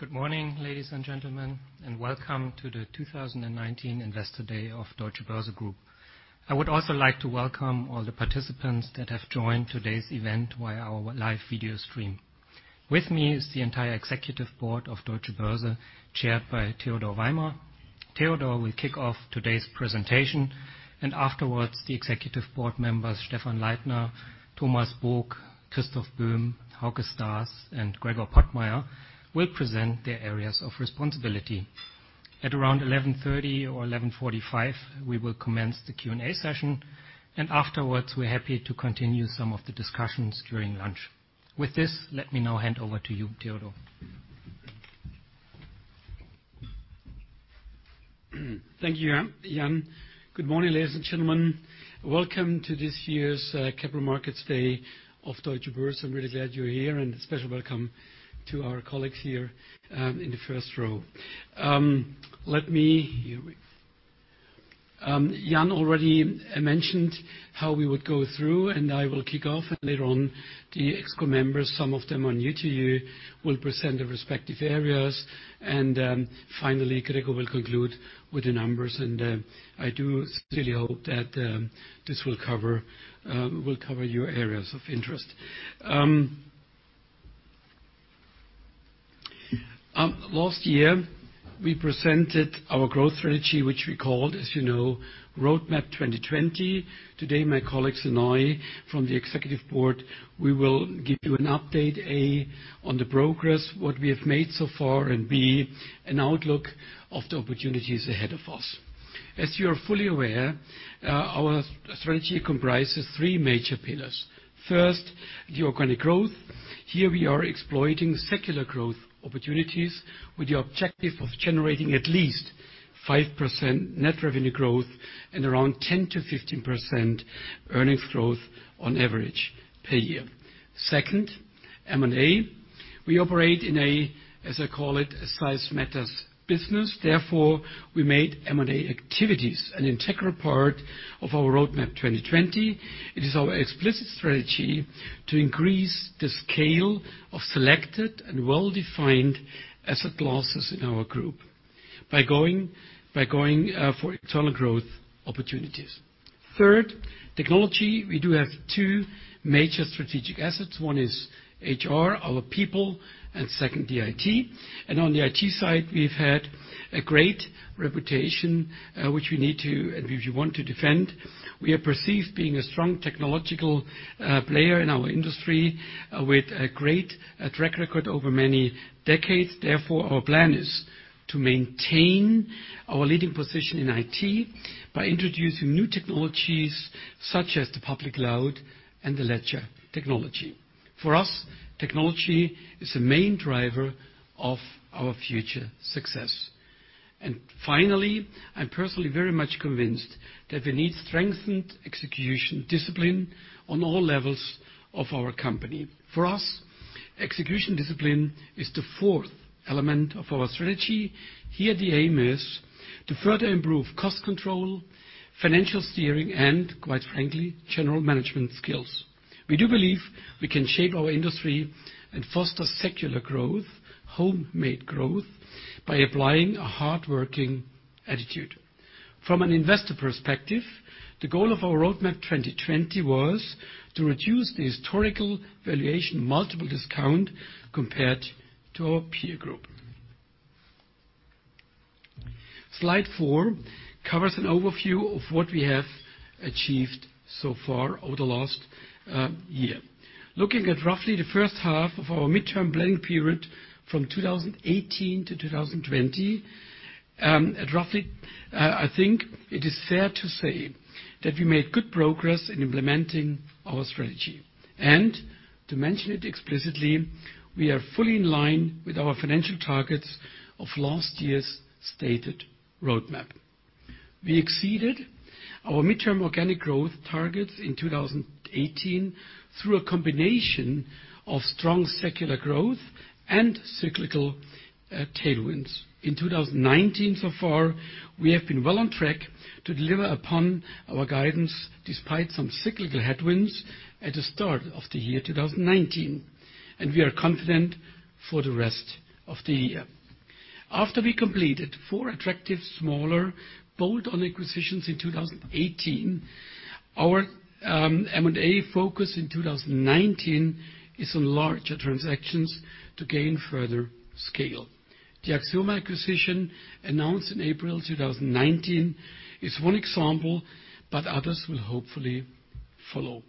Good morning, ladies and gentlemen, and welcome to the 2019 Investor Day of Deutsche Börse Group. I would also like to welcome all the participants that have joined today's event via our live video stream. With me is the entire Executive Board of Deutsche Börse, chaired by Theodor Weimer. Theodor will kick off today's presentation. Afterwards, the Executive Board members, Stephan Leithner, Thomas Book, Christoph Böhm, Hauke Stars, and Gregor Pottmeyer, will present their areas of responsibility. At around 11:30 A.M. or 11:45 A.M., we will commence the Q&A session. Afterwards, we are happy to continue some of the discussions during lunch. With this, let me now hand over to you, Theodor. Thank you, Jan. Good morning, ladies and gentlemen. Welcome to this year's Capital Markets Day of Deutsche Börse. I am really glad you are here, and a special welcome to our colleagues here in the first row. Jan already mentioned how we would go through and I will kick off. Later on, the ExCo members, some of them are new to you, will present their respective areas. Finally, Gregor will conclude with the numbers. I do sincerely hope that this will cover your areas of interest. Last year, we presented our growth strategy, which we called, as you know, Roadmap 2020. Today, my colleagues and I from the Executive Board, we will give you an update, A, on the progress, what we have made so far, and B, an outlook of the opportunities ahead of us. As you are fully aware, our strategy comprises three major pillars. First, the organic growth. Here we are exploiting secular growth opportunities with the objective of generating at least 5% net revenue growth and around 10%-15% earnings growth on average per year. Second, M&A. We operate in a, as I call it, size-matters business. Therefore, we made M&A activities an integral part of our Roadmap 2020. It is our explicit strategy to increase the scale of selected and well-defined asset classes in our group by going for internal growth opportunities. Third, technology. We do have two major strategic assets. One is HR, our people, and second, the IT. On the IT side, we have had a great reputation, which we need to, and which we want to defend. We are perceived being a strong technological player in our industry with a great track record over many decades. Therefore, our plan is to maintain our leading position in IT by introducing new technologies such as the public cloud and the ledger technology. For us, technology is a main driver of our future success. Finally, I am personally very much convinced that we need strengthened execution discipline on all levels of our company. For us, execution discipline is the fourth element of our strategy. Here, the aim is to further improve cost control, financial steering, and quite frankly, general management skills. We do believe we can shape our industry and foster secular growth, homemade growth, by applying a hardworking attitude. From an investor perspective, the goal of our Roadmap 2020 was to reduce the historical valuation multiple discount compared to our peer group. Slide four covers an overview of what we have achieved so far over the last year. Looking at roughly the first half of our midterm planning period from 2018 to 2020, I think it is fair to say that we made good progress in implementing our strategy. To mention it explicitly, we are fully in line with our financial targets of last year's stated Roadmap 2020. We exceeded our midterm organic growth targets in 2018 through a combination of strong secular growth and cyclical tailwinds. In 2019 so far, we have been well on track to deliver upon our guidance despite some cyclical headwinds at the start of the year 2019, and we are confident for the rest of the year. After we completed four attractive smaller bolt-on acquisitions in 2018, our M&A focus in 2019 is on larger transactions to gain further scale. The Axioma acquisition announced in April 2019 is one example, but others will hopefully follow.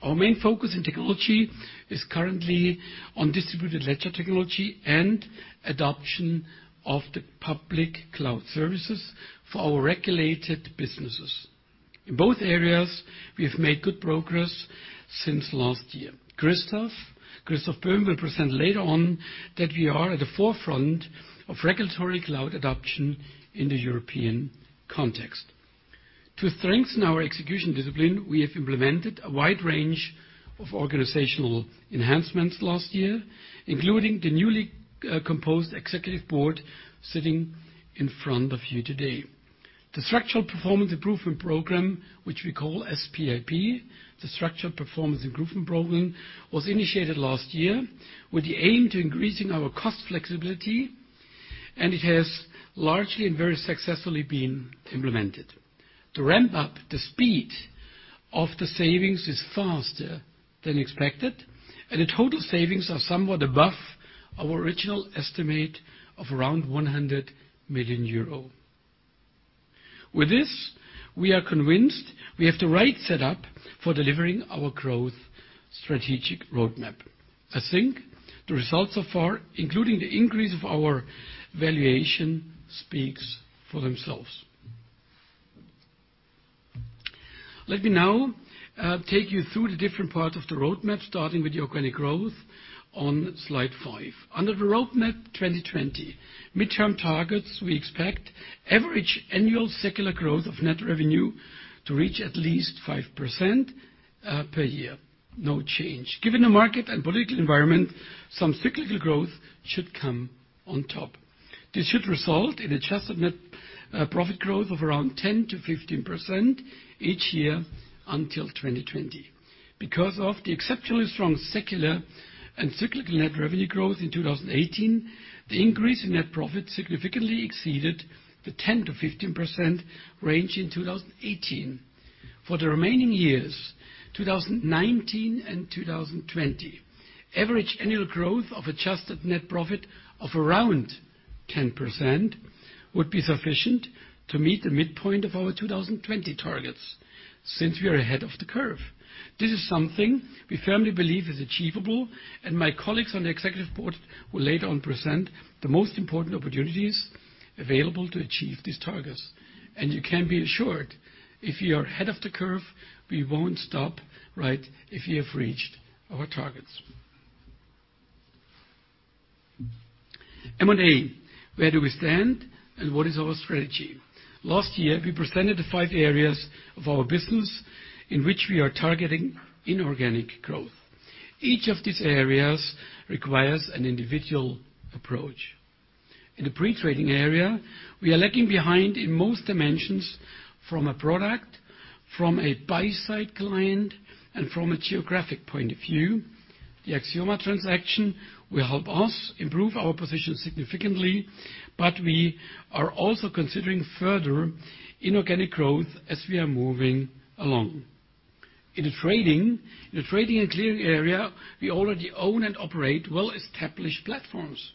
Our main focus in technology is currently on distributed ledger technology and adoption of the public cloud services for our regulated businesses. In both areas, we have made good progress since last year. Christoph Böhm will present later on that we are at the forefront of regulatory cloud adoption in the European context. To strengthen our execution discipline, we have implemented a wide range of organizational enhancements last year, including the newly composed Executive Board sitting in front of you today. The Structural Performance Improvement Program, which we call SPIP, was initiated last year with the aim to increasing our cost flexibility, and it has largely and very successfully been implemented. To ramp up the speed of the savings is faster than expected. The total savings are somewhat above our original estimate of around 100 million euro. With this, we are convinced we have the right setup for delivering our growth strategic Roadmap 2020. I think the results so far, including the increase of our valuation, speaks for themselves. Let me now take you through the different parts of the Roadmap 2020, starting with the organic growth on slide five. Under the Roadmap 2020 midterm targets, we expect average annual secular growth of net revenue to reach at least 5% per year. No change. Given the market and political environment, some cyclical growth should come on top. This should result in adjusted net profit growth of around 10%-15% each year until 2020. Because of the exceptionally strong secular and cyclical net revenue growth in 2018, the increase in net profit significantly exceeded the 10%-15% range in 2018. For the remaining years, 2019 and 2020, average annual growth of adjusted net profit of around 10% would be sufficient to meet the midpoint of our 2020 targets, since we are ahead of the curve. This is something we firmly believe is achievable. My colleagues on the Executive Board will later on present the most important opportunities available to achieve these targets. You can be assured, if we are ahead of the curve, we won't stop if we have reached our targets. M&A. Where do we stand and what is our strategy? Last year, we presented the five areas of our business in which we are targeting inorganic growth. Each of these areas requires an individual approach. In the pre-trading area, we are lagging behind in most dimensions from a product, from a buy-side client, and from a geographic point of view. The Axioma transaction will help us improve our position significantly, we are also considering further inorganic growth as we are moving along. In the trading and clearing area, we already own and operate well-established platforms.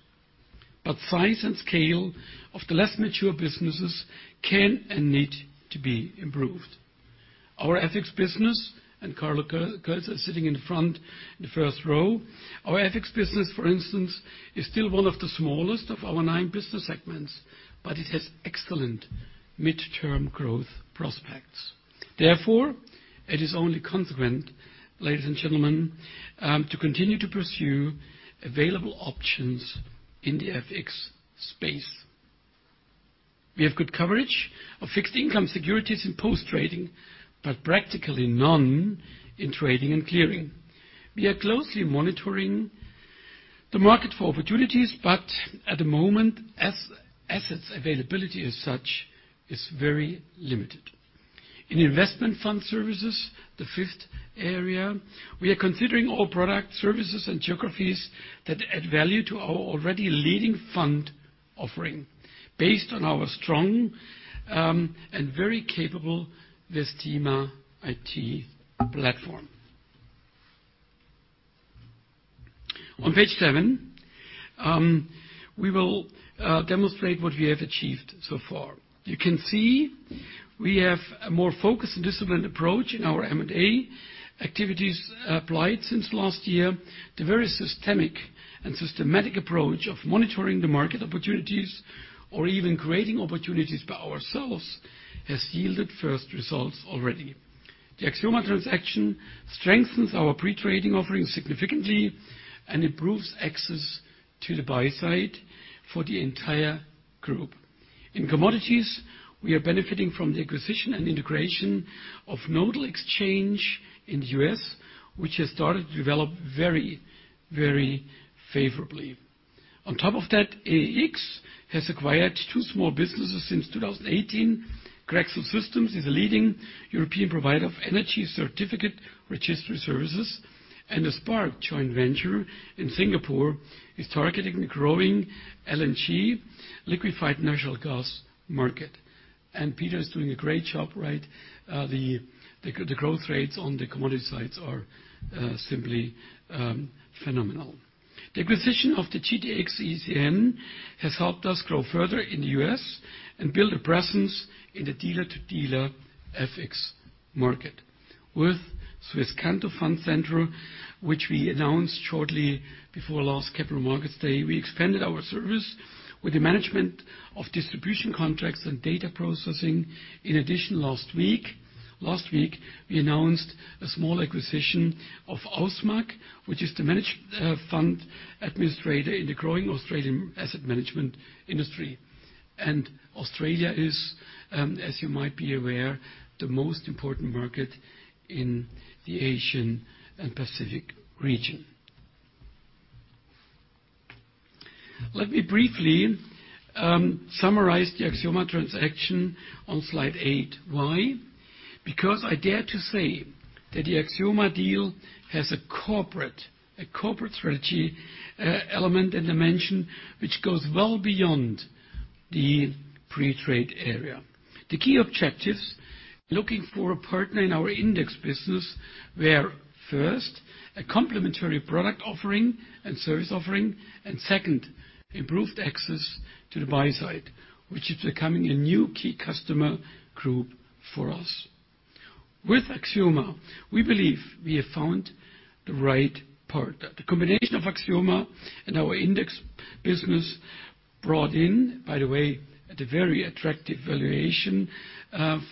Size and scale of the less mature businesses can and need to be improved. Our FX business, Carlo Kölzer is sitting in the front, in the first row. Our FX business, for instance, is still one of the smallest of our nine business segments, it has excellent midterm growth prospects. It is only consequent, ladies and gentlemen, to continue to pursue available options in the FX space. We have good coverage of fixed income securities in post-trading, practically none in trading and clearing. We are closely monitoring the market for opportunities, at the moment, assets availability as such is very limited. In investment fund services, the fifth area, we are considering all product services and geographies that add value to our already leading fund offering based on our strong and very capable Vestima IT platform. On Page seven, we will demonstrate what we have achieved so far. You can see we have a more focused and disciplined approach in our M&A activities applied since last year. The very systemic and systematic approach of monitoring the market opportunities or even creating opportunities by ourselves has yielded first results already. The Axioma transaction strengthens our pre-trading offering significantly and improves access to the buy side for the entire group. In commodities, we are benefiting from the acquisition and integration of Nodal Exchange in the U.S., which has started to develop very favorably. On top of that, EEX has acquired two small businesses since 2018. Grexel Systems is a leading European provider of energy certificate registry services, the Spark joint venture in Singapore is targeting the growing LNG, liquefied natural gas market. Peter is doing a great job. The growth rates on the commodity sides are simply phenomenal. The acquisition of the GTX ECN has helped us grow further in the U.S. and build a presence in the dealer-to-dealer FX market. With Swisscanto Fund Centre, which we announced shortly before last Capital Markets Day, we expanded our service with the management of distribution contracts and data processing. In addition, last week, we announced a small acquisition of Ausmaq, which is the managed fund administrator in the growing Australian asset management industry. Australia is, as you might be aware, the most important market in the Asian and Pacific region. Let me briefly summarize the Axioma transaction on slide eight. Why? I dare to say that the Axioma deal has a corporate strategy element and dimension, which goes well beyond the pre-trade area. The key objectives: looking for a partner in our index business where, first, a complementary product offering and service offering, second, improved access to the buy side, which is becoming a new key customer group for us. With Axioma, we believe we have found the right partner. The combination of Axioma and our index business brought in, by the way, at a very attractive valuation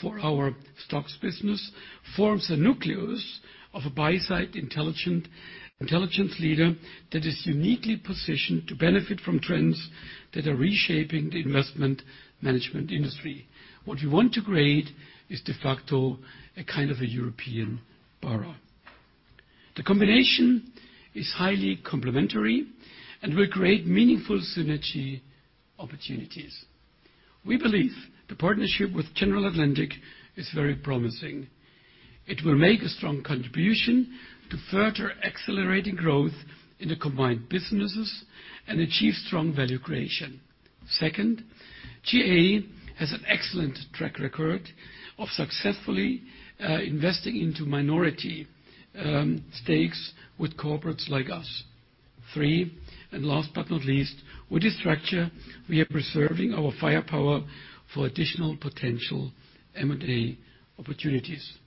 for our STOXX business, forms a nucleus of a buy-side intelligence leader that is uniquely positioned to benefit from trends that are reshaping the investment management industry. What we want to create is de facto a kind of a European bureau. The combination is highly complementary and will create meaningful synergy opportunities. We believe the partnership with General Atlantic is very promising. It will make a strong contribution to further accelerating growth in the combined businesses and achieve strong value creation. Second, GA has an excellent track record of successfully investing into minority stakes with corporates like us. Three, and last but not least, with this structure, we are preserving our firepower for additional potential M&A opportunities.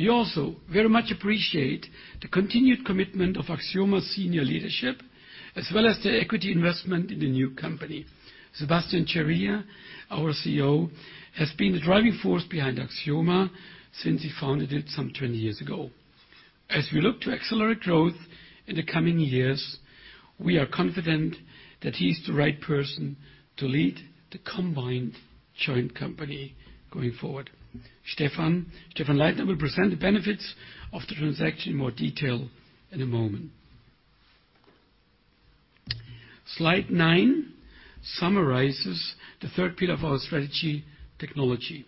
We also very much appreciate the continued commitment of Axioma's senior leadership, as well as their equity investment in the new company. Sebastian Ceria, our CEO, has been the driving force behind Axioma since he founded it some 20 years ago. As we look to accelerate growth in the coming years, we are confident that he's the right person to lead the combined joint company going forward. Stephan Leithner will present the benefits of the transaction in more detail in a moment. Slide nine summarizes the third pillar of our strategy: technology.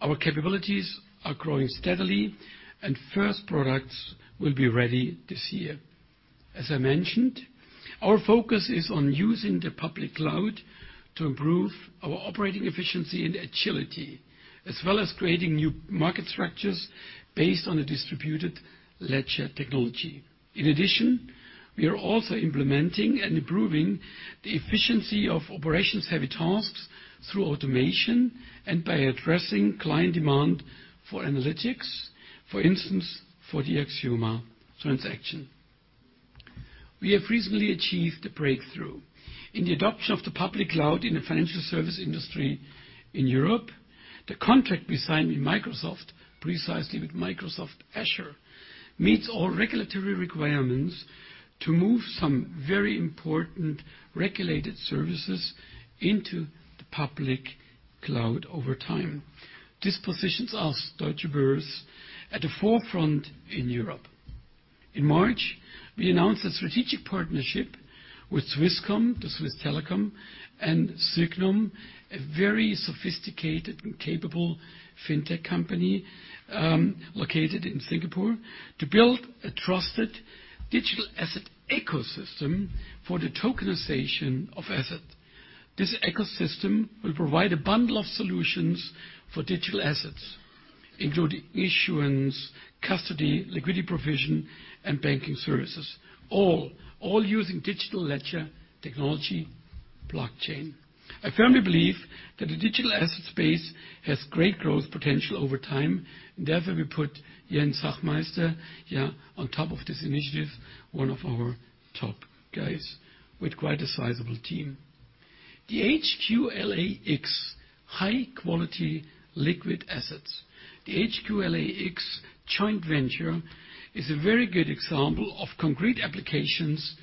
Our capabilities are growing steadily and first products will be ready this year. As I mentioned, our focus is on using the public cloud to improve our operating efficiency and agility, as well as creating new market structures based on a distributed ledger technology. In addition, we are also implementing and improving the efficiency of operations-heavy tasks through automation and by addressing client demand for analytics. For instance, for the Axioma transaction. We have recently achieved a breakthrough in the adoption of the public cloud in the financial service industry in Europe. The contract we signed with Microsoft, precisely with Microsoft Azure, meets all regulatory requirements to move some very important regulated services into the public cloud over time. This positions us, Deutsche Börse, at the forefront in Europe. In March, we announced a strategic partnership with Swisscom, the Swiss Telecom, and Sygnum, a very sophisticated and capable fintech company located in Singapore, to build a trusted digital asset ecosystem for the tokenization of assets. This ecosystem will provide a bundle of solutions for digital assets, including issuance, custody, liquidity provision, and banking services, all using digital ledger technology, blockchain. I firmly believe that the digital asset space has great growth potential over time. Therefore, we put Jens Hachmeister on top of this initiative, one of our top guys with quite a sizable team. The HQLAX, High Quality Liquid Assets. The HQLAX joint venture is a very good example of concrete applications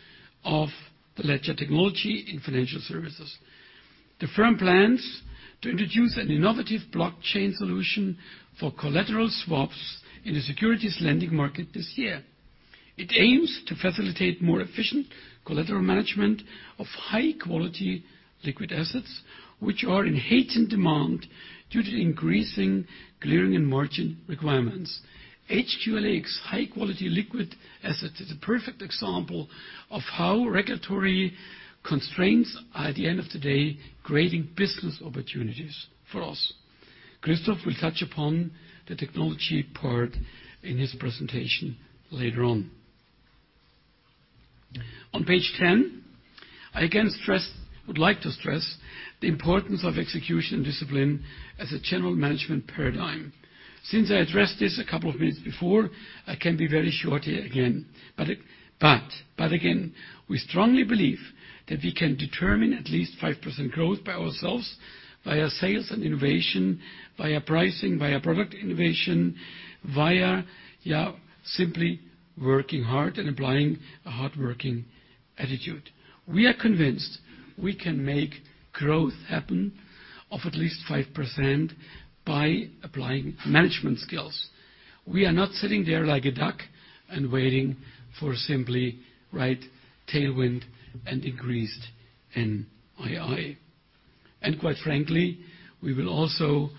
of the ledger technology in financial services. The firm plans to introduce an innovative blockchain solution for collateral swaps in the securities lending market this year. It aims to facilitate more efficient collateral management of high-quality liquid assets, which are in heightened demand due to increasing clearing and margin requirements. HQLAX, High Quality Liquid Assets, is a perfect example of how regulatory constraints are, at the end of the day, creating business opportunities for us. Christoph will touch upon the technology part in his presentation later on. On page 10, I would like to stress the importance of execution discipline as a general management paradigm. Since I addressed this a couple of minutes before, I can be very short here again. Again, we strongly believe that we can determine at least five percent growth by ourselves, via sales and innovation, via pricing, via product innovation, via simply working hard and applying a hardworking attitude. We are convinced we can make growth happen of at least five percent by applying management skills. We are not sitting there like a duck and waiting for simply right tailwind and increased NII. Quite frankly, we will also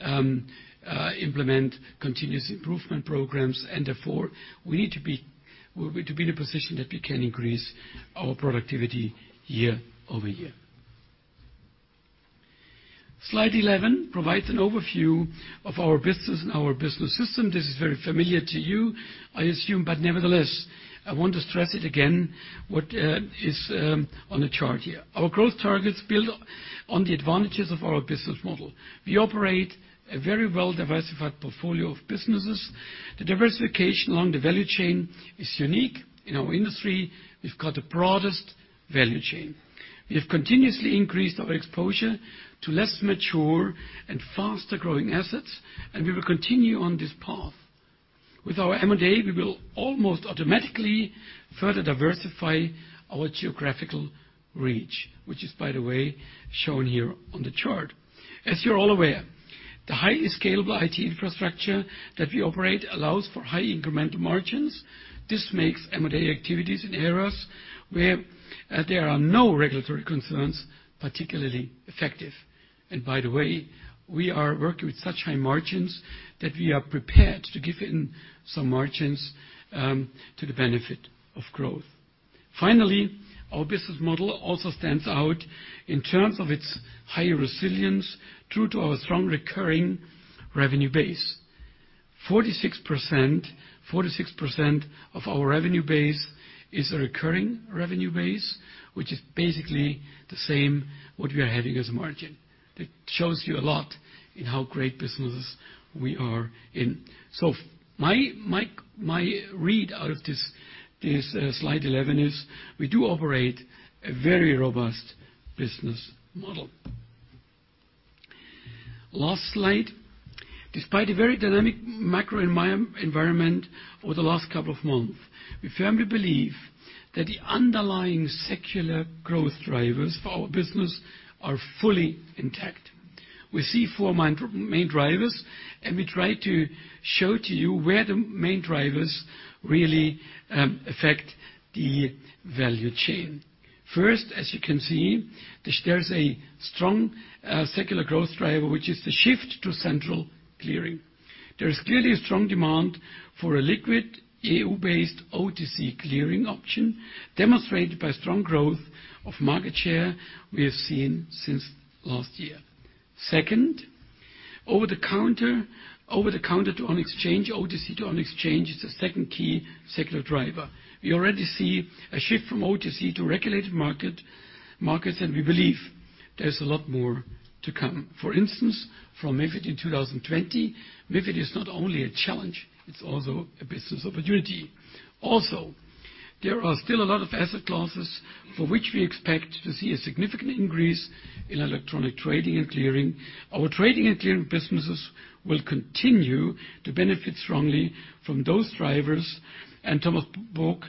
implement continuous improvement programs, and therefore, we need to be in a position that we can increase our productivity year-over-year. Slide 11 provides an overview of our business and our business system. This is very familiar to you, I assume, but nevertheless, I want to stress it again what is on the chart here. Our growth targets build on the advantages of our business model. We operate a very well-diversified portfolio of businesses. The diversification along the value chain is unique in our industry. We've got the broadest value chain. We have continuously increased our exposure to less mature and faster-growing assets, and we will continue on this path. With our M&A, we will almost automatically further diversify our geographical reach, which is, by the way, shown here on the chart. As you're all aware, the highly scalable IT infrastructure that we operate allows for high incremental margins. This makes M&A activities in areas where there are no regulatory concerns particularly effective. By the way, we are working with such high margins that we are prepared to give in some margins to the benefit of growth. Finally, our business model also stands out in terms of its high resilience due to our strong recurring revenue base. 46% of our revenue base is a recurring revenue base, which is basically the same what we are having as a margin. That shows you a lot in how great businesses we are in. My read out of this slide 11 is we do operate a very robust business model. Last slide. Despite a very dynamic macro environment over the last couple of months, we firmly believe that the underlying secular growth drivers for our business are fully intact. We see four main drivers, and we try to show to you where the main drivers really affect the value chain. First, as you can see, there's a strong secular growth driver, which is the shift to central clearing. There is clearly a strong demand for a liquid EU-based OTC clearing option, demonstrated by strong growth of market share we have seen since last year. Second, over-the-counter to on-exchange, OTC to on-exchange, is the second key secular driver. We already see a shift from OTC to regulated markets, and we believe there's a lot more to come. For instance, from MiFID in 2020, MiFID is not only a challenge, it's also a business opportunity. There are still a lot of asset classes for which we expect to see a significant increase in electronic trading and clearing. Our trading and clearing businesses will continue to benefit strongly from those drivers, and Thomas Book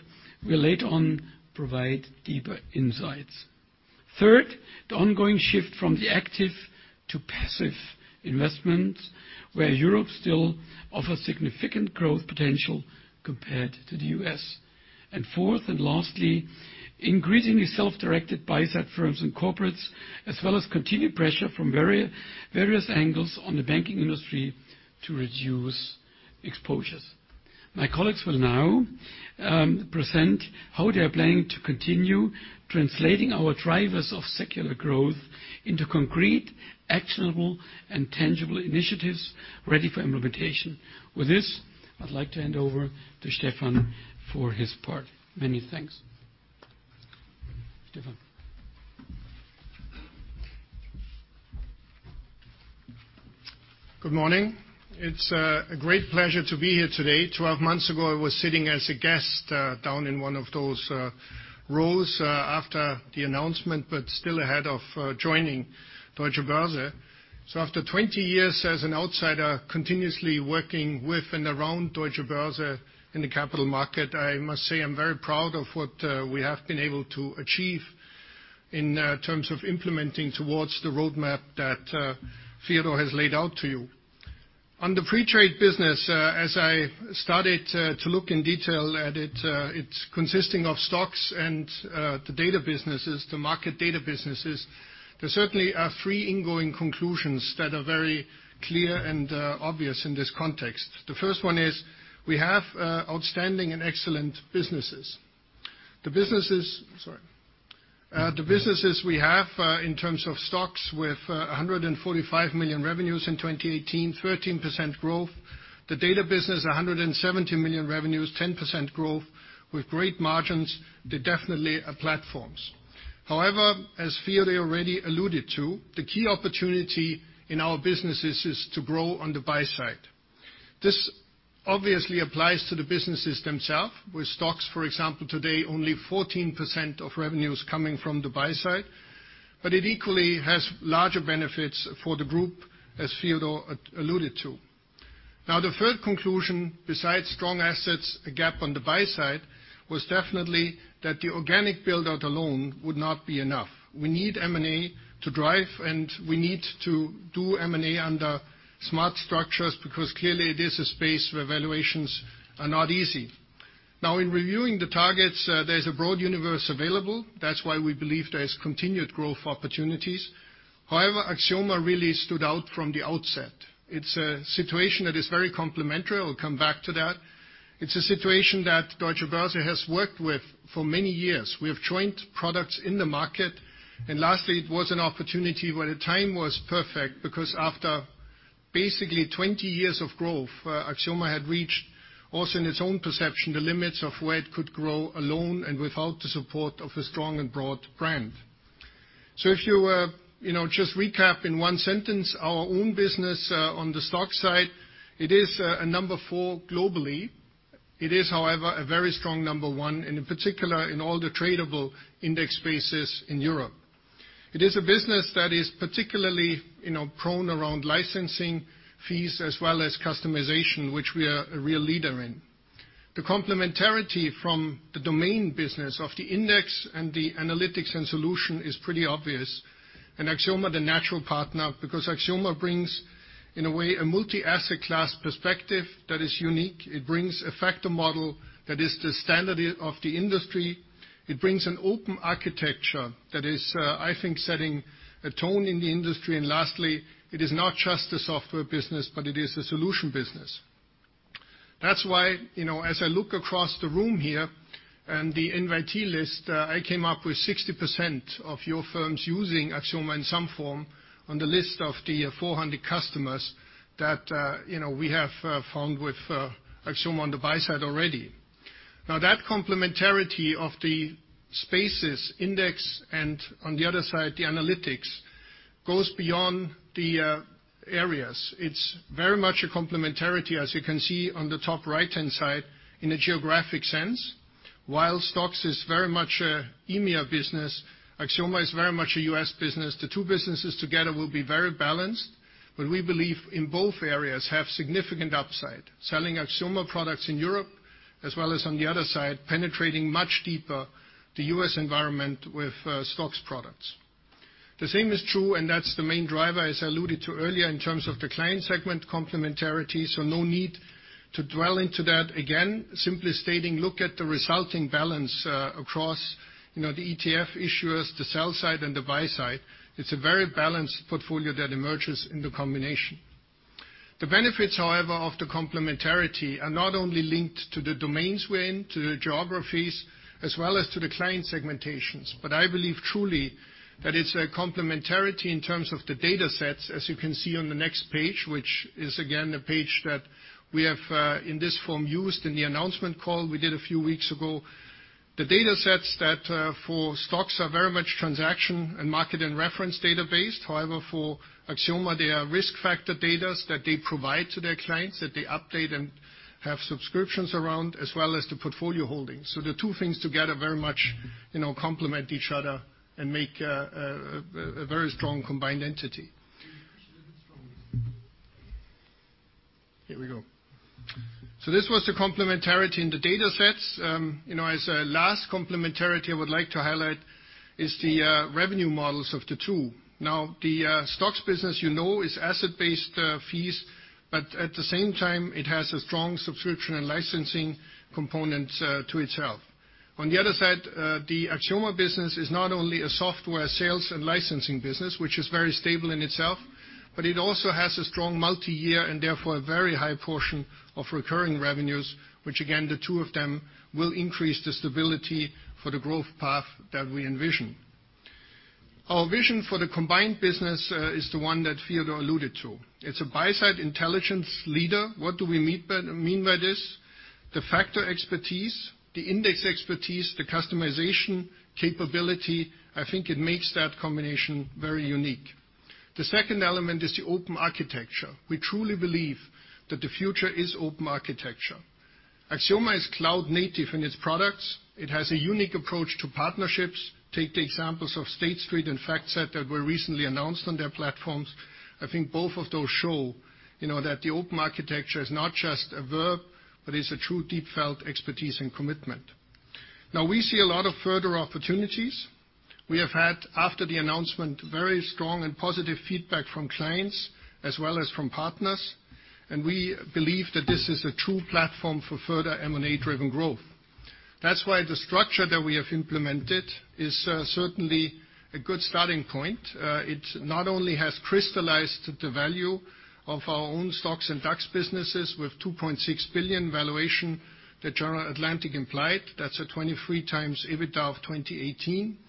will later on provide deeper insights. Third, the ongoing shift from the active to passive investment, where Europe still offers significant growth potential compared to the U.S. Fourth and lastly, increasingly self-directed buy-side firms and corporates, as well as continued pressure from various angles on the banking industry to reduce exposures. My colleagues will now present how they are planning to continue translating our drivers of secular growth into concrete, actionable, and tangible initiatives ready for implementation. With this, I'd like to hand over to Stephan for his part. Many thanks. Stephan. Good morning. It's a great pleasure to be here today. 12 months ago, I was sitting as a guest down in one of those rows after the announcement, but still ahead of joining Deutsche Börse. After 20 years as an outsider, continuously working with and around Deutsche Börse in the capital market, I must say I'm very proud of what we have been able to achieve in terms of implementing towards the roadmap that Theodor has laid out to you. On the pre-trade business, as I started to look in detail at it's consisting of STOXX and the data businesses, the market data businesses. There certainly are three ingoing conclusions that are very clear and obvious in this context. The first one is we have outstanding and excellent businesses. The businesses we have in terms of STOXX with 145 million revenues in 2018, 13% growth. The data business, 170 million revenues, 10% growth with great margins. They definitely are platforms. As Theodor already alluded to, the key opportunity in our businesses is to grow on the buy side. This obviously applies to the businesses themselves, with STOXX, for example, today, only 14% of revenue is coming from the buy side, but it equally has larger benefits for the group, as Theodor alluded to. The third conclusion, besides strong assets, a gap on the buy side, was definitely that the organic build-out alone would not be enough. We need M&A to drive, and we need to do M&A under smart structures, because clearly this is space where valuations are not easy. In reviewing the targets, there is a broad universe available. That's why we believe there is continued growth opportunities. Axioma really stood out from the outset. It's a situation that is very complementary. I will come back to that. It's a situation that Deutsche Börse has worked with for many years. We have joint products in the market. Lastly, it was an opportunity where the time was perfect, because after basically 20 years of growth, Axioma had reached, also in its own perception, the limits of where it could grow alone and without the support of a strong and broad brand. If you just recap in one sentence, our own business on the STOXX side, it is a number 4 globally. It is, however, a very strong number 1, and in particular, in all the tradable index spaces in Europe. It is a business that is particularly prone around licensing fees as well as customization, which we are a real leader in. The complementarity from the domain business of the index and the analytics and solution is pretty obvious, and Axioma the natural partner because Axioma brings, in a way, a multi-asset class perspective that is unique. It brings a factor model that is the standard of the industry. It brings an open architecture that is, I think, setting a tone in the industry. Lastly, it is not just a software business, but it is a solution business. That's why, as I look across the room here and the invite list, I came up with 60% of your firms using Axioma in some form on the list of the 400 customers that we have found with Axioma on the buy side already. That complementarity of the spaces index and on the other side, the analytics, goes beyond the areas. It's very much a complementarity, as you can see on the top right-hand side, in a geographic sense. While STOXX is very much an EMEA business, Axioma is very much a U.S. business. The two businesses together will be very balanced, but we believe in both areas have significant upside. Selling Axioma products in Europe as well as on the other side, penetrating much deeper the U.S. environment with STOXX products. The same is true, and that's the main driver as I alluded to earlier, in terms of the client segment complementarity, no need to dwell into that. Again, simply stating, look at the resulting balance across the ETF issuers, the sell-side and the buy-side. It's a very balanced portfolio that emerges in the combination. The benefits, however, of the complementarity are not only linked to the domains we're in, to the geographies, as well as to the client segmentations. I believe truly that it's a complementarity in terms of the datasets, as you can see on the next page, which is again, a page that we have, in this form, used in the announcement call we did a few weeks ago. The datasets that for STOXX are very much transaction and market and reference data based. However, for Axioma, they are risk factor data that they provide to their clients, that they update and have subscriptions around, as well as the portfolio holdings. The two things together very much complement each other and make a very strong combined entity. Here we go. This was the complementarity in the datasets. As a last complementarity I would like to highlight is the revenue models of the two. Now, the STOXX business you know is asset-based fees, but at the same time, it has a strong subscription and licensing component to itself. On the other side, the Axioma business is not only a software sales and licensing business, which is very stable in itself, but it also has a strong multi-year and therefore a very high portion of recurring revenues, which again, the two of them will increase the stability for the growth path that we envision. Our vision for the combined business is the one that Theodor alluded to. It's a buy-side intelligence leader. What do we mean by this? The factor expertise, the index expertise, the customization capability, I think it makes that combination very unique. The second element is the open architecture. We truly believe that the future is open architecture. Axioma is cloud native in its products. It has a unique approach to partnerships. Take the examples of State Street and FactSet that were recently announced on their platforms. I think both of those show that the open architecture is not just a verb, but is a true, deep felt expertise and commitment. We see a lot of further opportunities. We have had, after the announcement, very strong and positive feedback from clients as well as from partners, and we believe that this is a true platform for further M&A-driven growth. That's why the structure that we have implemented is certainly a good starting point. It not only has crystallized the value of our own STOXX and DAX businesses with 2.6 billion valuation that General Atlantic implied. That's a 23x EBITDA of 2018.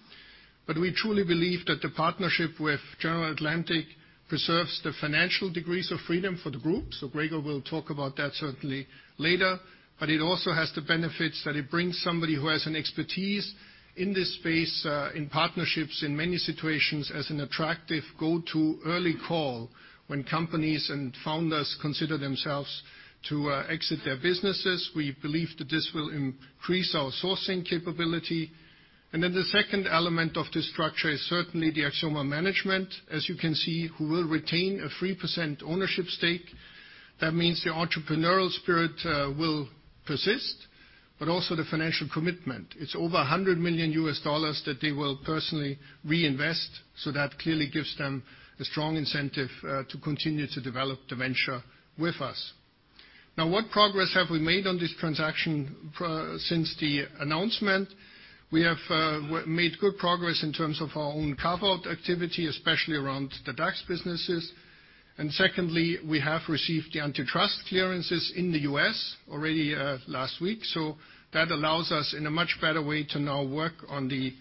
We truly believe that the partnership with General Atlantic preserves the financial degrees of freedom for the group. Gregor will talk about that certainly later. It also has the benefits that it brings somebody who has an expertise in this space in partnerships in many situations as an attractive go-to early call when companies and founders consider themselves to exit their businesses. We believe that this will increase our sourcing capability. The second element of this structure is certainly the Axioma management, as you can see, who will retain a 3% ownership stake. That means the entrepreneurial spirit will persist, but also the financial commitment. It's over $100 million that they will personally reinvest, so that clearly gives them a strong incentive to continue to develop the venture with us. What progress have we made on this transaction since the announcement? We have made good progress in terms of our own carve-out activity, especially around the DAX businesses. Secondly, we have received the antitrust clearances in the U.S. already last week. That allows us in a much better way, to now work on the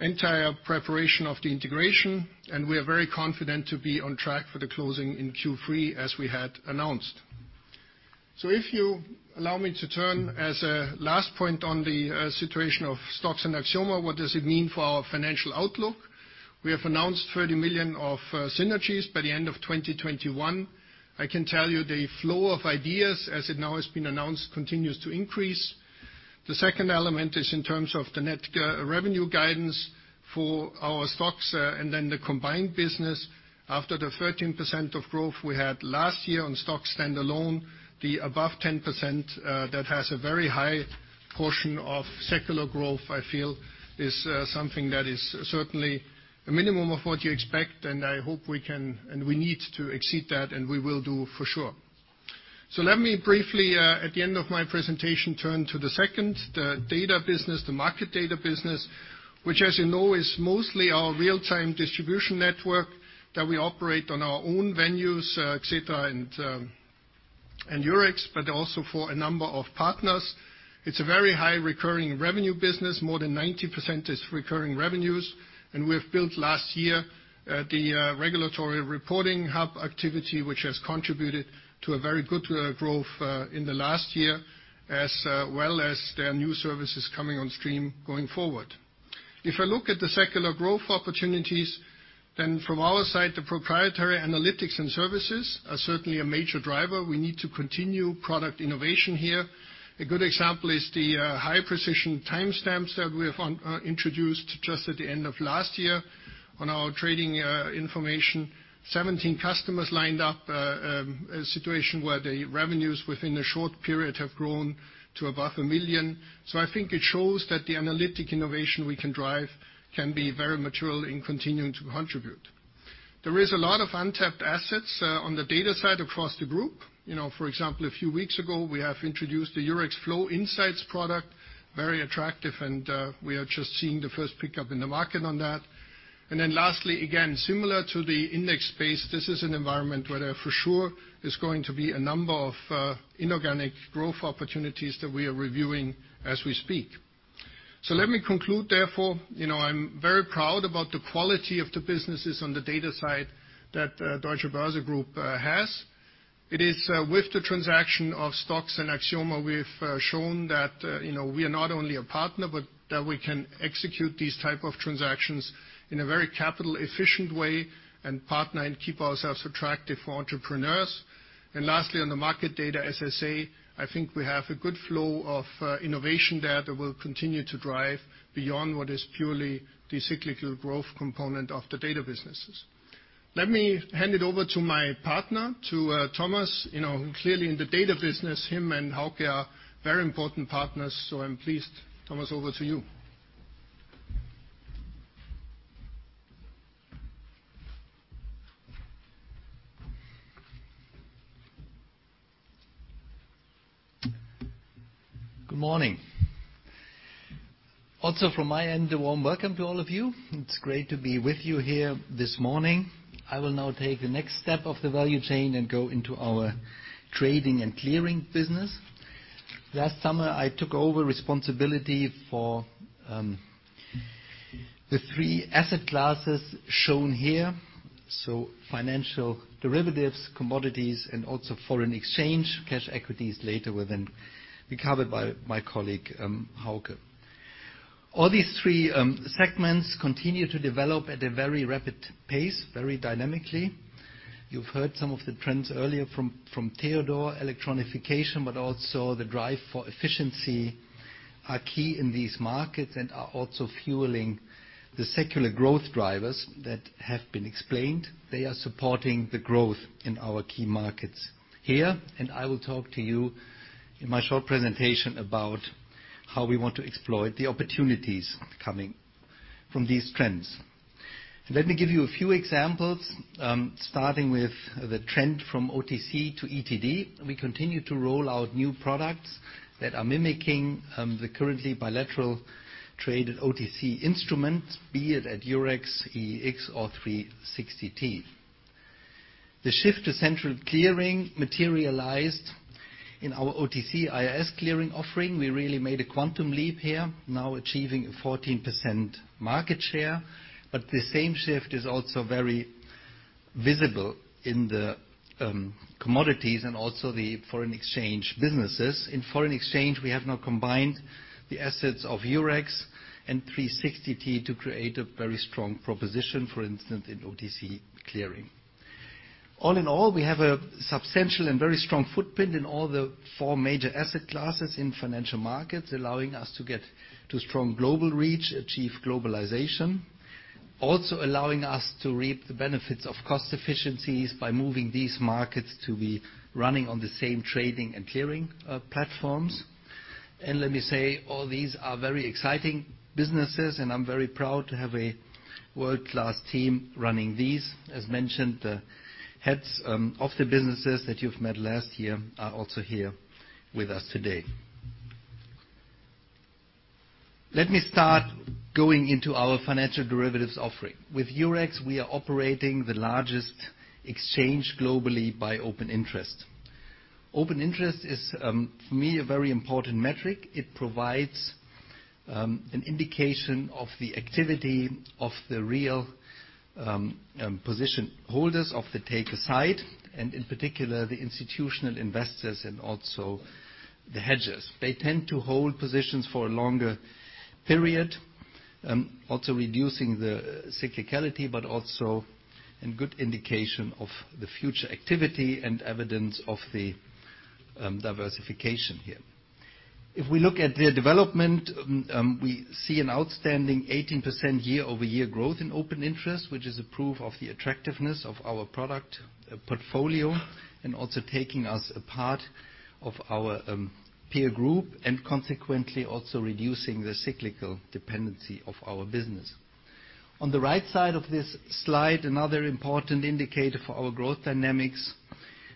entire preparation of the integration, and we are very confident to be on track for the closing in Q3 as we had announced. If you allow me to turn as a last point on the situation of STOXX and Axioma, what does it mean for our financial outlook? We have announced 30 million of synergies by the end of 2021. I can tell you the flow of ideas, as it now has been announced, continues to increase. The second element is in terms of the net revenue guidance for our STOXX and then the combined business after the 13% of growth we had last year on STOXX standalone. The above 10% that has a very high portion of secular growth, I feel, is something that is certainly a minimum of what you expect, and I hope we can and we need to exceed that, and we will do for sure. Let me briefly, at the end of my presentation, turn to the second, the data business, the market data business, which, as you know, is mostly our real-time distribution network that we operate on our own venues, et cetera, and Eurex, but also for a number of partners. It's a very high recurring revenue business. More than 90% is recurring revenues. We have built last year, the regulatory reporting hub activity, which has contributed to a very good growth in the last year, as well as their new services coming on stream going forward. If I look at the secular growth opportunities, from our side, the proprietary analytics and services are certainly a major driver. We need to continue product innovation here. A good example is the high-precision timestamps that we have introduced just at the end of last year on our trading information. 17 customers lined up, a situation where the revenues within a short period have grown to above 1 million. I think it shows that the analytic innovation we can drive can be very material in continuing to contribute. There is a lot of untapped assets on the data side across the group. For example, a few weeks ago, we have introduced the Eurex Flow Insights product, very attractive, and we are just seeing the first pickup in the market on that. Lastly, again, similar to the index space, this is an environment where there for sure is going to be a number of inorganic growth opportunities that we are reviewing as we speak. Let me conclude therefore. I'm very proud about the quality of the businesses on the data side that Deutsche Börse Group has. It is with the transaction of STOXX and Axioma, we've shown that we are not only a partner, but that we can execute these type of transactions in a very capital-efficient way and partner and keep ourselves attractive for entrepreneurs. Lastly, on the market data, as I say, I think we have a good flow of innovation there that will continue to drive beyond what is purely the cyclical growth component of the data businesses. Let me hand it over to my partner, to Thomas. Clearly in the data business, him and Hauke are very important partners, so I'm pleased. Thomas, over to you. Good morning. Also from my end, a warm welcome to all of you. It's great to be with you here this morning. I will now take the next step of the value chain and go into our trading and clearing business. Last summer, I took over responsibility for the three asset classes shown here, so financial derivatives, commodities, and also foreign exchange. Cash equities later will then be covered by my colleague, Hauke. All these three segments continue to develop at a very rapid pace, very dynamically. You've heard some of the trends earlier from Theodor. Electronification, also the drive for efficiency, are key in these markets and are also fueling the secular growth drivers that have been explained. They are supporting the growth in our key markets here. I will talk to you in my short presentation about how we want to exploit the opportunities coming from these trends. Let me give you a few examples, starting with the trend from OTC to ETD. We continue to roll out new products that are mimicking the currently bilateral traded OTC instruments, be it at Eurex, EEX, or 360T. The shift to central clearing materialized in our OTC IRS clearing offering. We really made a quantum leap here, now achieving a 14% market share. The same shift is also very visible in the commodities and also the foreign exchange businesses. In foreign exchange, we have now combined the assets of Eurex and 360T to create a very strong proposition, for instance, in OTC clearing. All in all, we have a substantial and very strong footprint in all the four major asset classes in financial markets, allowing us to get to strong global reach, achieve globalization, also allowing us to reap the benefits of cost efficiencies by moving these markets to be running on the same trading and clearing platforms. Let me say, all these are very exciting businesses, and I'm very proud to have a world-class team running these. As mentioned, the heads of the businesses that you've met last year are also here with us today. Let me start going into our financial derivatives offering. With Eurex, we are operating the largest exchange globally by open interest. Open interest is, for me, a very important metric. It provides an indication of the activity of the real position holders of the taker site, and in particular, the institutional investors and also the hedgers. They tend to hold positions for a longer period, also reducing the cyclicality, but also a good indication of the future activity and evidence of the diversification here. If we look at their development, we see an outstanding 18% year-over-year growth in open interest, which is a proof of the attractiveness of our product portfolio and also taking us a part of our peer group and consequently also reducing the cyclical dependency of our business. On the right side of this slide, another important indicator for our growth dynamics,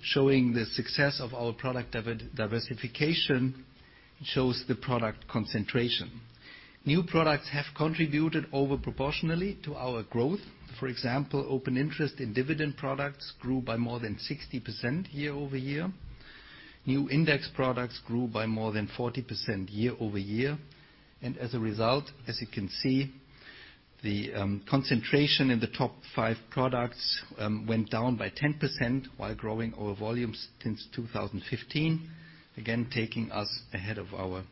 showing the success of our product diversification, shows the product concentration. New products have contributed over proportionally to our growth. For example, open interest in dividend products grew by more than 60% year-over-year. New index products grew by more than 40% year-over-year. As a result, as you can see, the concentration in the top five products went down by 10% while growing our volumes since 2015, again, taking us ahead of our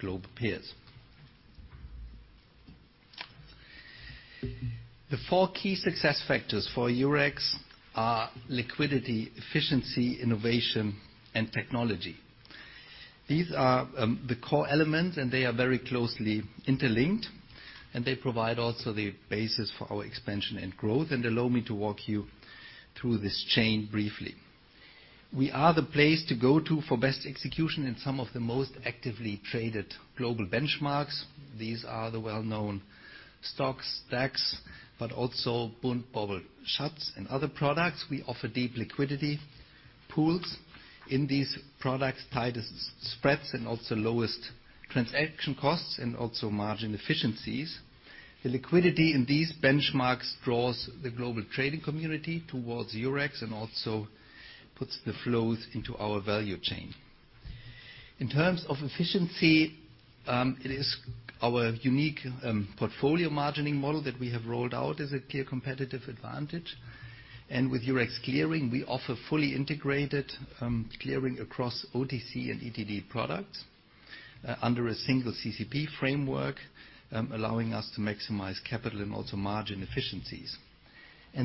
global peers. The four key success factors for Eurex are liquidity, efficiency, innovation, and technology. These are the core elements, and they are very closely interlinked, and they provide also the basis for our expansion and growth. Allow me to walk you through this chain briefly. We are the place to go to for best execution in some of the most actively traded global benchmarks. These are the well-known stocks, DAX, but also Bund, Bobl, Schatz, and other products. We offer deep liquidity pools in these products, tightest spreads, and also lowest transaction costs and also margin efficiencies. The liquidity in these benchmarks draws the global trading community towards Eurex and also puts the flows into our value chain. In terms of efficiency, it is our unique portfolio margining model that we have rolled out as a clear competitive advantage. With Eurex Clearing, we offer fully integrated clearing across OTC and ETD products under a single CCP framework, allowing us to maximize capital and also margin efficiencies.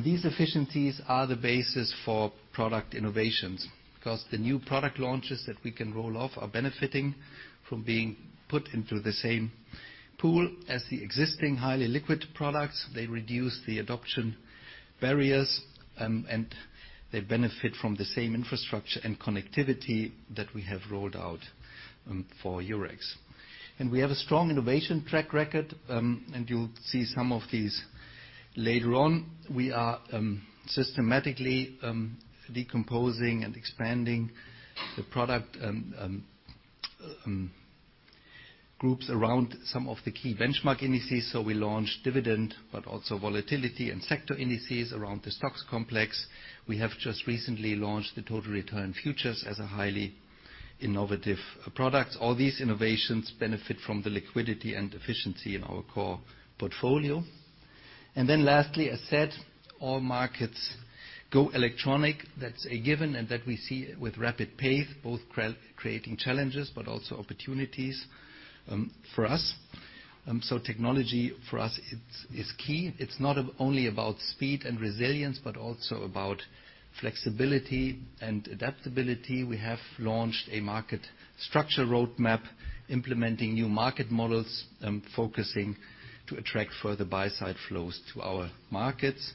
These efficiencies are the basis for product innovations, because the new product launches that we can roll off are benefiting from being put into the same pool as the existing highly liquid products. They reduce the adoption barriers, and they benefit from the same infrastructure and connectivity that we have rolled out for Eurex. We have a strong innovation track record, and you'll see some of these later on. We are systematically decomposing and expanding the product groups around some of the key benchmark indices. We launched dividend, but also volatility and sector indices around the STOXX complex. We have just recently launched the Total Return Futures as a highly innovative product. All these innovations benefit from the liquidity and efficiency in our core portfolio. Lastly, as said, all markets go electronic. That's a given, and that we see with rapid pace, both creating challenges, but also opportunities for us. Technology for us is key. It's not only about speed and resilience, but also about flexibility and adaptability. We have launched a market structure roadmap, implementing new market models, focusing to attract further buy-side flows to our markets.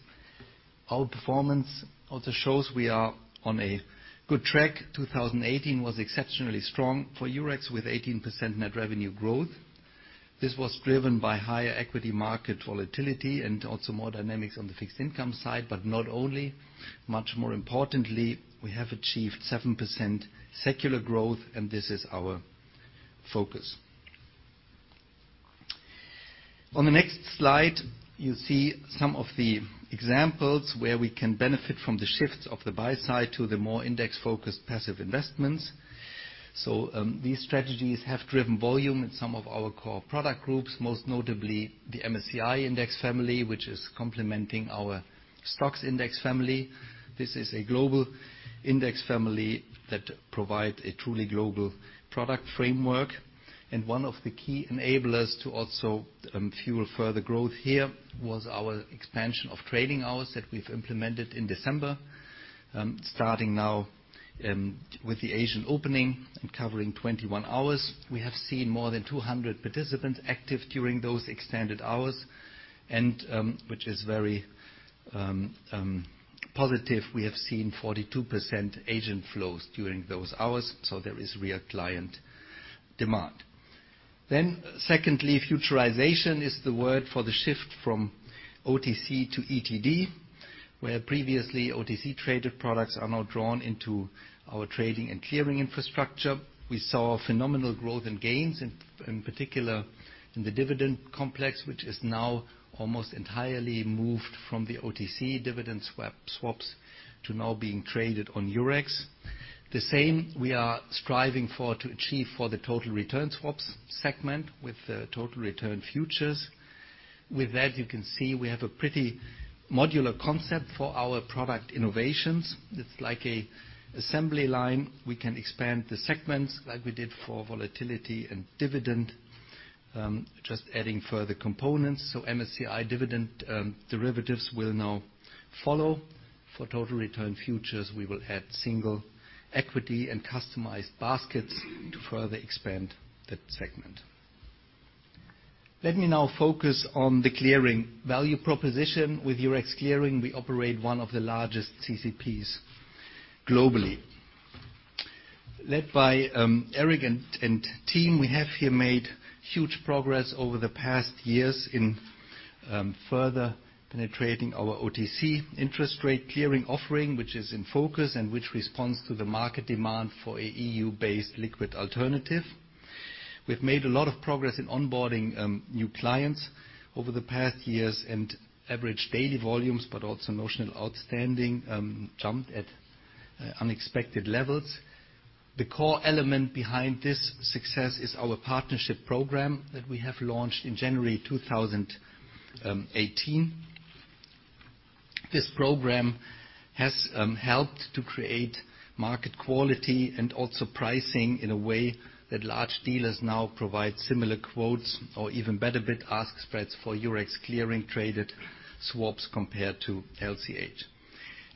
Our performance also shows we are on a good track. 2018 was exceptionally strong for Eurex with 18% net revenue growth. This was driven by higher equity market volatility and also more dynamics on the fixed income side, but not only, much more importantly, we have achieved 7% secular growth. This is our focus. On the next slide, you see some of the examples where we can benefit from the shifts of the buy side to the more index-focused passive investments. These strategies have driven volume in some of our core product groups, most notably the MSCI index family, which is complementing our STOXX index family. This is a global index family that provide a truly global product framework. One of the key enablers to also fuel further growth here was our expansion of trading hours that we've implemented in December, starting now with the Asian opening and covering 21 hours. We have seen more than 200 participants active during those extended hours, which is very positive. We have seen 42% Asian flows during those hours, there is real client demand. Secondly, futurization is the word for the shift from OTC to ETD, where previously OTC-traded products are now drawn into our trading and clearing infrastructure. We saw phenomenal growth in gains, in particular in the dividend complex, which is now almost entirely moved from the OTC dividend swaps to now being traded on Eurex. The same we are striving for to achieve for the total return swaps segment with the Total Return Futures. With that, you can see we have a pretty modular concept for our product innovations. It's like an assembly line. We can expand the segments like we did for volatility and dividend, just adding further components. MSCI dividend derivatives will now follow. For Total Return Futures, we will add single equity and customized baskets to further expand that segment. Let me now focus on the clearing value proposition. With Eurex Clearing, we operate one of the largest CCPs globally. Led by Eric and team, we have here made huge progress over the past years in further penetrating our OTC interest rate clearing offering, which is in focus and which responds to the market demand for an EU-based liquid alternative. We've made a lot of progress in onboarding new clients over the past years and average daily volumes, but also notional outstanding jumped at unexpected levels. The core element behind this success is our partnership program that we have launched in January 2018. This program has helped to create market quality and also pricing in a way that large dealers now provide similar quotes or even better bid-ask spreads for Eurex Clearing traded swaps compared to LCH.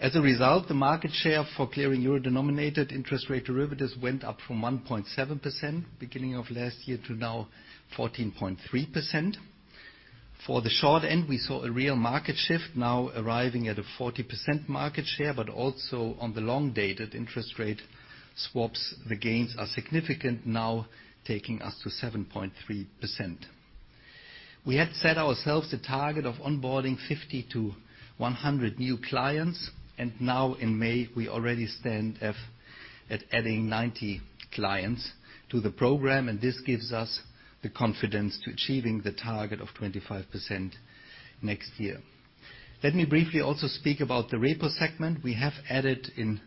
As a result, the market share for clearing euro-denominated interest rate derivatives went up from 1.7% beginning of last year to now 14.3%. For the short end, we saw a real market shift now arriving at a 40% market share, but also on the long-dated interest rate swaps, the gains are significant now taking us to 7.3%. We had set ourselves a target of onboarding 50 to 100 new clients. Now in May, we already stand at adding 90 clients to the program. This gives us the confidence to achieving the target of 25% next year. Let me briefly also speak about the repo segment. We have added in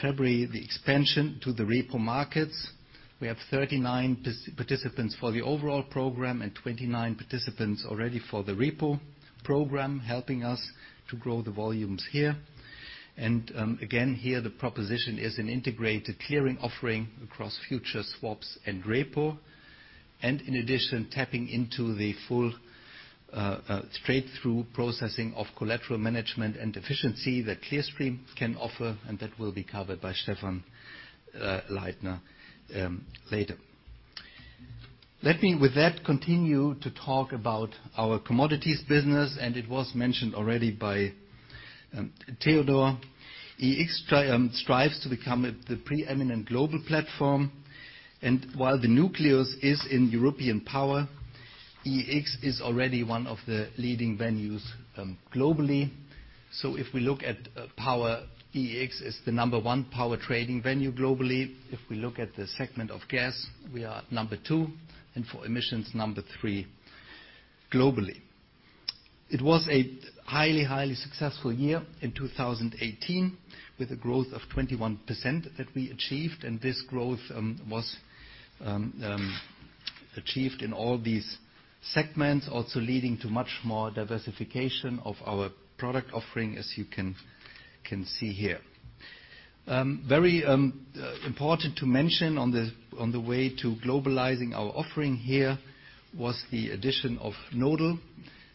February the expansion to the repo markets. We have 39 participants for the overall program and 29 participants already for the repo program, helping us to grow the volumes here. Again, here the proposition is an integrated clearing offering across futures swaps and repo. In addition, tapping into the full straight-through processing of collateral management and efficiency that Clearstream can offer, and that will be covered by Stephan Leithner later. Let me, with that, continue to talk about our commodities business, and it was mentioned already by Theodor. EEX strives to become the preeminent global platform. While the nucleus is in European power, EEX is already one of the leading venues globally. If we look at power, EEX is the number one power trading venue globally. If we look at the segment of gas, we are number two, and for emissions, number three globally. It was a highly successful year in 2018, with a growth of 21% that we achieved, and this growth was achieved in all these segments, also leading to much more diversification of our product offering, as you can see here. Very important to mention on the way to globalizing our offering here was the addition of Nodal.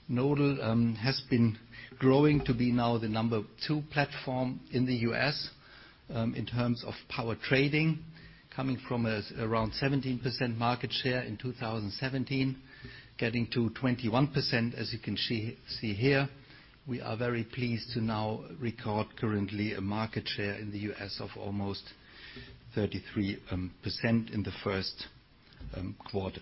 Nodal has been growing to be now the number two platform in the U.S. in terms of power trading, coming from around 17% market share in 2017, getting to 21%, as you can see here. We are very pleased to now record currently a market share in the U.S. of almost 33% in the first quarter.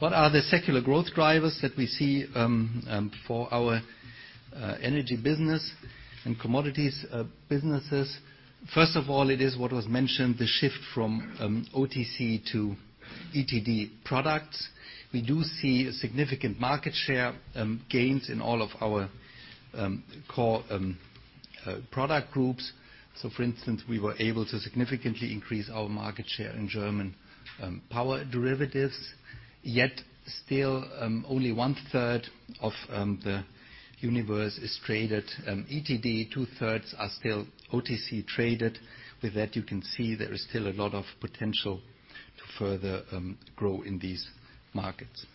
What are the secular growth drivers that we see for our energy business and commodities businesses? First of all, it is what was mentioned, the shift from OTC to ETD products. We do see significant market share gains in all of our core product groups. For instance, we were able to significantly increase our market share in German power derivatives. Yet still, only one third of the universe is traded ETD, two-thirds are still OTC-traded. With that, you can see there is still a lot of potential to further grow in these markets.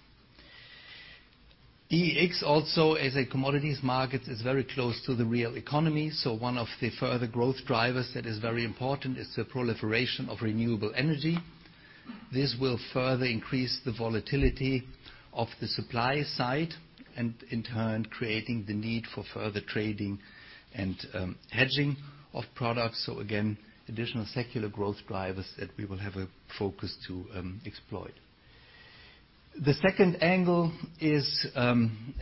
EEX also, as a commodities market, is very close to the real economy. One of the further growth drivers that is very important is the proliferation of renewable energy. This will further increase the volatility of the supply side, and in turn, creating the need for further trading and hedging of products. Again, additional secular growth drivers that we will have a focus to exploit. The second angle is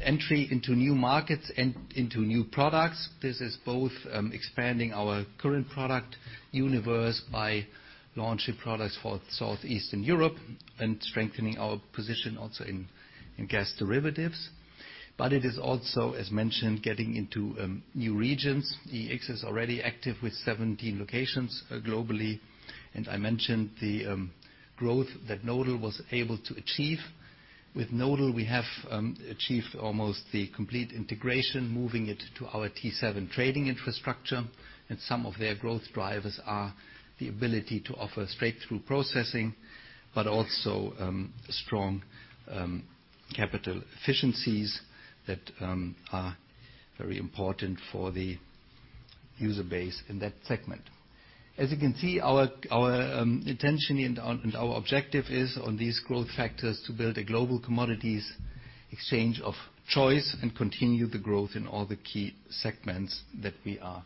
entry into new markets and into new products. This is both expanding our current product universe by launching products for Southeastern Europe and strengthening our position also in gas derivatives. It is also, as mentioned, getting into new regions. EEX is already active with 17 locations globally, and I mentioned the growth that Nodal was able to achieve. With Nodal, we have achieved almost the complete integration, moving it to our T7 trading infrastructure, and some of their growth drivers are the ability to offer straight-through processing, but also strong capital efficiencies that are very important for the user base in that segment. As you can see, our intention and our objective is on these growth factors to build a global commodities exchange of choice and continue the growth in all the key segments that we are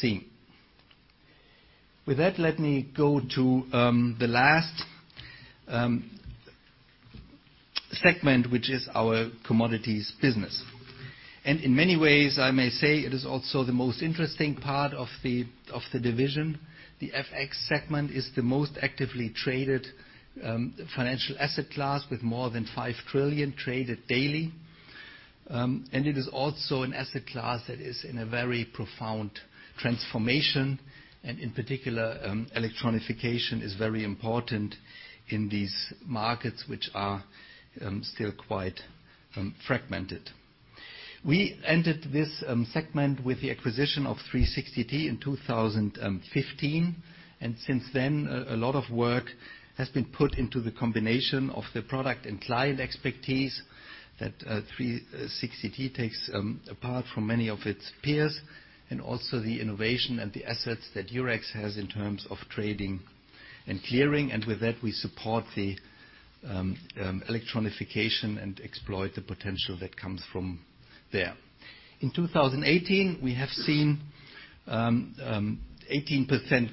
seeing. With that, let me go to the last segment, which is our commodities business. In many ways, I may say it is also the most interesting part of the division. The FX segment is the most actively traded financial asset class with more than 5 trillion traded daily. It is also an asset class that is in a very profound transformation. In particular, electronification is very important in these markets, which are still quite fragmented. We entered this segment with the acquisition of 360T in 2015, and since then, a lot of work has been put into the combination of the product and client expertise that 360T takes apart from many of its peers, and also the innovation and the assets that Eurex has in terms of trading and clearing. With that, we support the electronification and exploit the potential that comes from there. In 2018, we have seen 18%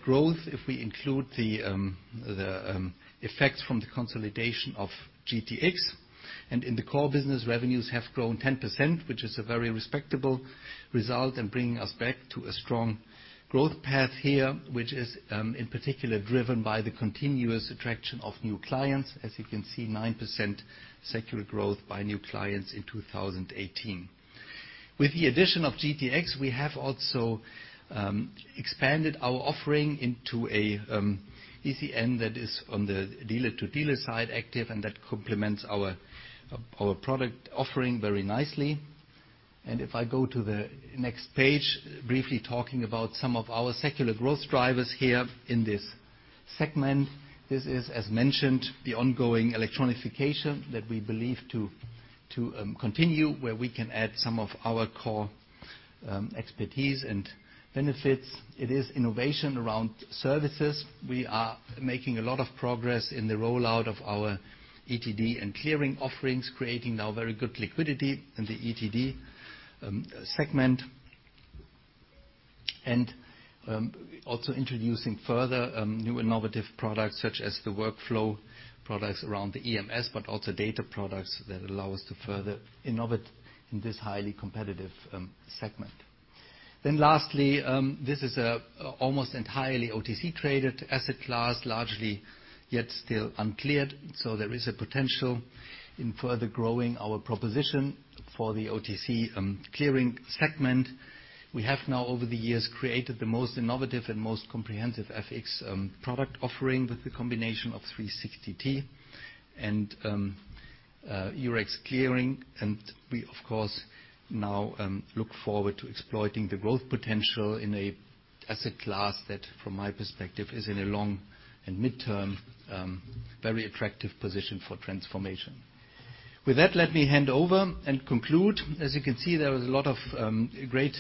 growth if we include the effects from the consolidation of GTX. In the core business, revenues have grown 10%, which is a very respectable result and bringing us back to a strong growth path here, which is, in particular, driven by the continuous attraction of new clients. As you can see, 9% secular growth by new clients in 2018. With the addition of GTX, we have also expanded our offering into a ECN that is on the dealer-to-dealer side active, and that complements our product offering very nicely. If I go to the next page, briefly talking about some of our secular growth drivers here in this segment. This is, as mentioned, the ongoing electronification that we believe to continue, where we can add some of our core expertise and benefits. It is innovation around services. We are making a lot of progress in the rollout of our ETD and clearing offerings, creating now very good liquidity in the ETD segment. Also introducing further new innovative products, such as the workflow products around the EMS, but also data products that allow us to further innovate in this highly competitive segment. Lastly, this is almost entirely OTC-traded asset class, largely yet still uncleared. There is a potential in further growing our proposition for the OTC clearing segment. We have now, over the years, created the most innovative and most comprehensive FX product offering with the combination of 360T and Eurex Clearing. We, of course, now look forward to exploiting the growth potential in a asset class that, from my perspective, is in a long and midterm, very attractive position for transformation. With that, let me hand over and conclude. As you can see, there was a lot of great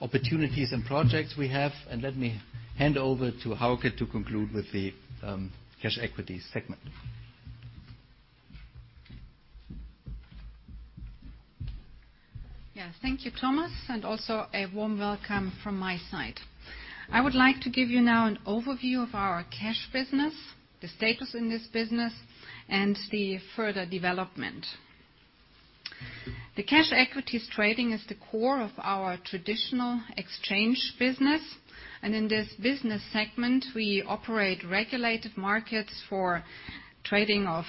opportunities and projects we have, let me hand over to Hauke to conclude with the cash equities segment. Yes. Thank you, Thomas, also a warm welcome from my side. I would like to give you now an overview of our cash business, the status in this business, and the further development. The cash equities trading is the core of our traditional exchange business, in this business segment, we operate regulated markets for trading of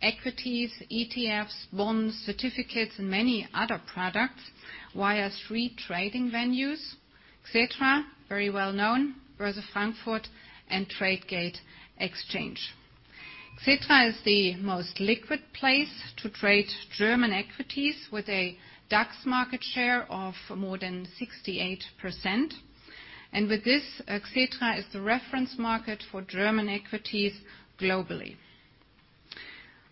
equities, ETFs, bonds, certificates, and many other products via three trading venues. Xetra, very well known, Börse Frankfurt and Tradegate Exchange. Xetra is the most liquid place to trade German equities with a DAX market share of more than 68%. With this, Xetra is the reference market for German equities globally.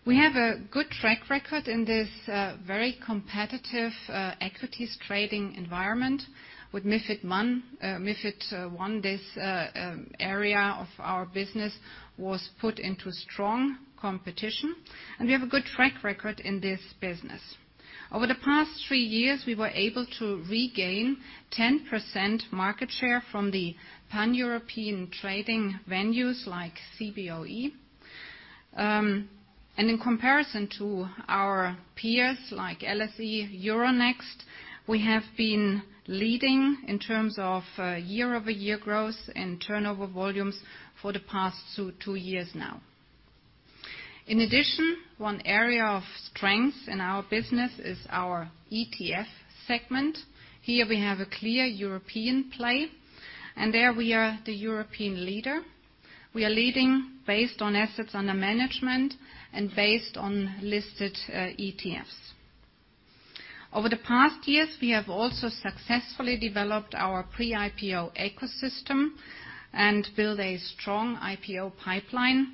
We have a good track record in this very competitive equities trading environment. With MiFID I, this area of our business was put into strong competition, we have a good track record in this business. Over the past three years, we were able to regain 10% market share from the pan-European trading venues like Cboe. In comparison to our peers like LSE, Euronext, we have been leading in terms of year-over-year growth and turnover volumes for the past two years now. In addition, one area of strength in our business is our ETF segment. Here we have a clear European play, there we are the European leader. We are leading based on assets under management and based on listed ETFs. Over the past years, we have also successfully developed our pre-IPO ecosystem and built a strong IPO pipeline.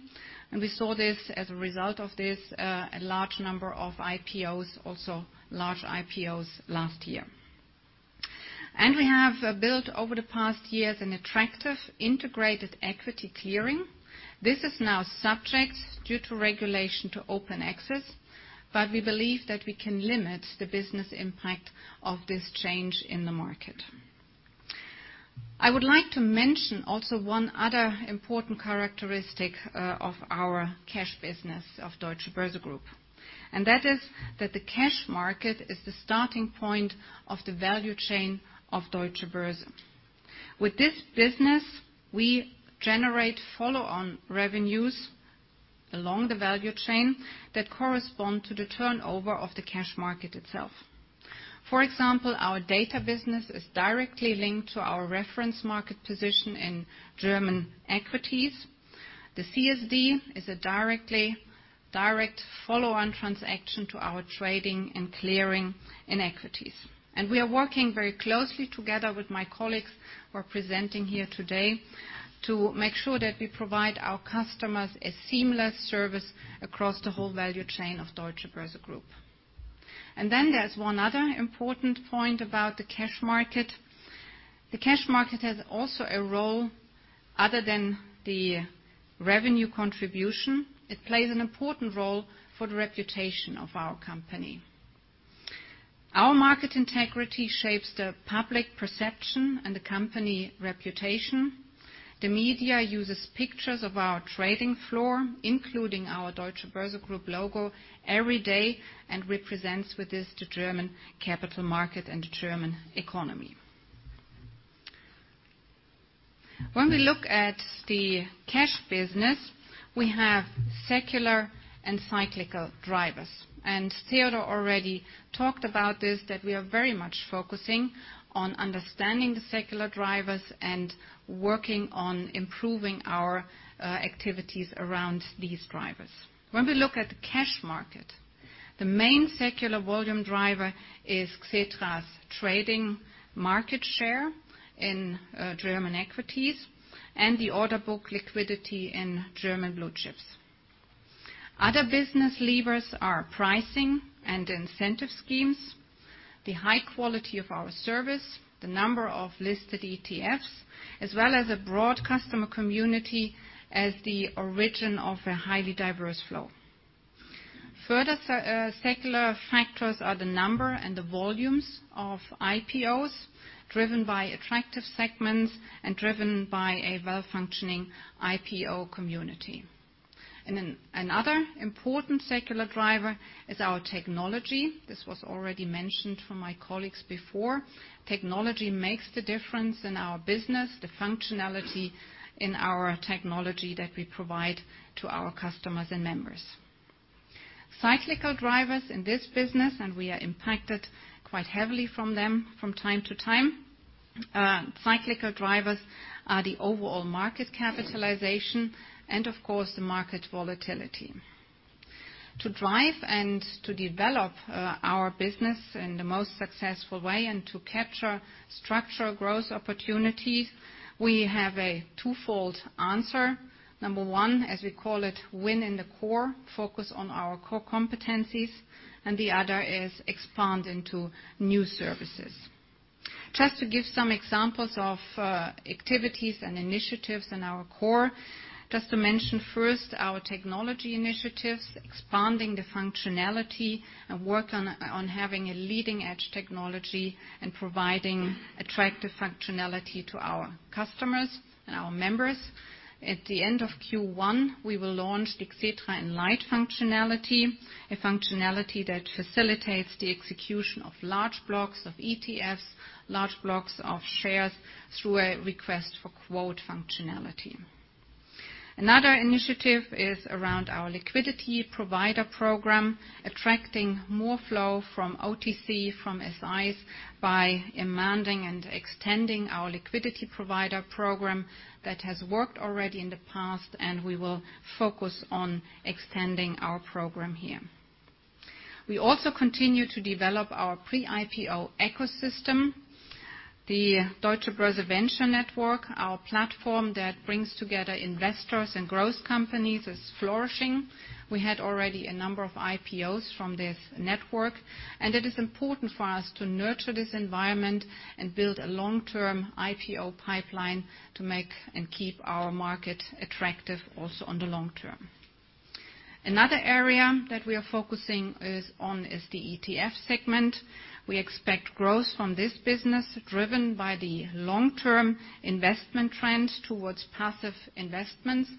We saw this as a result of this, a large number of IPOs, also large IPOs last year. We have built over the past years an attractive integrated equity clearing. This is now subject, due to regulation, to open access, we believe that we can limit the business impact of this change in the market. I would like to mention also one other important characteristic of our cash business of Deutsche Börse Group, that is that the cash market is the starting point of the value chain of Deutsche Börse. With this business, we generate follow-on revenues along the value chain that correspond to the turnover of the cash market itself. For example, our data business is directly linked to our reference market position in German equities. The CSD is a direct follow-on transaction to our trading and clearing in equities. We are working very closely together with my colleagues who are presenting here today to make sure that we provide our customers a seamless service across the whole value chain of Deutsche Börse Group. There's one other important point about the cash market. The cash market has also a role other than the revenue contribution. It plays an important role for the reputation of our company. Our market integrity shapes the public perception and the company reputation. The media uses pictures of our trading floor, including our Deutsche Börse Group logo every day, and represents with this the German capital market and the German economy. When we look at the cash business, we have secular and cyclical drivers. Theodor already talked about this, that we are very much focusing on understanding the secular drivers and working on improving our activities around these drivers. When we look at the cash market, the main secular volume driver is Xetra's trading market share in German equities and the order book liquidity in German blue chips. Other business levers are pricing and incentive schemes, the high quality of our service, the number of listed ETFs, as well as a broad customer community as the origin of a highly diverse flow. Further secular factors are the number and the volumes of IPOs driven by attractive segments and driven by a well-functioning IPO community. Another important secular driver is our technology. This was already mentioned from my colleagues before. Technology makes the difference in our business, the functionality in our technology that we provide to our customers and members. Cyclical drivers in this business, we are impacted quite heavily from them from time to time. Cyclical drivers are the overall market capitalization and of course, the market volatility. To drive and to develop our business in the most successful way and to capture structural growth opportunities, we have a twofold answer. Number 1, as we call it, win in the core, focus on our core competencies, and the other is expand into new services. Just to give some examples of activities and initiatives in our core, just to mention first our technology initiatives, expanding the functionality and work on having a leading-edge technology and providing attractive functionality to our customers and our members. At the end of Q1, we will launch the Xetra EnLight functionality, a functionality that facilitates the execution of large blocks of ETFs, large blocks of shares through a request for quote functionality. Another initiative is around our liquidity provider program, attracting more flow from OTC, from SIs by demanding and extending our liquidity provider program that has worked already in the past, and we will focus on extending our program here. We also continue to develop our pre-IPO ecosystem. The Deutsche Börse Venture Network, our platform that brings together investors and growth companies, is flourishing. We had already a number of IPOs from this network, it is important for us to nurture this environment and build a long-term IPO pipeline to make and keep our market attractive also in the long term. Another area that we are focusing on is the ETF segment. We expect growth from this business, driven by the long-term investment trend towards passive investments,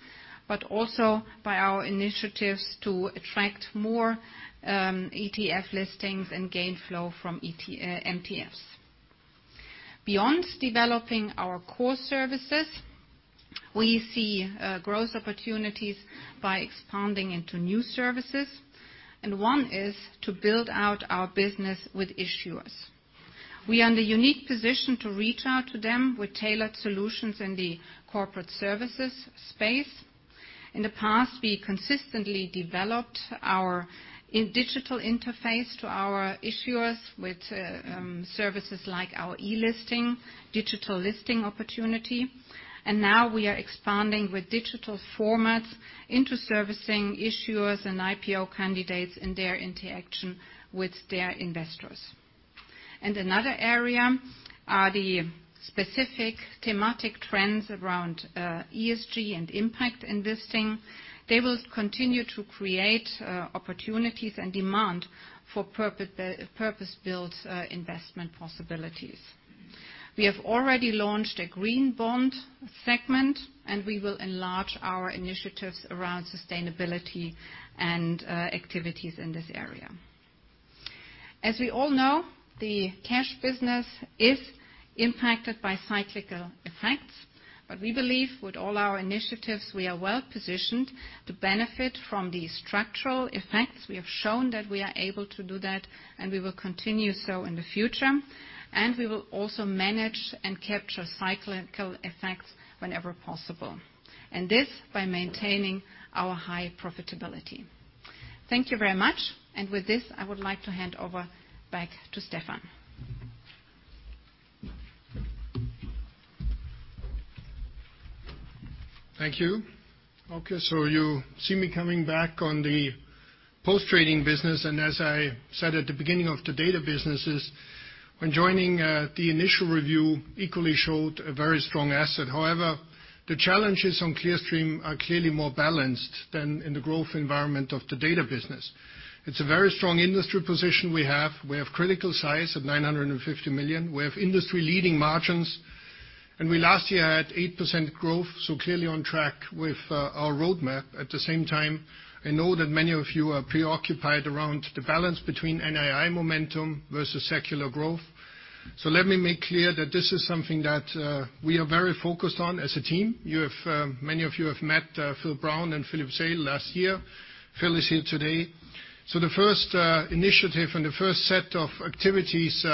but also by our initiatives to attract more ETF listings and gain flow from MTFs. Beyond developing our core services, we see growth opportunities by expanding into new services, one is to build out our business with issuers. We are in the unique position to reach out to them with tailored solutions in the corporate services space. In the past, we consistently developed our digital interface to our issuers with services like our eListing, digital listing opportunity. Now we are expanding with digital formats into servicing issuers and IPO candidates in their interaction with their investors. Another area are the specific thematic trends around ESG and impact investing. They will continue to create opportunities and demand for purpose-built investment possibilities. We have already launched a green bond segment, and we will enlarge our initiatives around sustainability and activities in this area. As we all know, the cash business is impacted by cyclical effects. We believe with all our initiatives, we are well-positioned to benefit from the structural effects. We have shown that we are able to do that, and we will continue so in the future. We will also manage and capture cyclical effects whenever possible. This, by maintaining our high profitability. Thank you very much. With this, I would like to hand over back to Stephan. Thank you. Okay, so you see me coming back on the post-trading business. As I said at the beginning of the data businesses, when joining, the initial review equally showed a very strong asset. However, the challenges on Clearstream are clearly more balanced than in the growth environment of the data business. It's a very strong industry position we have. We have critical size of 950 million. We have industry-leading margins. We last year had 8% growth, so clearly on track with our Roadmap. At the same time, I know that many of you are preoccupied around the balance between NII momentum versus secular growth. Let me make clear that this is something that we are very focused on as a team. Many of you have met Phil Brown and Philippe Seyll last year. Phil is here today. The first initiative and the first set of activities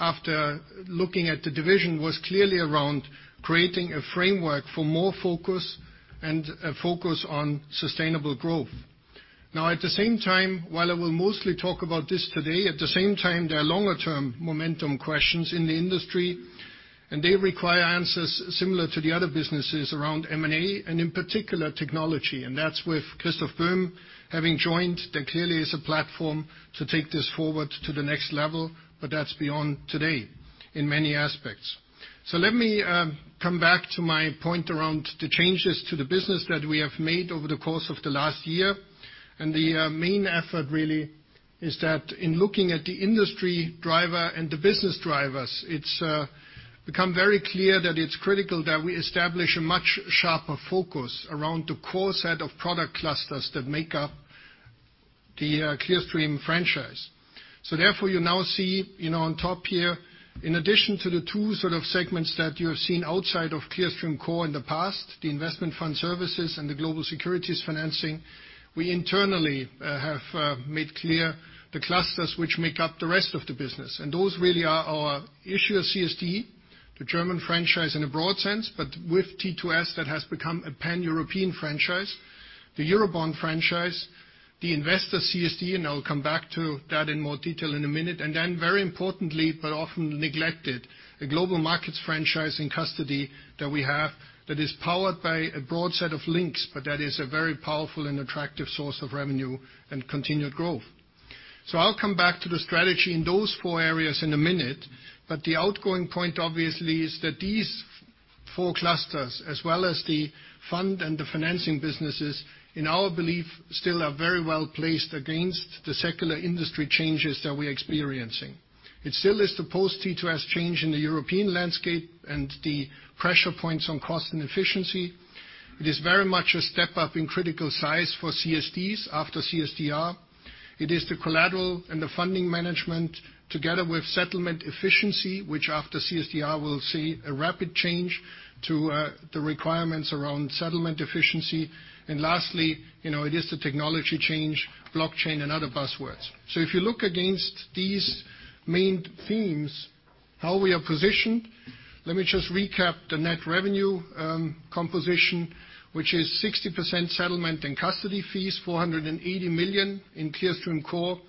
after looking at the division was clearly around creating a framework for more focus and a focus on sustainable growth. At the same time, while I will mostly talk about this today, at the same time, there are longer-term momentum questions in the industry, and they require answers similar to the other businesses around M&A and in particular, technology. That's with Christoph Böhm having joined. There clearly is a platform to take this forward to the next level, but that's beyond today in many aspects. Let me come back to my point around the changes to the business that we have made over the course of the last year. The main effort really is that in looking at the industry driver and the business drivers, it's become very clear that it's critical that we establish a much sharper focus around the core set of product clusters that make up the Clearstream franchise. Therefore, you now see on top here, in addition to the two sort of segments that you have seen outside of Clearstream Core in the past, the investment fund services and the global securities financing, we internally have made clear the clusters which make up the rest of the business. Those really are our issuer CSD, the German franchise in a broad sense, but with T2S, that has become a Pan-European franchise, the Eurobond franchise, the investor CSD, and I'll come back to that in more detail in a minute. Very importantly, but often neglected, a Global Markets franchise in custody that we have that is powered by a broad set of links, but that is a very powerful and attractive source of revenue and continued growth. I'll come back to the strategy in those four areas in a minute, but the outgoing point obviously is that these four clusters as well as the fund and the financing businesses, in our belief, still are very well placed against the secular industry changes that we're experiencing. It still is the post-T2S change in the European landscape and the pressure points on cost and efficiency. It is very much a step up in critical size for CSDs after CSDR. It is the collateral and the funding management together with settlement efficiency, which after CSDR will see a rapid change to the requirements around settlement efficiency. Lastly, it is the technology change, blockchain, and other buzzwords. If you look against these main themes, how we are positioned, let me just recap the net revenue composition, which is 60% settlement and custody fees, 480 million in Clearstream Core.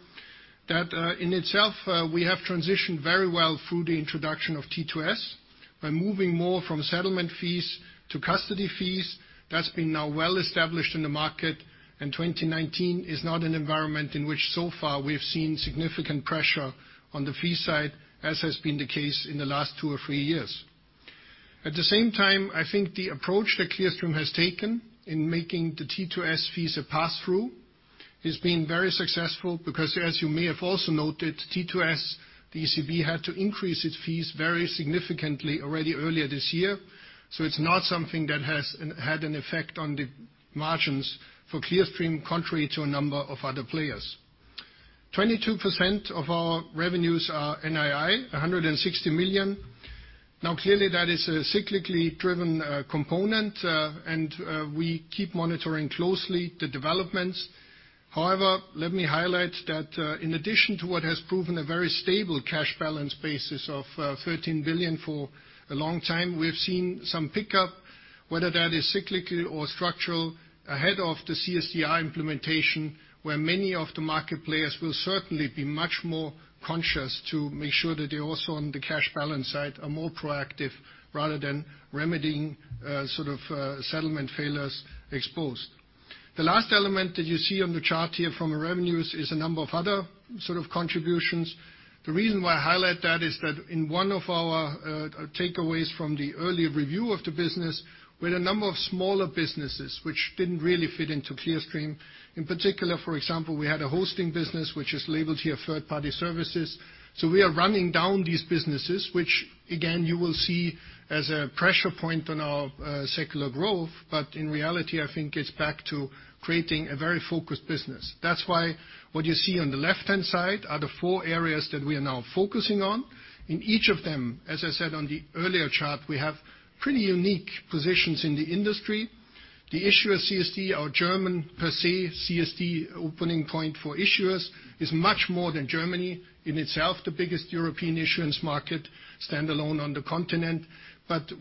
That in itself, we have transitioned very well through the introduction of T2S by moving more from settlement fees to custody fees. That's been now well-established in the market, and 2019 is not an environment in which so far we have seen significant pressure on the fee side, as has been the case in the last two or three years. At the same time, I think the approach that Clearstream has taken in making the T2S fees a pass-through has been very successful because, as you may have also noted, T2S, the ECB, had to increase its fees very significantly already earlier this year. It's not something that has had an effect on the margins for Clearstream, contrary to a number of other players. 22% of our revenues are NII, 160 million. Now, clearly that is a cyclically driven component, and we keep monitoring closely the developments. However, let me highlight that in addition to what has proven a very stable cash balance basis of 13 billion for a long time, we have seen some pickup, whether that is cyclical or structural, ahead of the CSDR implementation, where many of the market players will certainly be much more conscious to make sure that they also, on the cash balance side, are more proactive rather than remedying settlement failures exposed. The last element that you see on the chart here from the revenues is a number of other contributions. The reason why I highlight that is that in one of our takeaways from the early review of the business, we had a number of smaller businesses which didn't really fit into Clearstream. In particular, for example, we had a hosting business, which is labeled here third-party services. We are running down these businesses, which again, you will see as a pressure point on our secular growth. In reality, I think it's back to creating a very focused business. That's why what you see on the left-hand side are the four areas that we are now focusing on. In each of them, as I said on the earlier chart, we have pretty unique positions in the industry. The Issuer CSD, our German per se CSD opening point for issuers, is much more than Germany in itself, the biggest European issuance market standalone on the continent.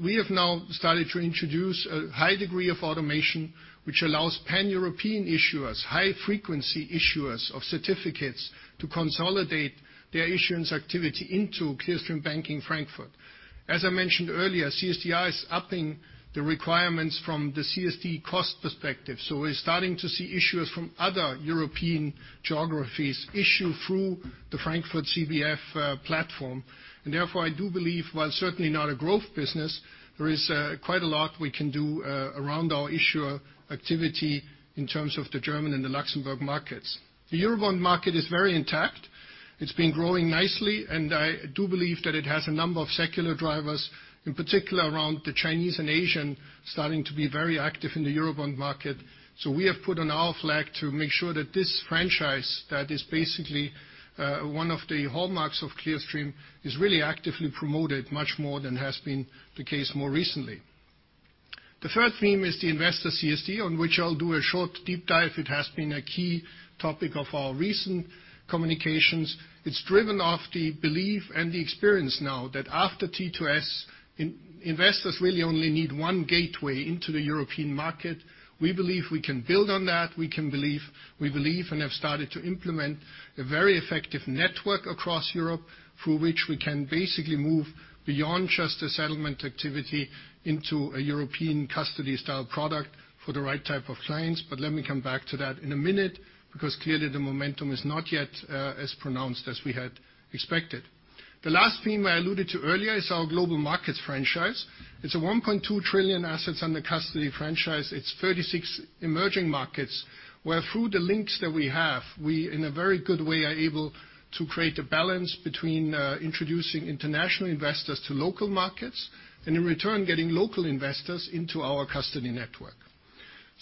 We have now started to introduce a high degree of automation, which allows pan-European issuers, high-frequency issuers of certificates, to consolidate their issuance activity into Clearstream Banking Frankfurt. As I mentioned earlier, CSDR is upping the requirements from the CSD cost perspective. We're starting to see issuers from other European geographies issue through the Frankfurt CBF platform. Therefore, I do believe while certainly not a growth business, there is quite a lot we can do around our issuer activity in terms of the German and the Luxembourg markets. The Eurobond market is very intact. It's been growing nicely, and I do believe that it has a number of secular drivers, in particular, around the Chinese and Asian starting to be very active in the Eurobond market. We have put on our flag to make sure that this franchise, that is basically one of the hallmarks of Clearstream, is really actively promoted much more than has been the case more recently. The third theme is the Investor CSD, on which I'll do a short deep dive. It has been a key topic of our recent communications. It's driven off the belief and the experience now that after T2S, investors really only need one gateway into the European market. We believe we can build on that. We believe and have started to implement a very effective network across Europe through which we can basically move beyond just the settlement activity into a European custody-style product for the right type of clients. Let me come back to that in a minute, because clearly the momentum is not yet as pronounced as we had expected. The last theme I alluded to earlier is our global markets franchise. It's a 1.2 trillion assets under custody franchise. It's 36 emerging markets, where through the links that we have, we, in a very good way, are able to create a balance between introducing international investors to local markets and in return getting local investors into our custody network.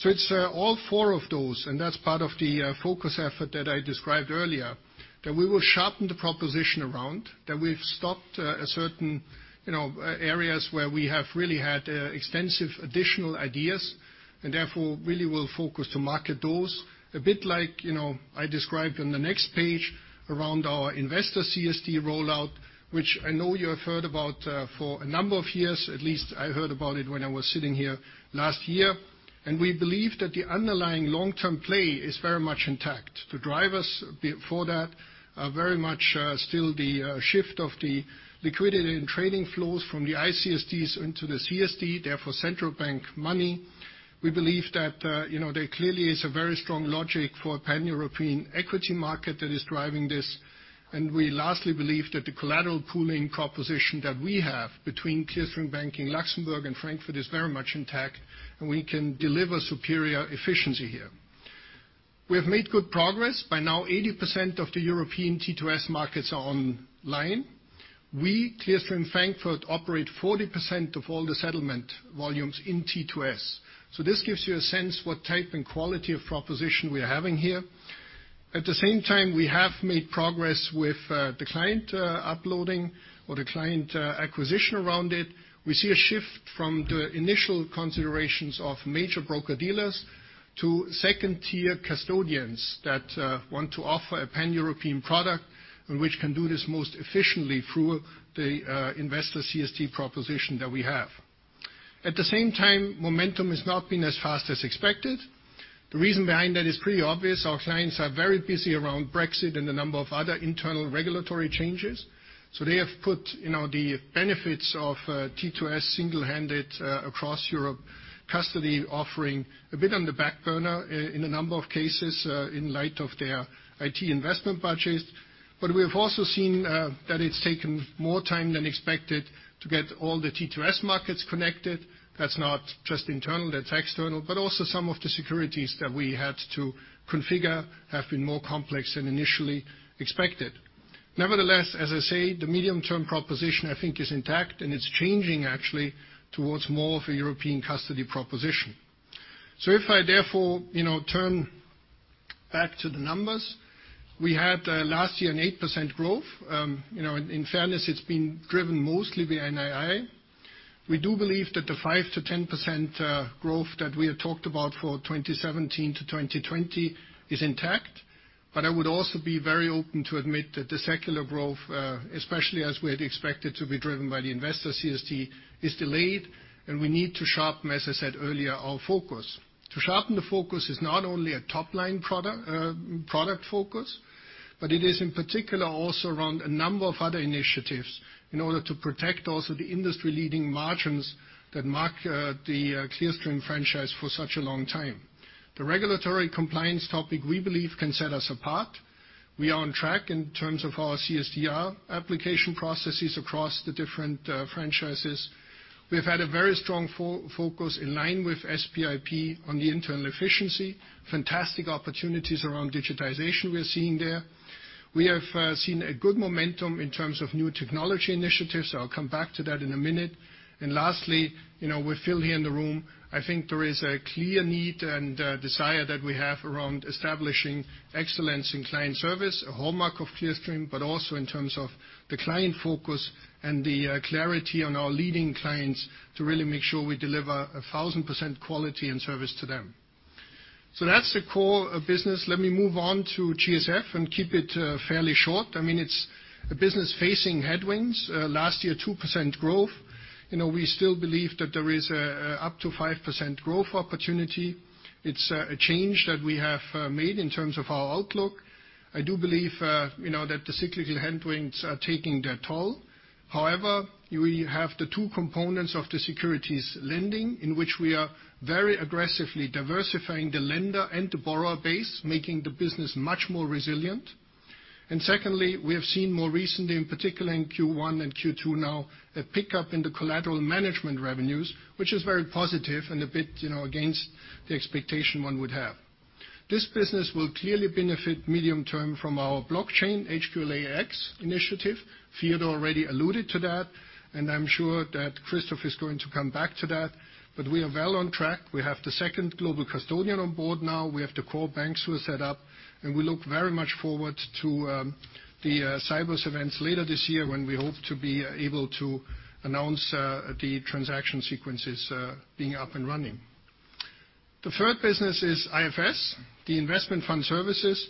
It's all four of those, and that's part of the focus effort that I described earlier, that we will sharpen the proposition around, that we've stopped certain areas where we have really had extensive additional ideas, and therefore really will focus to market those. A bit like I described on the next page around our Investor CSD rollout, which I know you have heard about for a number of years, at least I heard about it when I was sitting here last year. We believe that the underlying long-term play is very much intact. The drivers for that are very much still the shift of the liquidity and trading flows from the ICSDs into the CSD, therefore central bank money. We believe that there clearly is a very strong logic for a pan-European equity market that is driving this. We lastly believe that the collateral pooling proposition that we have between Clearstream Banking Luxembourg and Frankfurt is very much intact, and we can deliver superior efficiency here. We have made good progress. By now, 80% of the European T2S markets are online. We, Clearstream Frankfurt, operate 40% of all the settlement volumes in T2S. This gives you a sense what type and quality of proposition we are having here. At the same time, we have made progress with the client uploading or the client acquisition around it. We see a shift from the initial considerations of major broker-dealers to second-tier custodians that want to offer a pan-European product, and which can do this most efficiently through the Investor CSD proposition that we have. At the same time, momentum has not been as fast as expected. The reason behind that is pretty obvious. Our clients are very busy around Brexit and a number of other internal regulatory changes. They have put the benefits of T2S single-handed across Europe custody offering a bit on the back burner in a number of cases in light of their IT investment budgets. We have also seen that it's taken more time than expected to get all the T2S markets connected. That's not just internal, that's external, but also some of the securities that we had to configure have been more complex than initially expected. Nevertheless, as I say, the medium-term proposition, I think, is intact, and it's changing actually towards more of a European custody proposition. If I therefore turn back to the numbers, we had, last year, an 8% growth. In fairness, it's been driven mostly via NII. We do believe that the 5%-10% growth that we had talked about for 2017 to 2020 is intact, I would also be very open to admit that the secular growth, especially as we had expected to be driven by the Investor CSD, is delayed, and we need to sharpen, as I said earlier, our focus. To sharpen the focus is not only a top-line product focus, it is in particular also around a number of other initiatives in order to protect also the industry-leading margins that mark the Clearstream franchise for such a long time. The regulatory compliance topic, we believe, can set us apart. We are on track in terms of our CSDR application processes across the different franchises. We've had a very strong focus in line with SPIP on the internal efficiency, fantastic opportunities around digitization we're seeing there. We have seen a good momentum in terms of new technology initiatives. I'll come back to that in a minute. Lastly, with Phil here in the room, I think there is a clear need and desire that we have around establishing excellence in client service, a hallmark of Clearstream, but also in terms of the client focus and the clarity on our leading clients to really make sure we deliver 1,000% quality and service to them. That's the core of business. Let me move on to GSF and keep it fairly short. It's a business facing headwinds. Last year, 2% growth. We still believe that there is up to 5% growth opportunity. It's a change that we have made in terms of our outlook. I do believe that the cyclical headwinds are taking their toll. We have the two components of the securities lending, in which we are very aggressively diversifying the lender and the borrower base, making the business much more resilient. Secondly, we have seen more recently, in particular in Q1 and Q2 now, a pickup in the collateral management revenues, which is very positive and a bit against the expectation one would have. This business will clearly benefit medium term from our blockchain HQLAX initiative. Theodor already alluded to that. I'm sure that Christoph is going to come back to that. We are well on track. We have the second global custodian on board now. We have the core banks who are set up. We look very much forward to the Sibos events later this year when we hope to be able to announce the transaction sequences being up and running. The third business is IFS, the investment fund services.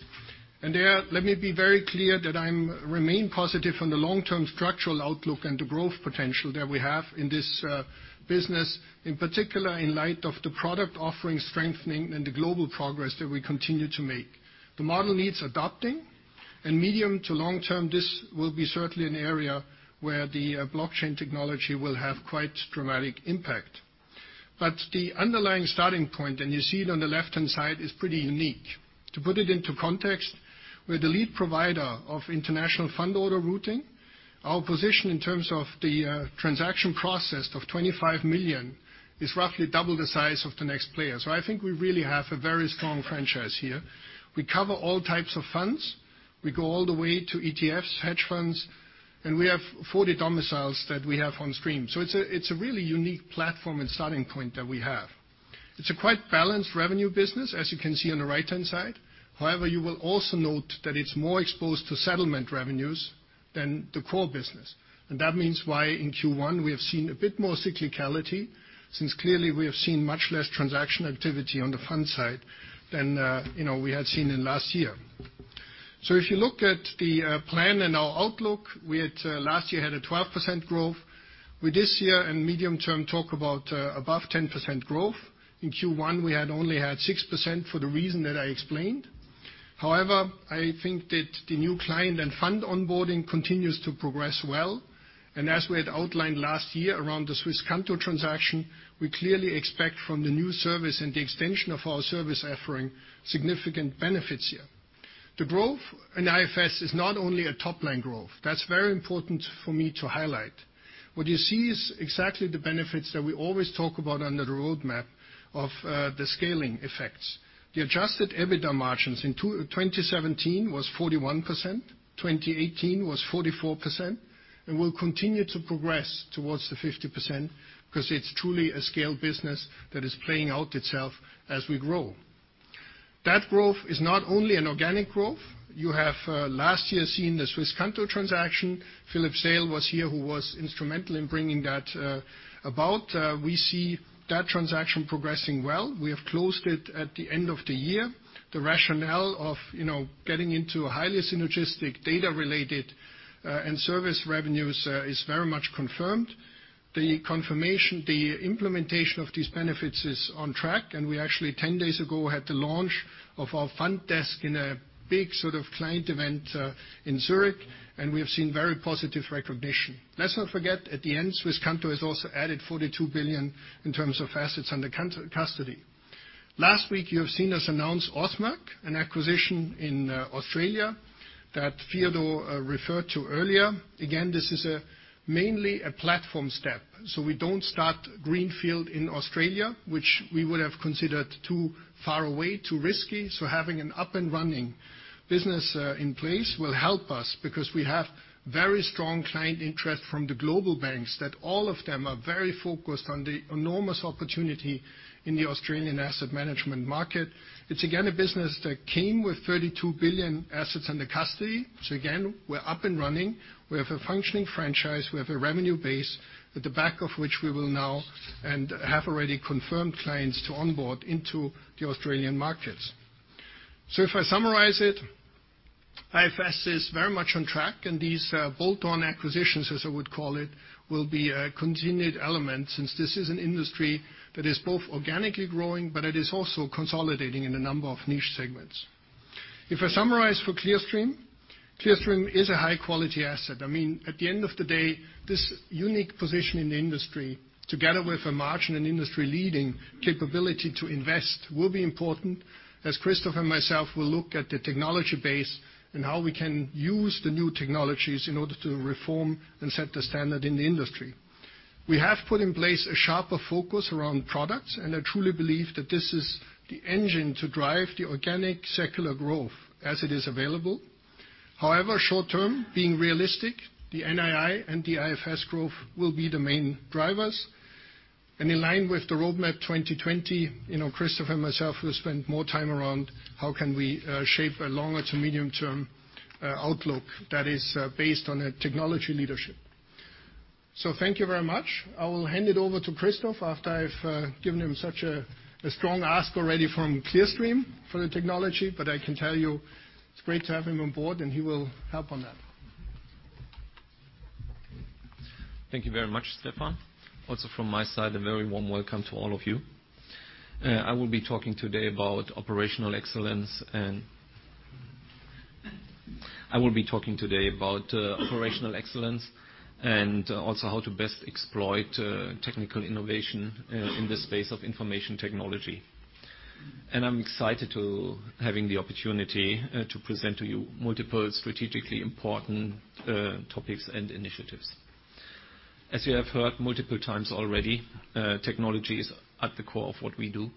There, let me be very clear that I remain positive on the long-term structural outlook and the growth potential that we have in this business, in particular in light of the product offering strengthening and the global progress that we continue to make. The model needs adapting. Medium to long term, this will be certainly an area where the blockchain technology will have quite dramatic impact. The underlying starting point, you see it on the left-hand side, is pretty unique. To put it into context, we're the lead provider of international fund order routing. Our position in terms of the transaction processed of 25 million is roughly double the size of the next player. I think we really have a very strong franchise here. We cover all types of funds. We go all the way to ETFs, hedge funds. We have 40 domiciles that we have on stream. It's a really unique platform and starting point that we have. It's a quite balanced revenue business, as you can see on the right-hand side. You will also note that it's more exposed to settlement revenues than the core business. That means why in Q1, we have seen a bit more cyclicality, since clearly we have seen much less transaction activity on the fund side than we had seen in last year. If you look at the plan and our outlook, we last year had a 12% growth. We this year and medium term talk about above 10% growth. In Q1, we had only had 6% for the reason that I explained. I think that the new client and fund onboarding continues to progress well. As we had outlined last year around the Swisscanto transaction, we clearly expect from the new service and the extension of our service offering significant benefits here. The growth in IFS is not only a top-line growth. That's very important for me to highlight. What you see is exactly the benefits that we always talk about under the roadmap of the scaling effects. The adjusted EBITDA margins in 2017 was 41%, 2018 was 44%. Will continue to progress towards the 50% because it's truly a scale business that is playing out itself as we grow. That growth is not only an organic growth. You have last year seen the Swisscanto transaction. Philippe Seyll was here, who was instrumental in bringing that about. We see that transaction progressing well. We have closed it at the end of the year. The rationale of getting into a highly synergistic data-related and service revenues is very much confirmed. The implementation of these benefits is on track, and we actually, 10 days ago, had the launch of our front desk in a big client event in Zurich, and we have seen very positive recognition. Let's not forget, at the end, Swisscanto has also added 42 billion in terms of assets under custody. Last week you have seen us announce Ausmaq, an acquisition in Australia that Theodor referred to earlier. Again, this is mainly a platform step. We don't start greenfield in Australia, which we would have considered too far away, too risky. Having an up and running business in place will help us because we have very strong client interest from the global banks that all of them are very focused on the enormous opportunity in the Australian asset management market. It's again a business that came with 32 billion assets under custody. Again, we're up and running. We have a functioning franchise. We have a revenue base at the back of which we will now and have already confirmed clients to onboard into the Australian markets. If I summarize it, IFS is very much on track and these bolt-on acquisitions, as I would call it, will be a continued element since this is an industry that is both organically growing, but it is also consolidating in a number of niche segments. If I summarize for Clearstream is a high-quality asset. At the end of the day, this unique position in the industry, together with a margin and industry-leading capability to invest, will be important as Christoph and myself will look at the technology base and how we can use the new technologies in order to reform and set the standard in the industry. We have put in place a sharper focus around products, and I truly believe that this is the engine to drive the organic secular growth as it is available. However, short term, being realistic, the NII and the IFS growth will be the main drivers. In line with the Roadmap 2020, Christoph and myself will spend more time around how can we shape a longer to medium term outlook that is based on a technology leadership. Thank you very much. I will hand it over to Christoph after I've given him such a strong ask already from Clearstream for the technology, I can tell you it's great to have him on board, and he will help on that. Thank you very much, Stephan. Also from my side, a very warm welcome to all of you. I will be talking today about operational excellence and also how to best exploit technical innovation in the space of information technology. I'm excited to having the opportunity to present to you multiple strategically important topics and initiatives. As you have heard multiple times already, technology is at the core of what we do.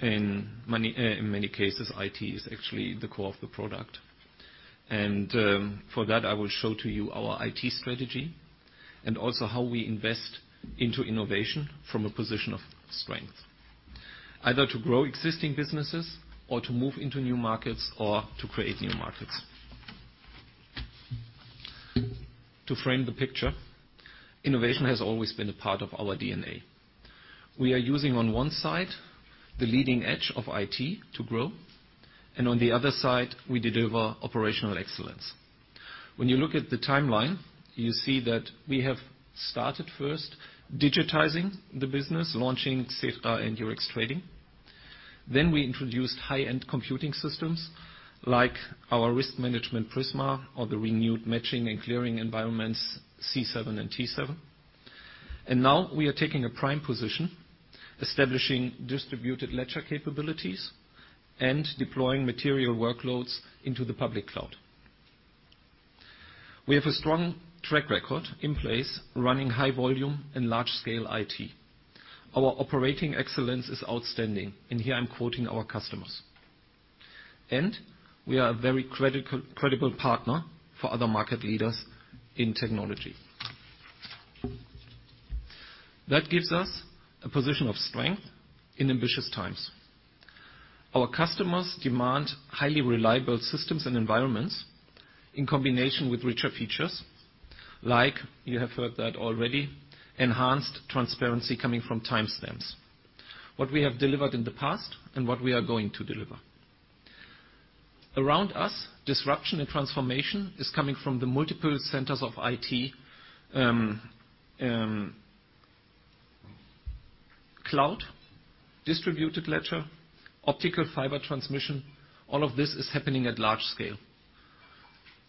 In many cases, IT is actually the core of the product. For that, I will show to you our IT strategy and also how we invest into innovation from a position of strength, either to grow existing businesses or to move into new markets or to create new markets. To frame the picture, innovation has always been a part of our DNA. We are using, on one side, the leading edge of IT to grow. On the other side, we deliver operational excellence. When you look at the timeline, you see that we have started first digitizing the business, launching SEFA and Eurex Trading. We introduced high-end computing systems like our risk management Prisma or the renewed matching and clearing environments, C7 and T7. Now we are taking a prime position, establishing distributed ledger capabilities and deploying material workloads into the public cloud. We have a strong track record in place running high volume and large scale IT. Our operating excellence is outstanding, and here I'm quoting our customers. We are a very credible partner for other market leaders in technology. That gives us a position of strength in ambitious times. Our customers demand highly reliable systems and environments in combination with richer features like, you have heard that already, enhanced transparency coming from timestamps. What we have delivered in the past and what we are going to deliver. Around us, disruption and transformation is coming from the multiple centers of IT. Cloud, distributed ledger, optical fiber transmission, all of this is happening at large scale.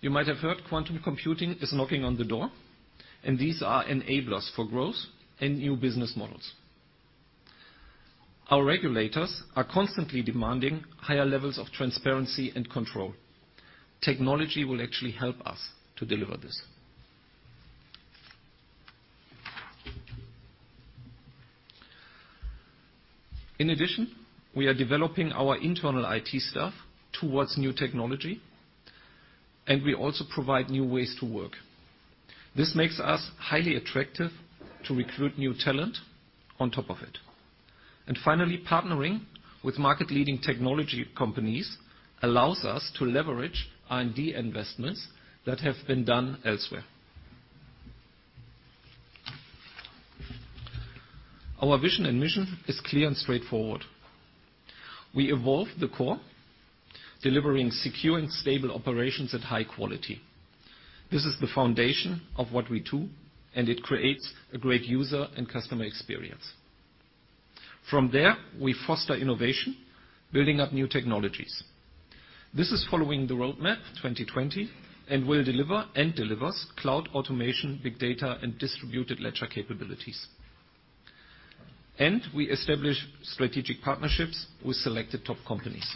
You might have heard quantum computing is knocking on the door, and these are enablers for growth and new business models. Our regulators are constantly demanding higher levels of transparency and control. Technology will actually help us to deliver this. In addition, we are developing our internal IT staff towards new technology, and we also provide new ways to work. This makes us highly attractive to recruit new talent on top of it. Finally, partnering with market leading technology companies allows us to leverage R&D investments that have been done elsewhere. Our vision and mission is clear and straightforward. We evolve the core, delivering secure and stable operations at high quality. This is the foundation of what we do, and it creates a great user and customer experience. From there, we foster innovation, building up new technologies. This is following the Roadmap 2020 and will deliver cloud automation, big data, and distributed ledger capabilities. We establish strategic partnerships with selected top companies.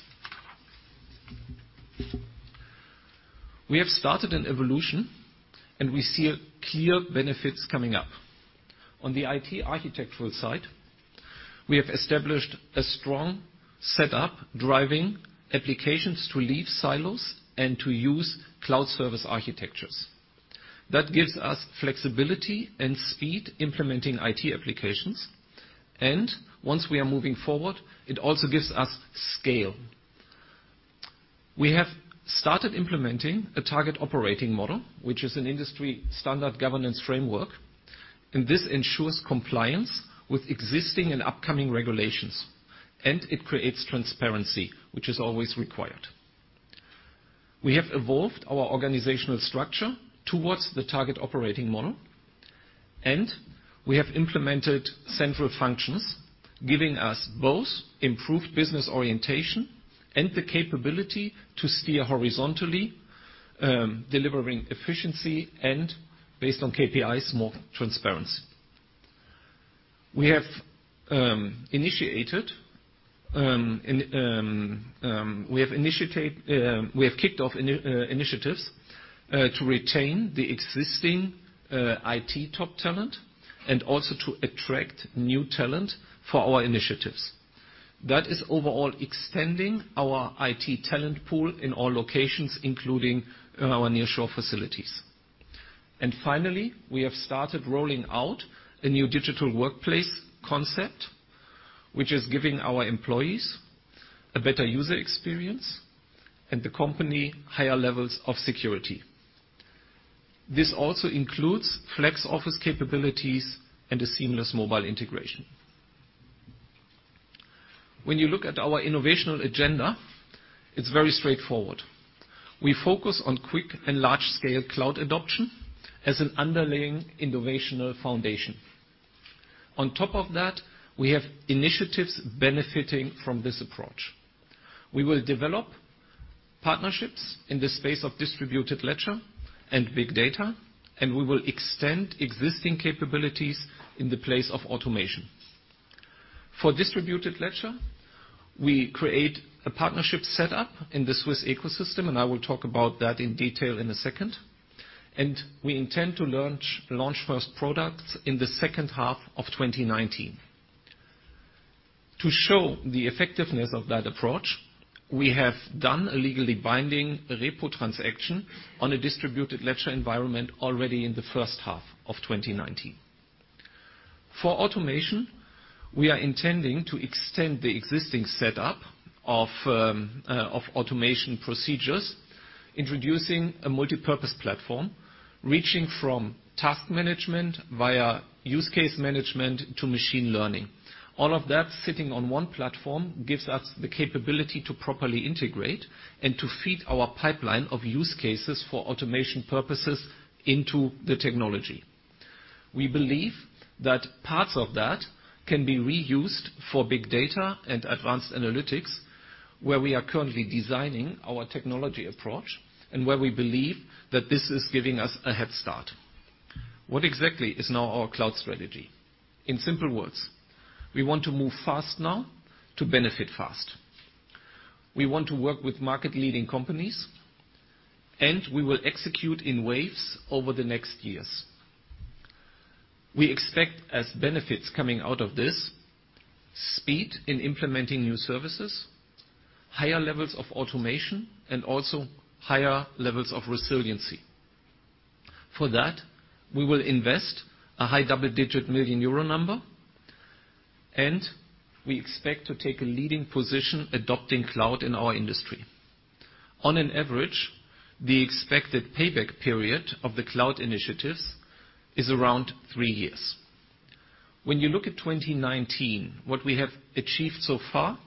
We have started an evolution, and we see clear benefits coming up. On the IT architectural side, we have established a strong setup driving applications to leave silos and to use cloud service architectures. That gives us flexibility and speed implementing IT applications, and once we are moving forward, it also gives us scale. We have started implementing a target operating model, which is an industry-standard governance framework. This ensures compliance with existing and upcoming regulations. It creates transparency, which is always required. We have evolved our organizational structure towards the target operating model. We have implemented central functions, giving us both improved business orientation and the capability to steer horizontally, delivering efficiency and based on KPIs, more transparency. We have kicked off initiatives to retain the existing IT top talent and also to attract new talent for our initiatives. That is overall extending our IT talent pool in all locations, including our nearshore facilities. Finally, we have started rolling out a new digital workplace concept, which is giving our employees a better user experience and the company higher levels of security. This also includes flex office capabilities and a seamless mobile integration. When you look at our innovational agenda, it's very straightforward. We focus on quick and large-scale cloud adoption as an underlying innovational foundation. On top of that, we have initiatives benefiting from this approach. We will develop partnerships in the space of distributed ledger and big data. We will extend existing capabilities in the place of automation. For distributed ledger, we create a partnership set up in the Swiss ecosystem. I will talk about that in detail in a second. We intend to launch first products in the second half of 2019. To show the effectiveness of that approach, we have done a legally binding repo transaction on a distributed ledger environment already in the first half of 2019. For automation, we are intending to extend the existing setup of automation procedures, introducing a multipurpose platform reaching from task management via use case management to machine learning. All of that sitting on one platform gives us the capability to properly integrate and to feed our pipeline of use cases for automation purposes into the technology. We believe that parts of that can be reused for big data and advanced analytics, where we are currently designing our technology approach. We believe that this is giving us a head start. What exactly is now our cloud strategy? In simple words, we want to move fast now to benefit fast. We want to work with market leading companies. We will execute in waves over the next years. We expect as benefits coming out of this, speed in implementing new services, higher levels of automation, higher levels of resiliency. For that, we will invest a high double-digit million euro number. We expect to take a leading position adopting cloud in our industry. On an average, the expected payback period of the cloud initiatives is around three years. When you look at 2019, what we have achieved so far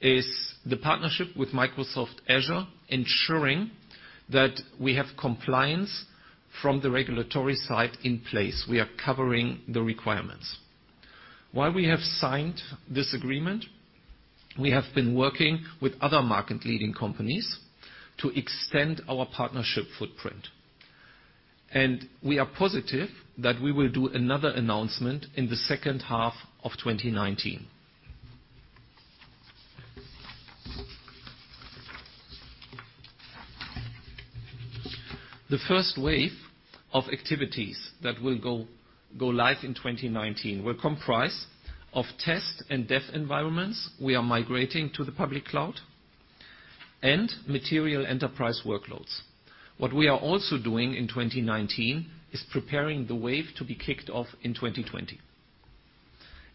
is the partnership with Microsoft Azure, ensuring that we have compliance from the regulatory side in place. We are covering the requirements. While we have signed this agreement, we have been working with other market leading companies to extend our partnership footprint. We are positive that we will do another announcement in the second half of 2019. The first wave of activities that will go live in 2019 will comprise of test and dev environments we are migrating to the public cloud and material enterprise workloads. What we are also doing in 2019 is preparing the wave to be kicked off in 2020.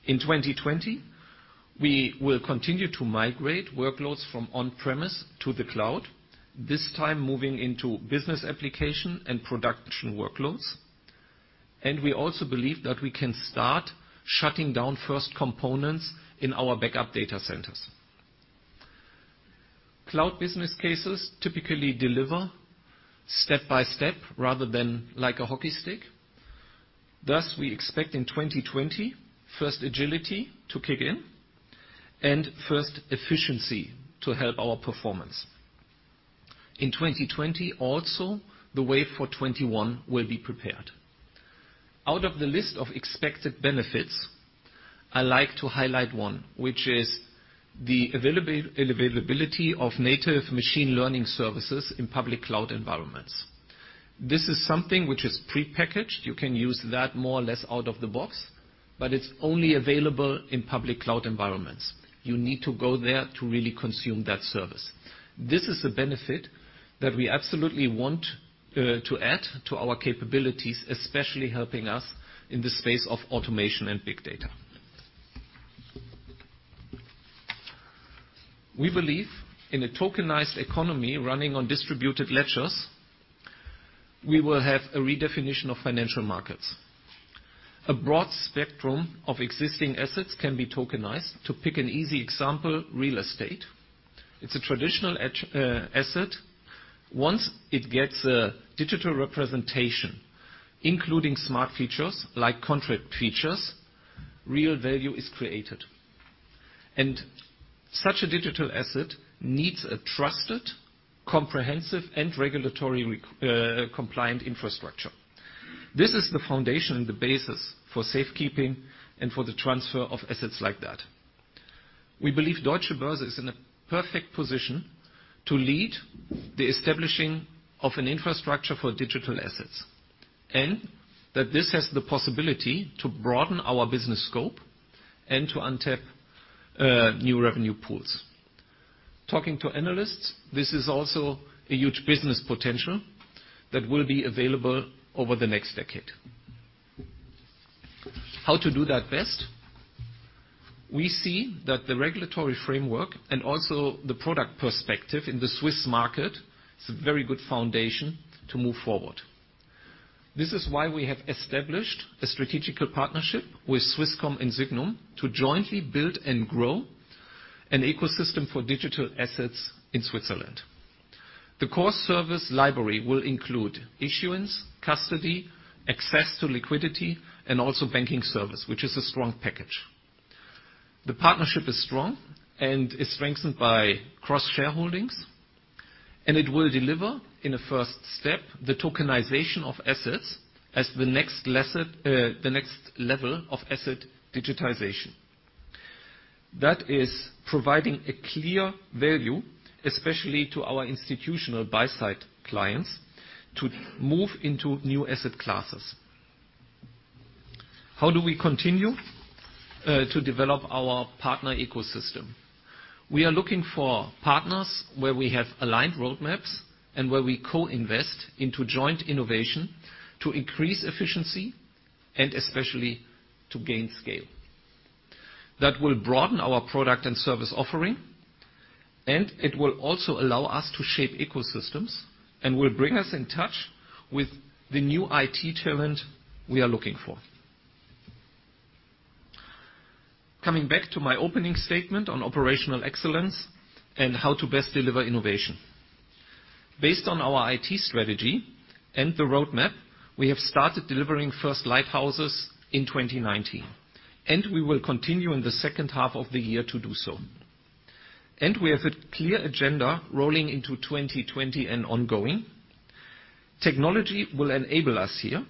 In 2020, we will continue to migrate workloads from on-premise to the cloud, this time moving into business application and production workloads, and we also believe that we can start shutting down first components in our backup data centers. Cloud business cases typically deliver step by step rather than like a hockey stick. Thus, we expect in 2020, first agility to kick in and first efficiency to help our performance. In 2020 also, the wave for 2021 will be prepared. Out of the list of expected benefits, I like to highlight one, which is the availability of native machine learning services in public cloud environments. This is something which is prepackaged. You can use that more or less out of the box, but it's only available in public cloud environments. You need to go there to really consume that service. This is a benefit that we absolutely want to add to our capabilities, especially helping us in the space of automation and big data. We believe in a tokenized economy running on distributed ledgers, we will have a redefinition of financial markets. A broad spectrum of existing assets can be tokenized. To pick an easy example, real estate. It's a traditional asset. Once it gets a digital representation, including smart features like contract features, real value is created. Such a digital asset needs a trusted, comprehensive, and regulatory-compliant infrastructure. This is the foundation and the basis for safekeeping and for the transfer of assets like that. We believe Deutsche Börse is in a perfect position to lead the establishing of an infrastructure for digital assets, and that this has the possibility to broaden our business scope and to untap new revenue pools. Talking to analysts, this is also a huge business potential that will be available over the next decade. How to do that best? We see that the regulatory framework and also the product perspective in the Swiss market is a very good foundation to move forward. This is why we have established a strategical partnership with Swisscom and Sygnum to jointly build and grow an ecosystem for digital assets in Switzerland. The core service library will include issuance, custody, access to liquidity, and also banking service, which is a strong package. The partnership is strong and is strengthened by cross-shareholdings, and it will deliver, in a first step, the tokenization of assets as the next level of asset digitization. That is providing a clear value, especially to our institutional buy side clients, to move into new asset classes. How do we continue to develop our partner ecosystem? We are looking for partners where we have aligned roadmaps and where we co-invest into joint innovation to increase efficiency and especially to gain scale. That will broaden our product and service offering, and it will also allow us to shape ecosystems and will bring us in touch with the new IT talent we are looking for. Coming back to my opening statement on operational excellence and how to best deliver innovation. Based on our IT strategy and the Roadmap, we have started delivering first lighthouses in 2019, and we will continue in the second half of the year to do so. We have a clear agenda rolling into 2020 and ongoing. Technology will enable us here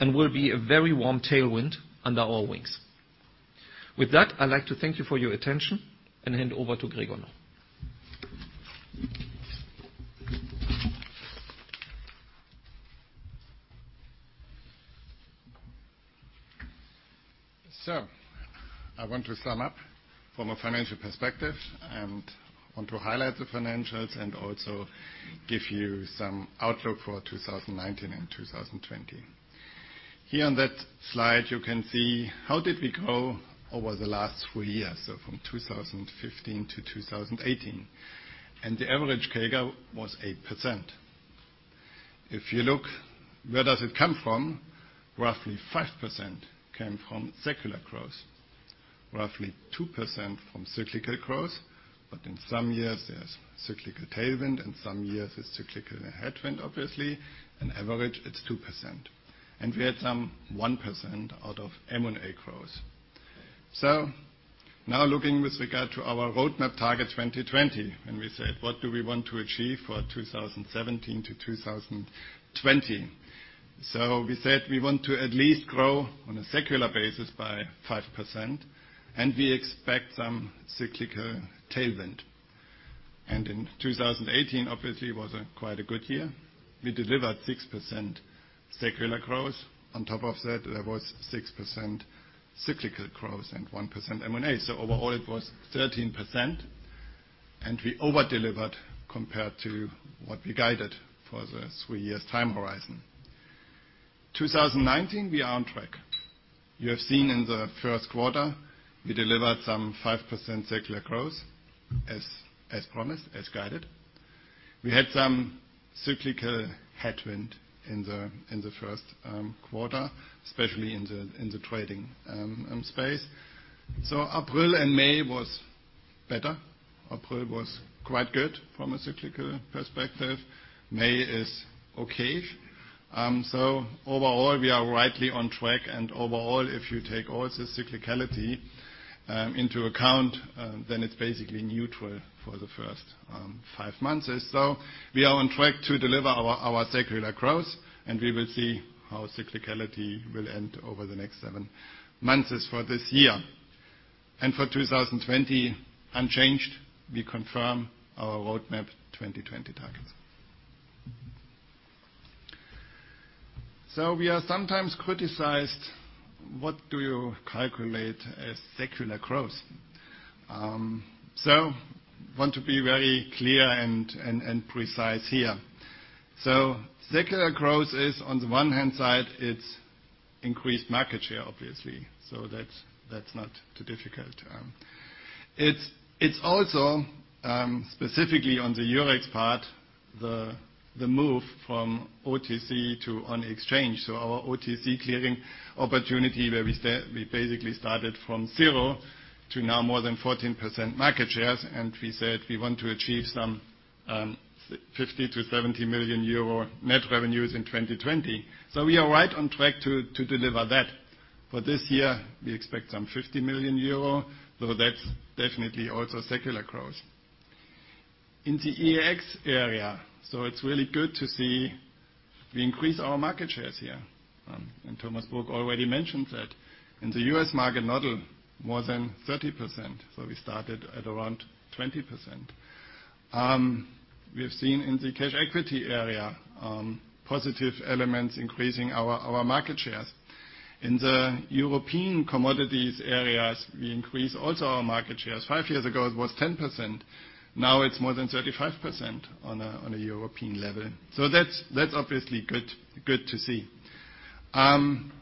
and will be a very warm tailwind under our wings. With that, I'd like to thank you for your attention and hand over to Gregor now. I want to sum up from a financial perspective and want to highlight the financials and also give you some outlook for 2019 and 2020. Here on that slide, you can see how did we grow over the last 4 years, from 2015 to 2018. The average CAGR was 8%. If you look, where does it come from? Roughly 5% came from secular growth, roughly 2% from cyclical growth. In some years, there's cyclical tailwind, and some years it's cyclical headwind, obviously. In average, it's 2%. We had some 1% out of M&A growth. Now looking with regard to our Roadmap 2020 target, we said, what do we want to achieve for 2017 to 2020? We said we want to at least grow on a secular basis by 5%, and we expect some cyclical tailwind. In 2018, obviously, was quite a good year. We delivered 6% secular growth. On top of that, there was 6% cyclical growth and 1% M&A. Overall, it was 13%, and we over-delivered compared to what we guided for the 3 years time horizon. 2019, we are on track. You have seen in the first quarter, we delivered some 5% secular growth, as promised, as guided. We had some cyclical headwind in the first quarter, especially in the trading space. April and May was better. April was quite good from a cyclical perspective. May is okay. Overall, we are rightly on track. Overall, if you take all the cyclicality into account, then it's basically neutral for the first five months. We are on track to deliver our secular growth, and we will see how cyclicality will end over the next seven months for this year. For 2020, unchanged, we confirm our Roadmap 2020 targets. We are sometimes criticized, what do you calculate as secular growth? Want to be very clear and precise here. Secular growth is, on the one hand side, it's increased market share, obviously. That's not too difficult. It's also, specifically on the Eurex part, the move from OTC to on exchange. Our OTC clearing opportunity where we basically started from zero to now more than 14% market shares, and we said we want to achieve some 50 million to 70 million euro net revenues in 2020. We are right on track to deliver that. For this year, we expect some 50 million euro, that's definitely also secular growth. In the EEX area, it's really good to see we increase our market shares here. Thomas Book already mentioned that. In the U.S. market model, more than 30%, we started at around 20%. We have seen in the cash equity area, positive elements increasing our market shares. In the European commodities areas, we increase also our market shares. Five years ago, it was 10%. Now it's more than 35% on a European level. That's obviously good to see. On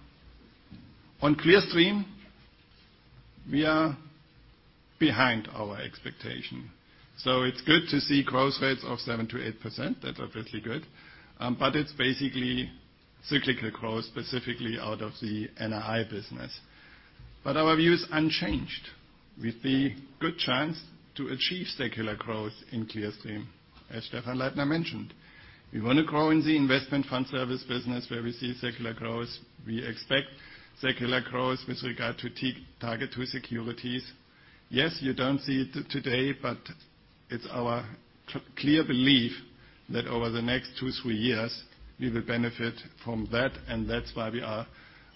Clearstream, we are behind our expectation. It's good to see growth rates of 7%-8%. That's obviously good. It's basically cyclical growth, specifically out of the NII business. Our view is unchanged with the good chance to achieve secular growth in Clearstream, as Stephan Leithner mentioned. We want to grow in the investment fund service business where we see secular growth. We expect secular growth with regard to TARGET2-Securities. You don't see it today, but it's our clear belief that over the next two, three years, we will benefit from that, and that's why we are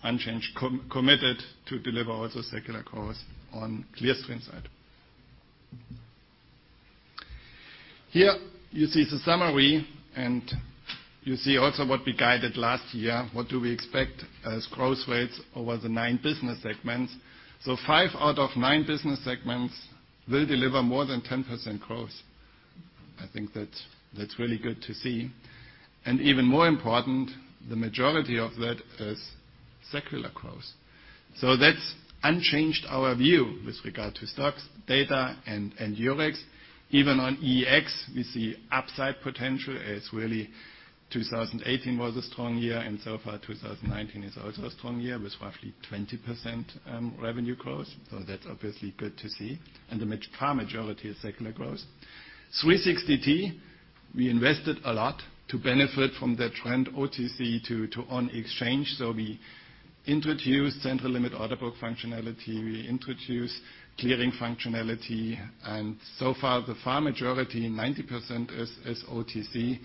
unchanged, committed to deliver also secular growth on Clearstream side. Here you see the summary, and you see also what we guided last year, what do we expect as growth rates over the nine business segments. Five out of nine business segments will deliver more than 10% growth. I think that's really good to see. Even more important, the majority of that is secular growth. That's unchanged our view with regard to STOXX, data, and Eurex. Even on EEX, we see upside potential. It's really 2018 was a strong year, and so far 2019 is also a strong year with roughly 20% revenue growth. That's obviously good to see. The far majority is secular growth. [Swiss LX], we invested a lot to benefit from the trend OTC to on exchange. We introduced central limit order book functionality, we introduced clearing functionality, and so far the far majority, 90% is OTC,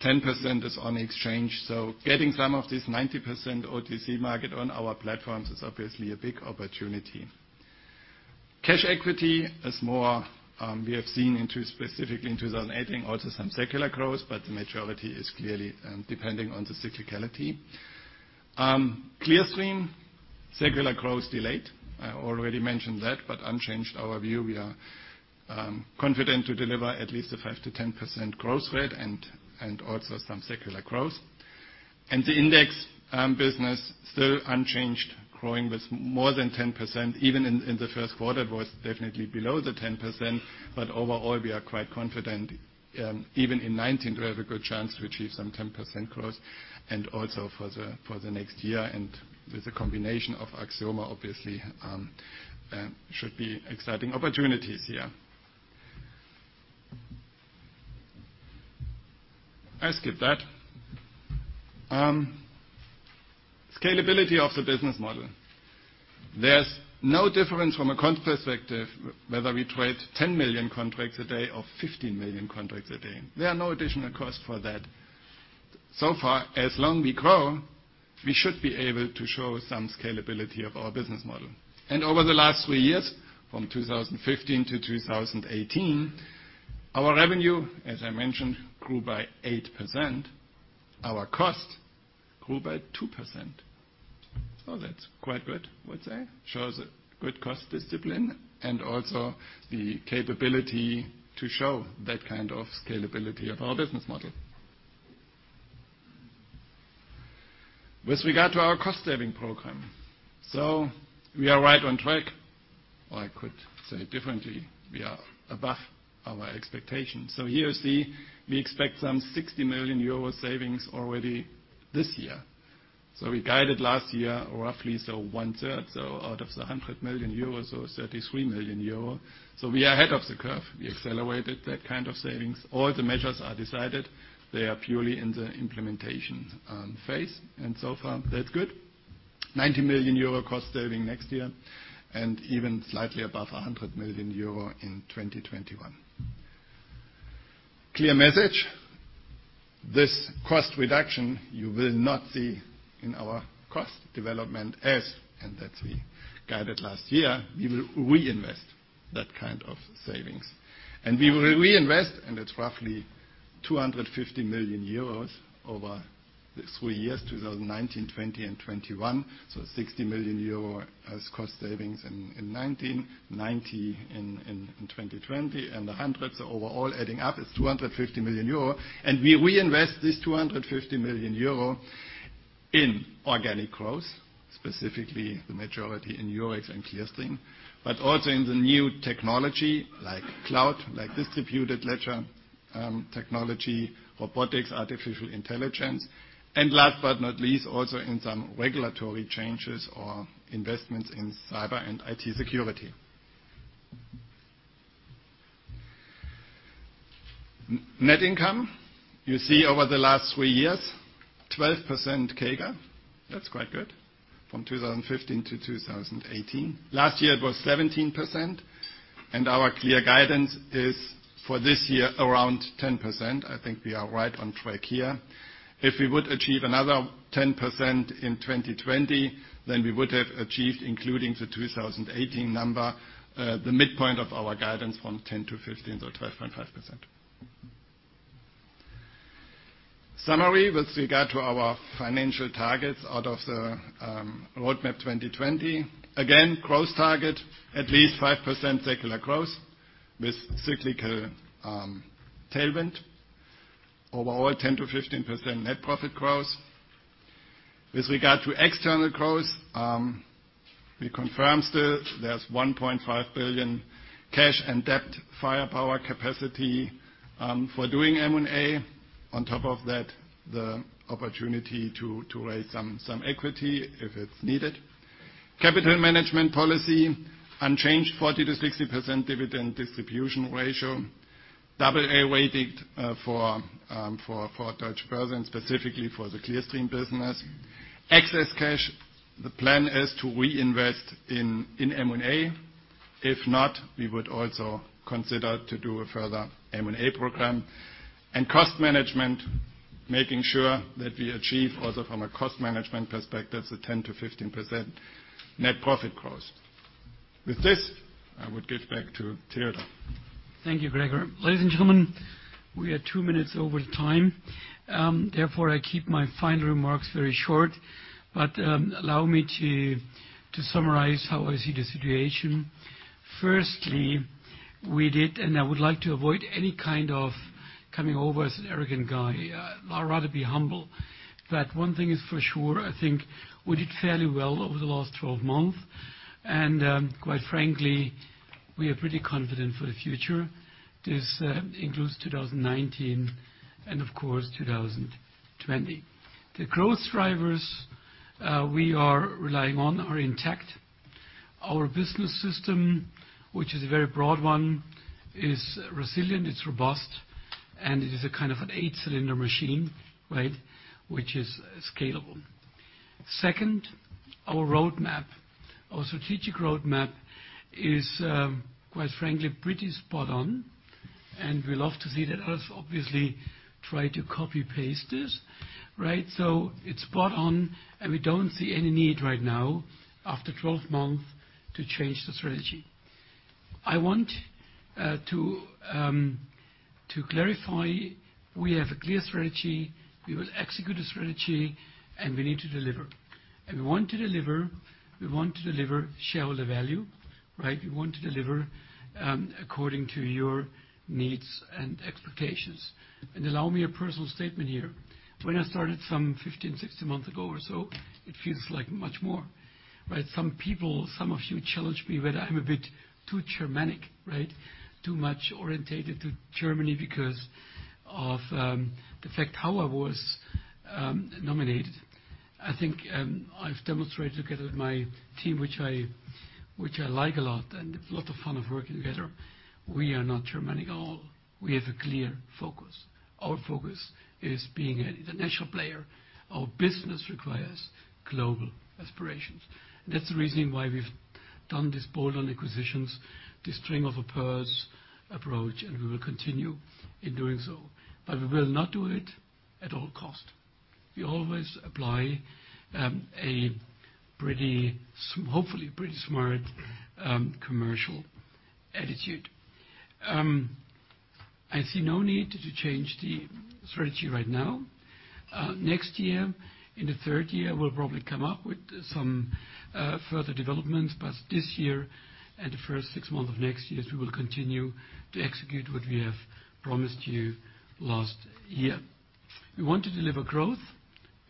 10% is on exchange. Getting some of this 90% OTC market on our platforms is obviously a big opportunity. Cash equity is more, we have seen into specifically in 2018, also some secular growth, but the majority is clearly depending on the cyclicality. Clearstream, secular growth delayed. I already mentioned that, but unchanged our view. We are confident to deliver at least a 5%-10% growth rate and also some secular growth. The index business still unchanged, growing with more than 10%, even in the first quarter was definitely below the 10%, but overall, we are quite confident, even in 2019, we have a good chance to achieve some 10% growth and also for the next year. With a combination of Axioma, obviously, should be exciting opportunities here. I skip that. Scalability of the business model. There's no difference from a cost perspective whether we trade 10 million contracts a day or 15 million contracts a day. There are no additional costs for that. As long as we grow, we should be able to show some scalability of our business model. Over the last three years, from 2015 to 2018, our revenue, as I mentioned, grew by 8%, our cost grew by 2%. That's quite good, I would say. Shows a good cost discipline and also the capability to show that kind of scalability of our business model. With regard to our cost-saving program, we are right on track, or I could say differently, we are above our expectations. Here you see, we expect some 60 million euro savings already this year. We guided last year, roughly, one third, out of the 100 million euros, 33 million euros. We are ahead of the curve. We accelerated that kind of savings. All the measures are decided. They are purely in the implementation phase, and so far, that's good. 90 million euro cost saving next year, even slightly above 100 million euro in 2021. Clear message, this cost reduction you will not see in our cost development as, that we guided last year, we will reinvest that kind of savings. We will reinvest, it's roughly 250 million euros over the three years, 2019, 2020, and 2021. 60 million euro as cost savings in 2019, 90 million in 2020, and 100 million. Overall adding up, it's 250 million euro. We reinvest this 250 million euro in organic growth, specifically the majority in Eurex and Clearstream, but also in the new technology like cloud, like distributed ledger technology, robotics, artificial intelligence, and last but not least, also in some regulatory changes or investments in cyber and IT security. Net income, you see over the last three years, 12% CAGR. That's quite good, from 2015 to 2018. Last year it was 17%, and our clear guidance is for this year around 10%. I think we are right on track here. If we would achieve another 10% in 2020, then we would have achieved, including the 2018 number, the midpoint of our guidance from 10%-15%, so 12.5%. Summary with regard to our financial targets out of the Roadmap 2020. Growth target, at least 5% secular growth with cyclical tailwind. Overall 10%-15% net profit growth. With regard to external growth, we confirm still there's 1.5 billion cash and debt firepower capacity for doing M&A. On top of that, the opportunity to raise some equity if it's needed. Capital management policy, unchanged 40%-60% dividend distribution ratio. Double A rating for Deutsche Börse and specifically for the Clearstream business. Excess cash, the plan is to reinvest in M&A. If not, we would also consider to do a further M&A program. Cost management, making sure that we achieve also from a cost management perspective, the 10%-15% net profit growth. With this, I would give back to Theodor. Thank you, Gregor. Ladies and gentlemen, we are two minutes over time. Therefore, I keep my final remarks very short, allow me to summarize how I see the situation. Firstly, we did, I would like to avoid any kind of coming over as an arrogant guy. I'd rather be humble. One thing is for sure, I think we did fairly well over the last 12 months, and quite frankly, we are pretty confident for the future. This includes 2019 and of course 2020. The growth drivers we are relying on are intact. Our business system, which is a very broad one, is resilient, it's robust, and it is a kind of an eight-cylinder machine, right, which is scalable. Second, our roadmap, our strategic roadmap is, quite frankly, pretty spot on. We love to see that others obviously try to copy-paste this, right? It's spot on, and we don't see any need right now after 12 months to change the strategy. I want to clarify, we have a clear strategy, we will execute the strategy, and we need to deliver. We want to deliver shareholder value, right? We want to deliver according to your needs and expectations. Allow me a personal statement here. When I started some 15, 16 months ago or so, it feels like much more, right? Some people, some of you challenged me whether I'm a bit too Germanic, right? Too much orientated to Germany because of the fact how I was nominated. I think I've demonstrated together with my team, which I like a lot, and a lot of fun of working together, we are not Germanic at all. We have a clear focus. Our focus is being an international player. Our business requires global aspirations. That's the reason why we've done these bold acquisitions, this string of a pearls approach, and we will continue in doing so. We will not do it at all cost. We always apply, hopefully, a pretty smart commercial attitude. I see no need to change the strategy right now. Next year, in the third year, we'll probably come up with some further developments. This year and the first six months of next year, we will continue to execute what we have promised you last year. We want to deliver growth,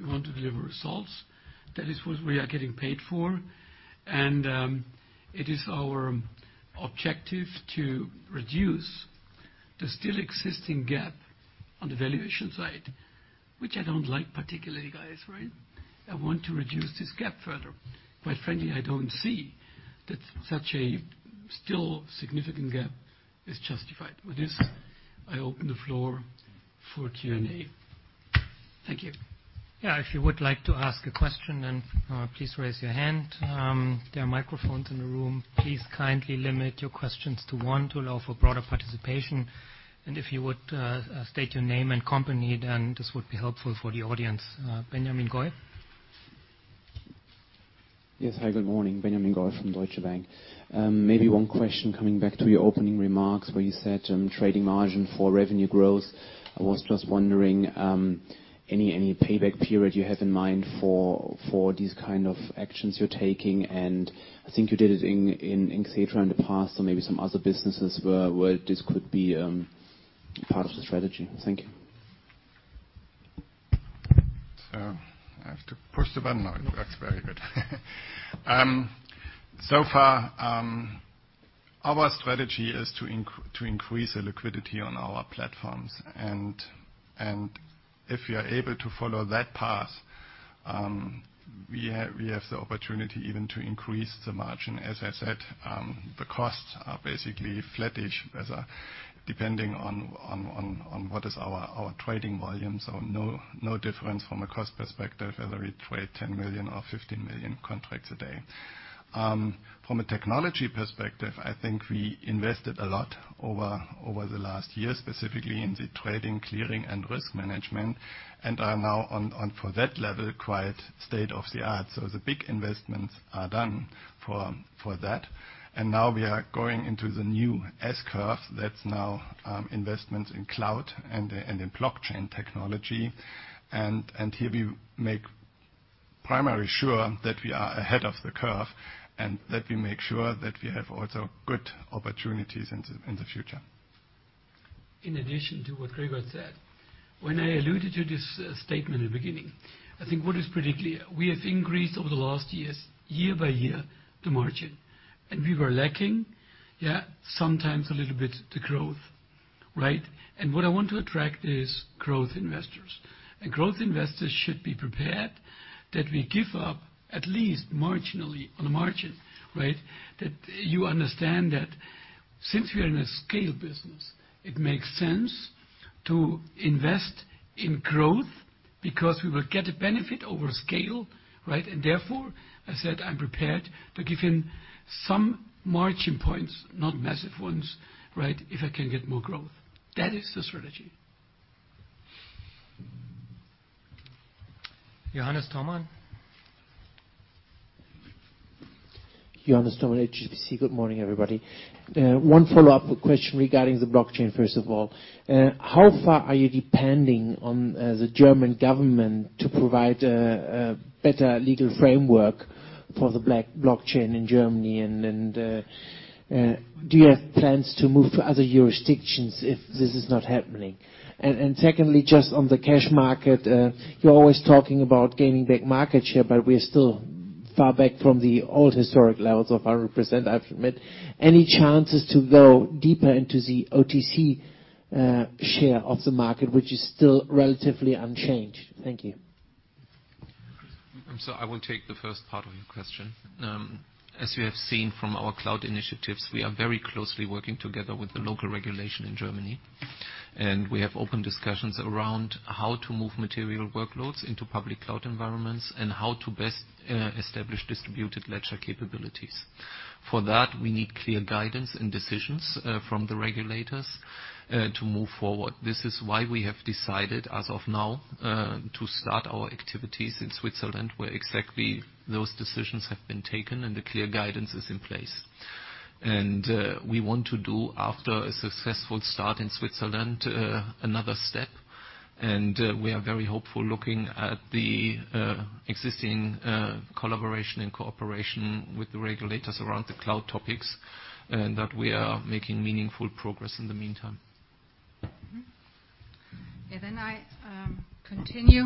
we want to deliver results. That is what we are getting paid for, and it is our objective to reduce the still existing gap on the valuation side, which I don't like particularly, guys. Right? I want to reduce this gap further. Quite frankly, I don't see that such a still significant gap is justified. With this, I open the floor for Q&A. Thank you. If you would like to ask a question, please raise your hand. There are microphones in the room. Please kindly limit your questions to one to allow for broader participation, and if you would state your name and company, this would be helpful for the audience. Benjamin Goy? Yes. Hi, good morning. Benjamin Goy from Deutsche Bank. Maybe one question, coming back to your opening remarks where you said trading margin for revenue growth. I was just wondering, any payback period you have in mind for these kind of actions you're taking? I think you did it in Xetra in the past or maybe some other businesses where this could be part of the strategy. Thank you. I have to push the button now. It works very good. So far our strategy is to increase the liquidity on our platforms, and if we are able to follow that path, we have the opportunity even to increase the margin. As I said, the costs are basically flattish, depending on what is our trading volume. No difference from a cost perspective, whether we trade 10 million or 15 million contracts a day. From a technology perspective, I think we invested a lot over the last year, specifically in the trading, clearing, and risk management, and are now on, for that level, quite state-of-the-art. The big investments are done for that. Now we are going into the new S-curve, that's now investments in cloud and in blockchain technology. Here we make primary sure that we are ahead of the curve and that we make sure that we have also good opportunities in the future. In addition to what Gregor said, when I alluded to this statement in the beginning, I think what is pretty clear, we have increased over the last years, year by year, the margin. We were lacking, yeah, sometimes a little bit the growth. Right? What I want to attract is growth investors. Growth investors should be prepared that we give up at least marginally on the margin. Right? That you understand that since we are in a scale business, it makes sense to invest in growth because we will get a benefit over scale. Right? Therefore, I said I'm prepared to give in some margin points, not massive ones, if I can get more growth. That is the strategy. Johannes Thormann. Johannes Thormann, HSBC. Good morning, everybody. One follow-up question regarding the blockchain, first of all. How far are you depending on the German government to provide a better legal framework for the blockchain in Germany? Do you have plans to move to other jurisdictions if this is not happening? Secondly, just on the cash market, you are always talking about gaining back market share, but we are still far back from the old historic levels of 100%, I have to admit. Any chances to go deeper into the OTC share of the market, which is still relatively unchanged? Thank you. I will take the first part of your question. As you have seen from our cloud initiatives, we are very closely working together with the local regulation in Germany, and we have open discussions around how to move material workloads into public cloud environments and how to best establish distributed ledger capabilities. For that, we need clear guidance and decisions from the regulators to move forward. This is why we have decided as of now to start our activities in Switzerland, where exactly those decisions have been taken and the clear guidance is in place. We want to do, after a successful start in Switzerland, another step. We are very hopeful looking at the existing collaboration and cooperation with the regulators around the cloud topics, and that we are making meaningful progress in the meantime. I continue.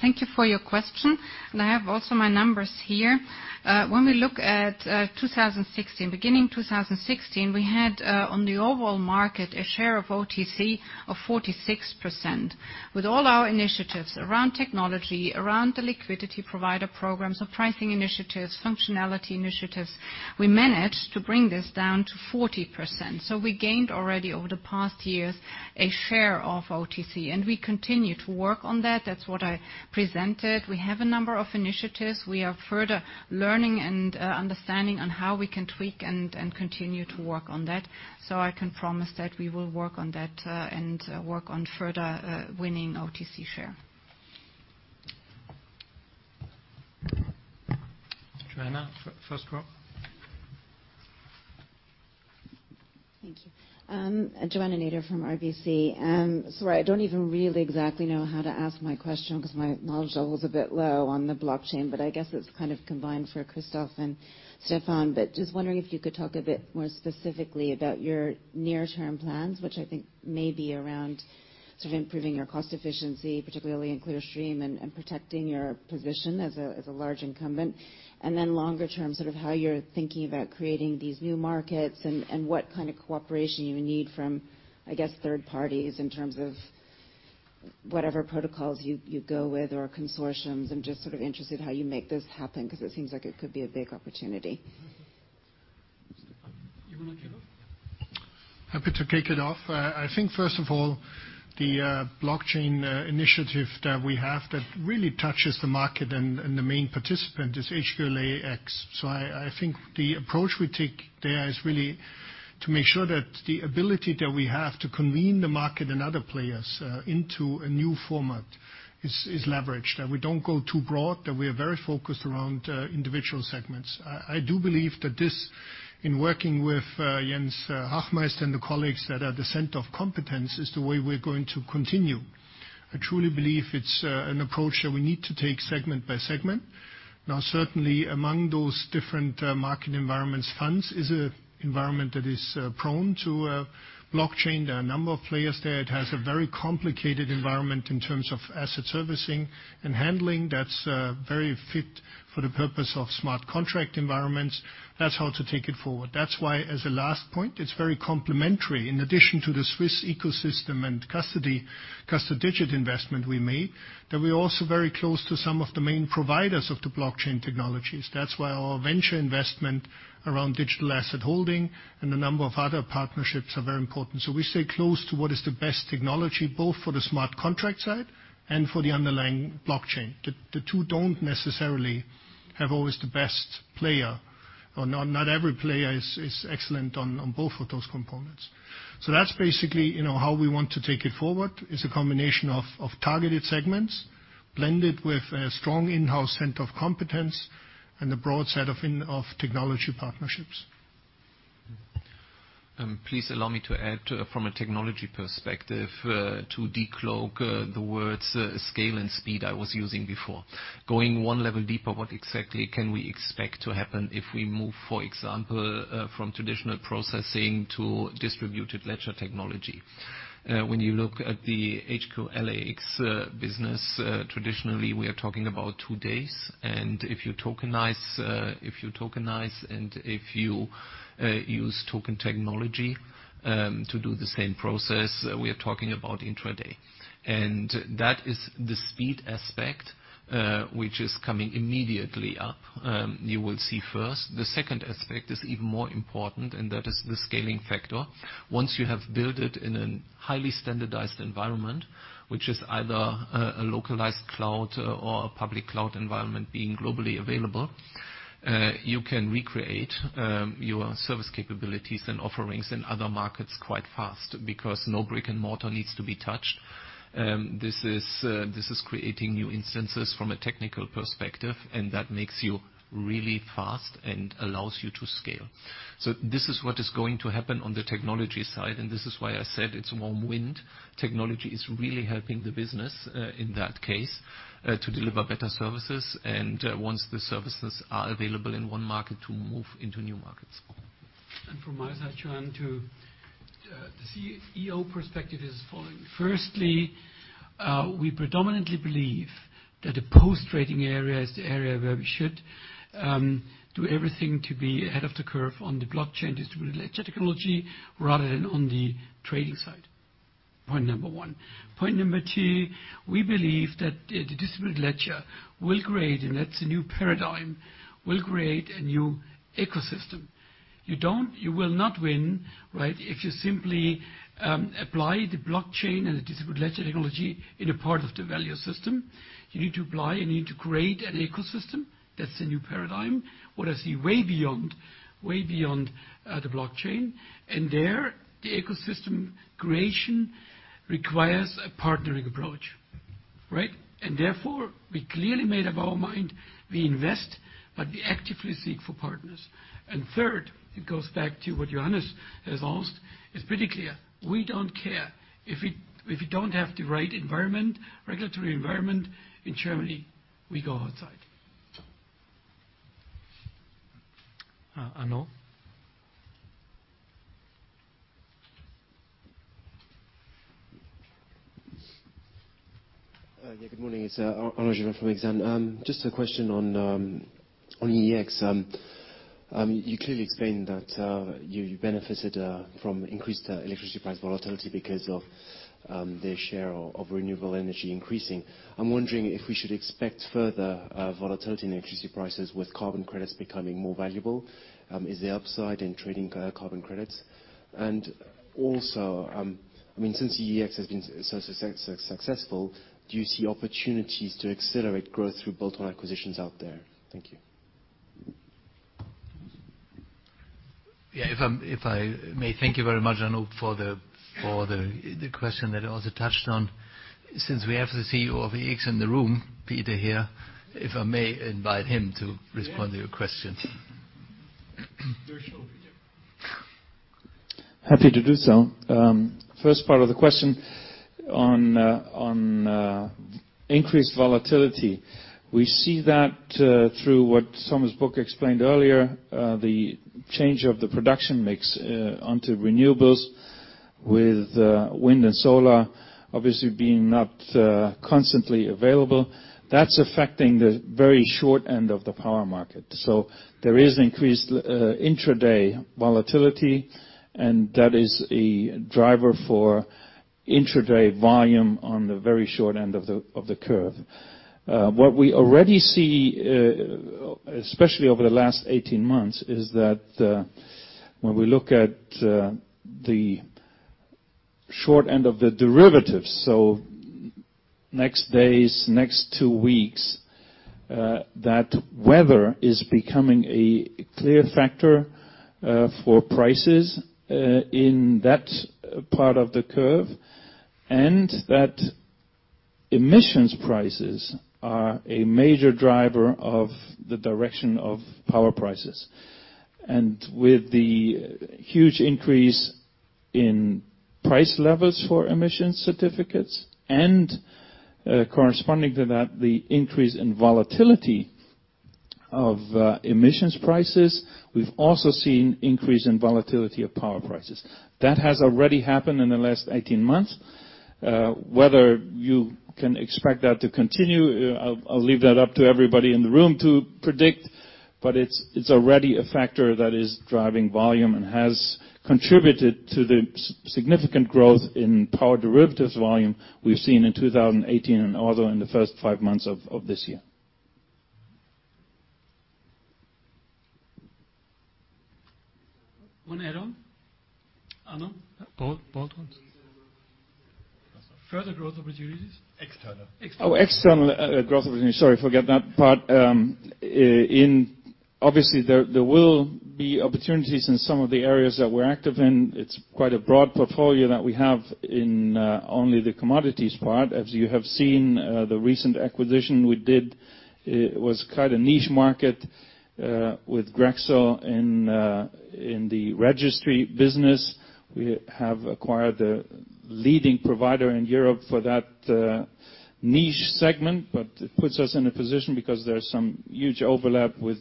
Thank you for your question, and I have also my numbers here. When we look at 2016, beginning 2016, we had, on the overall market, a share of OTC of 46%. With all our initiatives around technology, around the liquidity provider programs, our pricing initiatives, functionality initiatives, we managed to bring this down to 40%. We gained already, over the past years, a share of OTC, and we continue to work on that. That is what I presented. We have a number of initiatives. We are further learning and understanding on how we can tweak and continue to work on that. I can promise that we will work on that, and work on further winning OTC share. Joanna, first row. Thank you. Joanna Nader from RBC. Sorry, I do not even really exactly know how to ask my question because my knowledge level is a bit low on the blockchain. I guess it is kind of combined for Christoph and Stephan. Just wondering if you could talk a bit more specifically about your near-term plans, which I think may be around sort of improving your cost efficiency, particularly in Clearstream, and protecting your position as a large incumbent. Longer term, sort of how you are thinking about creating these new markets, and what kind of cooperation you need from, I guess, third parties in terms of whatever protocols you go with or consortiums. I am just sort of interested how you make this happen, because it seems like it could be a big opportunity. You want to kick it off? Happy to kick it off. I think, first of all, the blockchain initiative that we have that really touches the market and the main participant is HQLAX. I think the approach we take there is really to make sure that the ability that we have to convene the market and other players into a new format is leveraged, that we do not go too broad, that we are very focused around individual segments. I do believe that this, in working with Jens Hachmeister and the colleagues that are the center of competence, is the way we are going to continue. I truly believe it is an approach that we need to take segment by segment. Now, certainly among those different market environments, funds is an environment that is prone to blockchain. There are a number of players there. It has a very complicated environment in terms of asset servicing and handling that's very fit for the purpose of smart contract environments. That's how to take it forward. That's why, as a last point, it's very complementary. In addition to the Swiss ecosystem and Custodigit investment we made, that we're also very close to some of the main providers of the blockchain technologies. That's why our venture investment aroundDigital Asset Holdings and a number of other partnerships are very important. We stay close to what is the best technology, both for the smart contract side and for the underlying blockchain. The two don't necessarily have always the best player, or not every player is excellent on both of those components. That's basically how we want to take it forward. It's a combination of targeted segments blended with a strong in-house center of competence and a broad set of technology partnerships. Please allow me to add from a technology perspective to decloak the words scale and speed I was using before. Going one level deeper, what exactly can we expect to happen if we move, for example, from traditional processing to distributed ledger technology? When you look at the HQLAX business, traditionally, we are talking about two days, and if you tokenize and if you use token technology to do the same process, we are talking about intraday. That is the speed aspect which is coming immediately up, you will see first. The second aspect is even more important, and that is the scaling factor. Once you have built it in a highly standardized environment, which is either a localized cloud or a public cloud environment being globally available, you can recreate your service capabilities and offerings in other markets quite fast because no brick-and-mortar needs to be touched. This is creating new instances from a technical perspective, and that makes you really fast and allows you to scale. This is what is going to happen on the technology side, and this is why I said it's warm wind. Technology is really helping the business in that case to deliver better services, and once the services are available in one market, to move into new markets. From my side, Joanna, to see EO perspective is falling. Firstly, we predominantly believe that the post-trading area is the area where we should do everything to be ahead of the curve on the blockchain distributed ledger technology rather than on the trading side. Point number one. Point number two, we believe that the distributed ledger will create, and that's a new paradigm, will create a new ecosystem. You will not win, right, if you simply apply the blockchain and the distributed ledger technology in a part of the value system. You need to apply, you need to create an ecosystem. That's the new paradigm. What I see way beyond the blockchain, and there, the ecosystem creation requires a partnering approach. Right? Therefore, we clearly made up our mind. We invest, but we actively seek for partners. Third, it goes back to what Johannes has asked. It's pretty clear, we don't care if we don't have the right regulatory environment in Germany, we go outside. Arnaud? Good morning. It's Arnaud Giblat from Exane. Just a question on EEX. You clearly explained that you benefited from increased electricity price volatility because of the share of renewable energy increasing. I'm wondering if we should expect further volatility in electricity prices with carbon credits becoming more valuable. Is there upside in trading carbon credits? Also, since EEX has been so successful, do you see opportunities to accelerate growth through built-on acquisitions out there? Thank you. If I may, thank you very much, Arnaud, for the question that also touched on, since we have the CEO of EEX in the room, Peter here, if I may invite him to respond to your question. Sure. Happy to do so. First part of the question on increased volatility. We see that through what Thomas Book explained earlier, the change of the production mix, onto renewables with wind and solar obviously being not constantly available. That's affecting the very short end of the power market. There is increased intraday volatility, and that is a driver for intraday volume on the very short end of the curve. What we already see, especially over the last 18 months, is that when we look at the short end of the derivatives, next days, next two weeks, that weather is becoming a clear factor for prices, in that part of the curve, and that emissions prices are a major driver of the direction of power prices. With the huge increase in price levels for emission certificates and, corresponding to that, the increase in volatility of emissions prices, we've also seen increase in volatility of power prices. That has already happened in the last 18 months. Whether you can expect that to continue, I'll leave that up to everybody in the room to predict, but it's already a factor that is driving volume and has contributed to the significant growth in power derivatives volume we've seen in 2018 and also in the first five months of this year. One add on? Arnaud? Both? Both ones. Further growth opportunities. External. External growth opportunities. Sorry, forgot that part. Obviously, there will be opportunities in some of the areas that we're active in. It's quite a broad portfolio that we have in only the commodities part. As you have seen, the recent acquisition we did, it was quite a niche market, with Grexel in the registry business. We have acquired a leading provider in Europe for that niche segment. It puts us in a position because there's some huge overlap with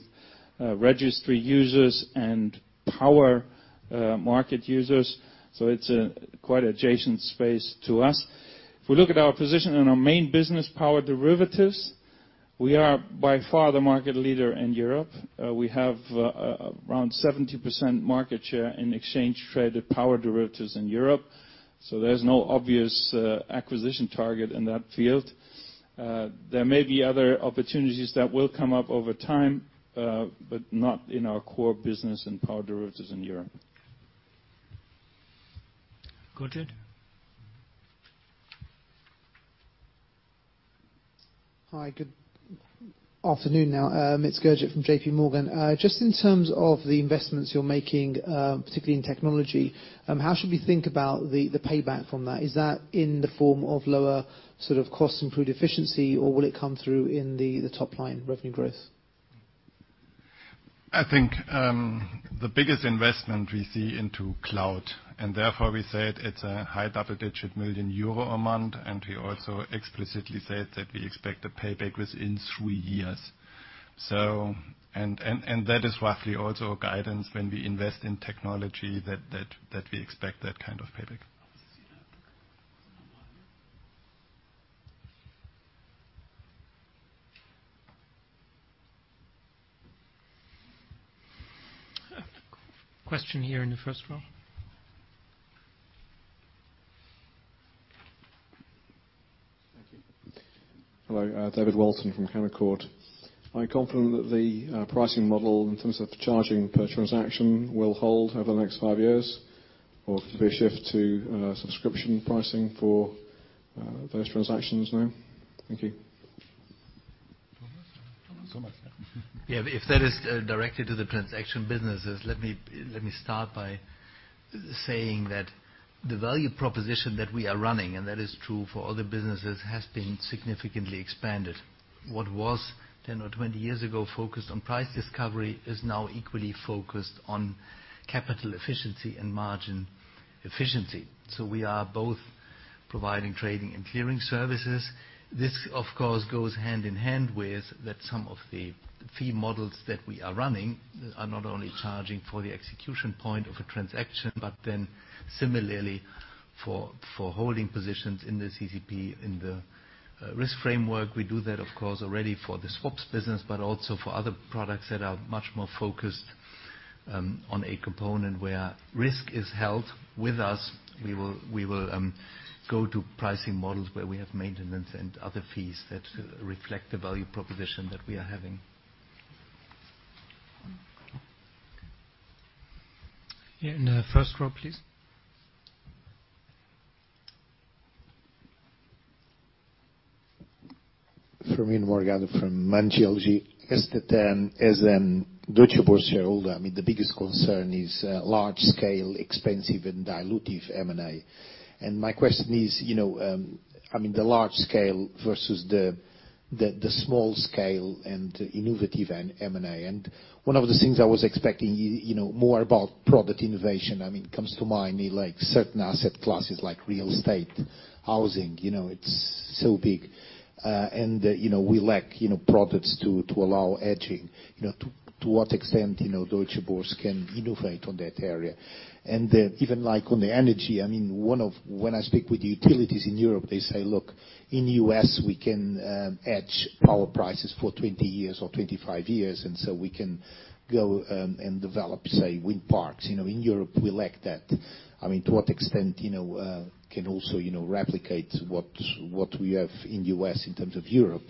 registry users and power market users. It's quite adjacent space to us. If we look at our position in our main business, power derivatives, we are by far the market leader in Europe. We have around 70% market share in exchange traded power derivatives in Europe. There's no obvious acquisition target in that field. There may be other opportunities that will come up over time, but not in our core business in power derivatives in Europe. Gurjit. Hi, good afternoon now. It's Gurjit from JPMorgan. Just in terms of the investments you're making, particularly in technology, how should we think about the payback from that? Is that in the form of lower cost improved efficiency, or will it come through in the top line revenue growth? I think the biggest investment we see into cloud, therefore we said it's a high double-digit million EUR amount, and we also explicitly said that we expect a payback within three years. That is roughly also a guidance when we invest in technology that we expect that kind of payback. Question here in the first row. Thank you. Hello. David Walton from Canaccord. Are you confident that the pricing model in terms of charging per transaction will hold over the next five years, or could there be a shift to subscription pricing for those transactions now? Thank you. Thomas? Thomas, yeah. Thomas. Yeah. If that is directed to the transaction businesses, let me start by saying that the value proposition that we are running, and that is true for other businesses, has been significantly expanded. What was 10 or 20 years ago focused on price discovery is now equally focused on Capital efficiency and margin efficiency. We are both providing trading and clearing services. This, of course, goes hand in hand with some of the fee models that we are running are not only charging for the execution point of a transaction, but similarly for holding positions in the CCP in the risk framework. We do that, of course, already for the swaps business, but also for other products that are much more focused on a component where risk is held with us. We will go to pricing models where we have maintenance and other fees that reflect the value proposition that we are having. Here in the first row, please. Firmin Morgado from M&G. As the Deutsche Börse hold, the biggest concern is large scale, expensive, and dilutive M&A. My question is, the large scale versus the small scale and innovative M&A. One of the things I was expecting more about product innovation, comes to mind, certain asset classes like real estate, housing, it is so big. We lack products to allow hedging. To what extent Deutsche Börse can innovate on that area? Even on the energy, when I speak with utilities in Europe, they say, "Look, in the U.S. we can hedge power prices for 20 years or 25 years, we can go and develop, say, wind parks." In Europe, we lack that. To what extent can also replicate what we have in the U.S. in terms of Europe,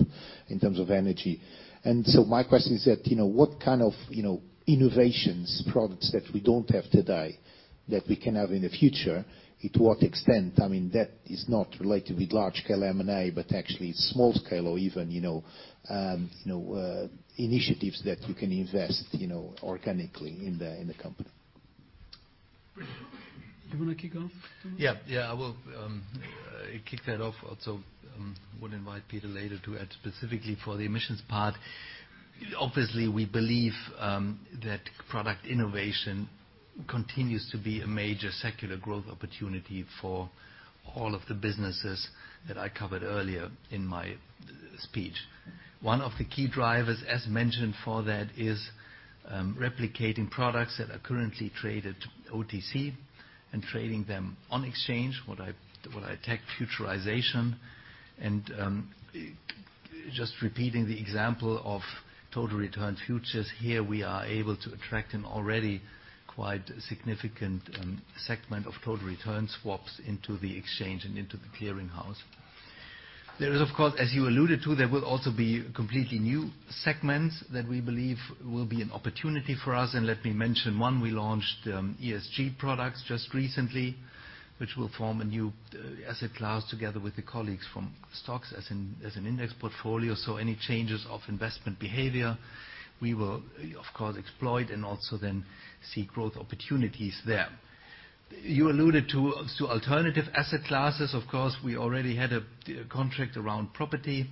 in terms of energy. My question is that, what kind of innovations, products that we don't have today, that we can have in the future? To what extent? That is not related with large scale M&A, but actually small scale or even initiatives that you can invest organically in the company. You want to kick off? Yeah. I also would invite Peter later to add specifically for the emissions part. Obviously, we believe that product innovation continues to be a major secular growth opportunity for all of the businesses that I covered earlier in my speech. One of the key drivers, as mentioned for that, is replicating products that are currently traded OTC and trading them on exchange, what I tag futurization. Just repeating the example of Total Return Futures here, we are able to attract an already quite significant segment of total return swaps into the exchange and into the clearinghouse. There is, of course, as you alluded to, there will also be completely new segments that we believe will be an opportunity for us, and let me mention one. We launched ESG products just recently, which will form a new asset class together with the colleagues from STOXX as an index portfolio. Any changes of investment behavior, we will of course, exploit and also then seek growth opportunities there. You alluded to alternative asset classes. Of course, we already had a contract around property.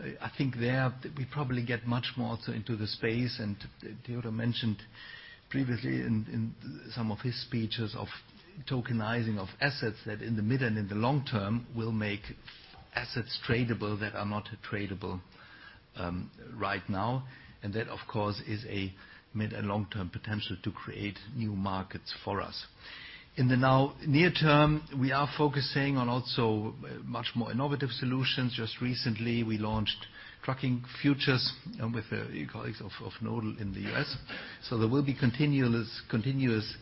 I think there we probably get much more into the space, and Theodor mentioned previously in some of his speeches of tokenizing of assets that in the mid and in the long term will make assets tradable that are not tradable right now. That, of course, is a mid and long-term potential to create new markets for us. In the now near term, we are focusing on also much more innovative solutions. Just recently, we launched trucking futures with the colleagues of Nodal in the U.S. There will be continuous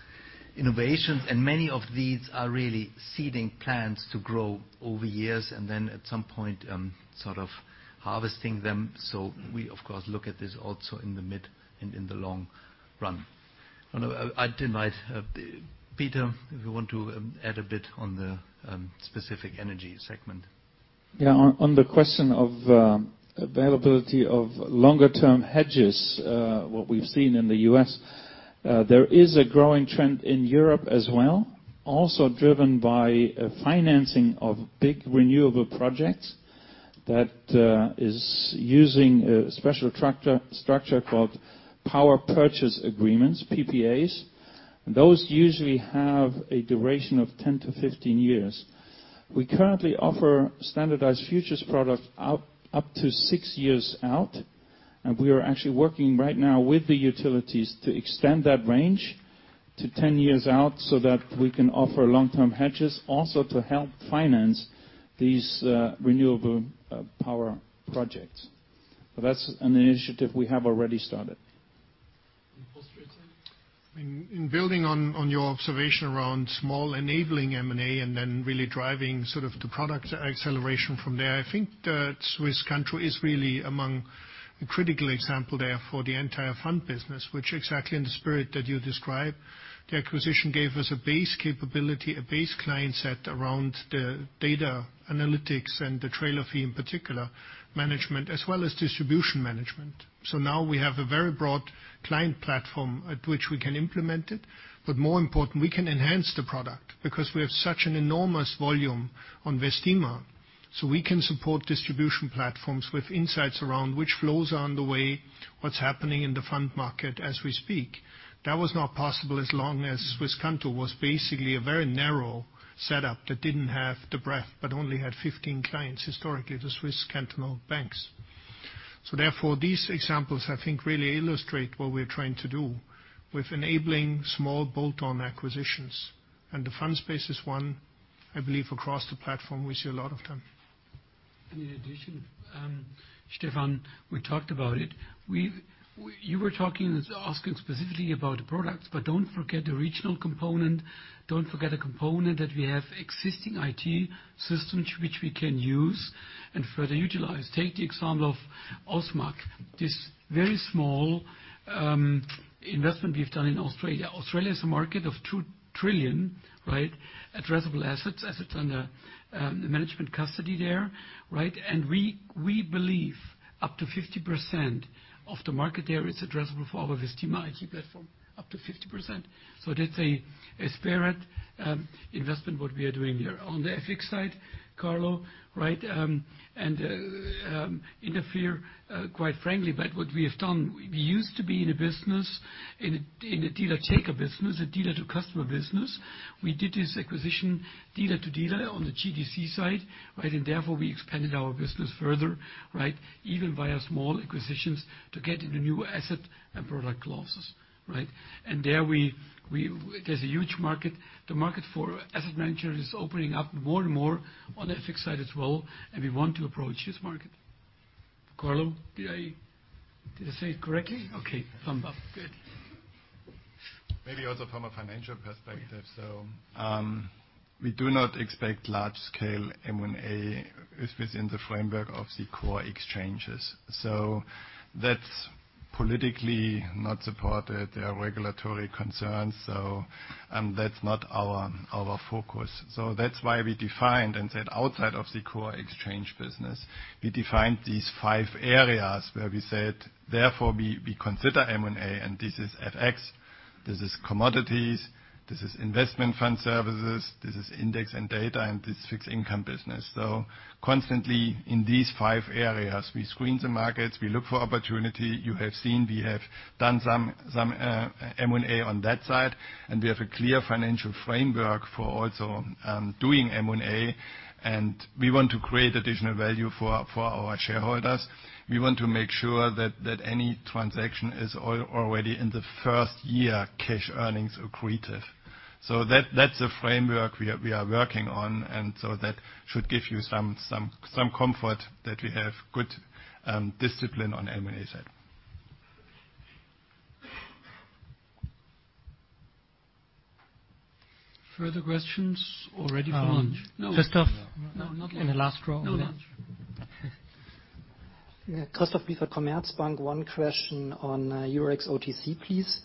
innovations, and many of these are really seeding plans to grow over years and then at some point, sort of harvesting them. We, of course, look at this also in the mid and in the long run. I'd invite Peter, if you want to add a bit on the specific energy segment. Yeah, on the question of availability of longer term hedges, what we've seen in the U.S., there is a growing trend in Europe as well, also driven by financing of big renewable projects that is using a special structure called Power Purchase Agreements, PPAs. Those usually have a duration of 10 to 15 years. We currently offer standardized futures products up to six years out, and we are actually working right now with the utilities to extend that range to 10 years out so that we can offer long-term hedges also to help finance these renewable power projects. That's an initiative we have already started. [Holger]? In building on your observation around small enabling M&A and then really driving sort of the product acceleration from there. I think that Swisscanto is really among a critical example there for the entire fund business, which exactly in the spirit that you describe. The acquisition gave us a base capability, a base client set around the data analytics and the trailer fee in particular, management, as well as distribution management. Now we have a very broad client platform at which we can implement it, but more important, we can enhance the product because we have such an enormous volume on Vestima. We can support distribution platforms with insights around which flows are on the way What's happening in the fund market as we speak, that was not possible as long as Swisscanto was basically a very narrow setup that didn't have the breadth, but only had 15 clients, historically, the Swiss cantonal banks. Therefore, these examples, I think, really illustrate what we're trying to do with enabling small bolt-on acquisitions. The fund space is one, I believe across the platform, we see a lot of them. In addition, Stephan, we talked about it. You were talking, asking specifically about the products, don't forget the regional component, don't forget a component that we have existing IT systems which we can use and further utilize. Take the example of Ausmaq, this very small investment we've done in Australia. Australia is a market of 2 trillion addressable assets under management custody there. We believe up to 50% of the market there is addressable for our Vestima IT platform, up to 50%. That's a spirit investment, what we are doing there. On the FX side, Carlo, what we have done, we used to be in a business, in a dealer-taker business, a dealer-to-customer business. We did this acquisition dealer to dealer on the GTX side. Therefore, we expanded our business further. Even via small acquisitions to get into new asset and product classes. There's a huge market. The market for asset managers is opening up more and more on the FX side as well, and we want to approach this market. Carlo, did I say it correctly? Okay. Thumb up. Good. Maybe also from a financial perspective. We do not expect large-scale M&A within the framework of the core exchanges. That's politically not supported. There are regulatory concerns, that's not our focus. That's why we defined and said outside of the core exchange business, we defined these five areas where we said, therefore, we consider M&A, this is FX, this is commodities, this is investment fund services, this is index and data, this is fixed-income business. Constantly in these five areas, we screen the markets, we look for opportunity. You have seen we have done some M&A on that side, we have a clear financial framework for also doing M&A, and we want to create additional value for our shareholders. We want to make sure that any transaction is already in the first-year cash earnings accretive. That's a framework we are working on, that should give you some comfort that we have good discipline on M&A side. Further questions or ready for lunch? No. Christoph. No, not yet. In the last row over there. No lunch. Christoph Liefner, Commerzbank. One question on Eurex OTC, please.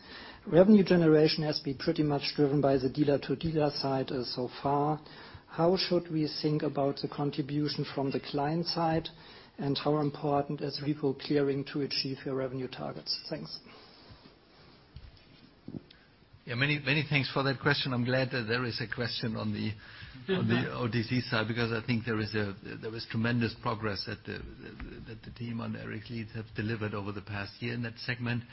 Revenue generation has been pretty much driven by the dealer-to-dealer side so far. How should we think about the contribution from the client side? How important is repo clearing to achieve your revenue targets? Thanks. Many thanks for that question. I'm glad that there is a question on the OTC side because I think there was tremendous progress that the team under Erik Leupoldhave delivered over the past year in that segment.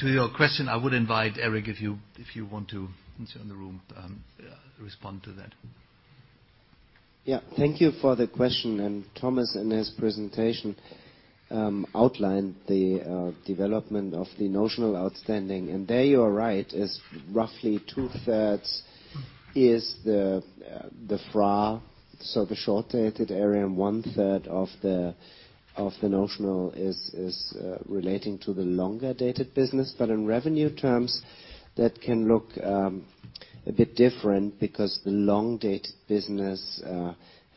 To your question, I would invite Erik Leupold if you want to, since you're in the room, respond to that. Thank you for the question. Thomas, in his presentation, outlined the development of the notional outstanding. There you are right, is roughly two-thirds is the FRA, so the short-dated area and one-third of the notional is relating to the longer-dated business. In revenue terms, that can look a bit different because the long-dated business,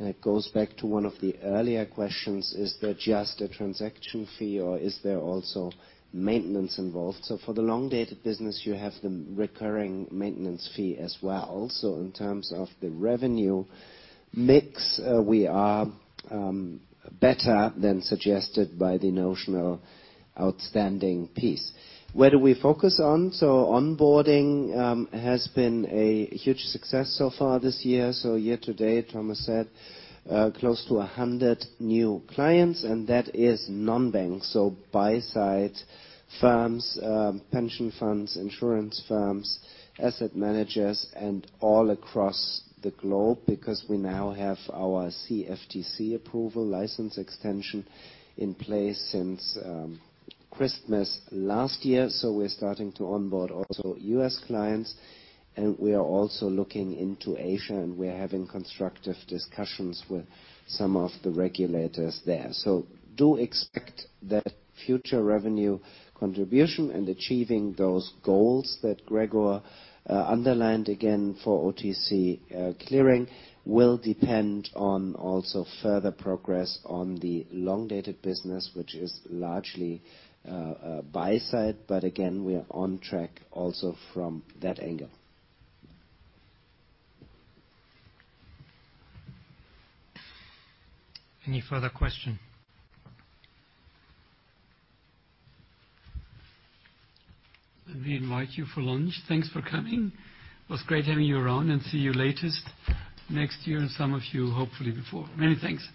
it goes back to one of the earlier questions, is there just a transaction fee or is there also maintenance involved? For the long-dated business, you have the recurring maintenance fee as well. In terms of the revenue mix, we are better than suggested by the notional outstanding piece. Where do we focus on? Onboarding has been a huge success so far this year. Year-to-date, Thomas said, close to 100 new clients, and that is non-bank. Buy-side firms, pension funds, insurance firms, asset managers, and all across the globe because we now have our CFTC approval license extension in place since Christmas last year. We're starting to onboard also U.S. clients, and we are also looking into Asia, and we are having constructive discussions with some of the regulators there. Do expect that future revenue contribution and achieving those goals that Gregor underlined again for OTC clearing will depend on also further progress on the long-dated business, which is largely buy-side. Again, we are on track also from that angle. Any further question? We invite you for lunch. Thanks for coming. It was great having you around, and see you latest next year, and some of you, hopefully before. Many thanks.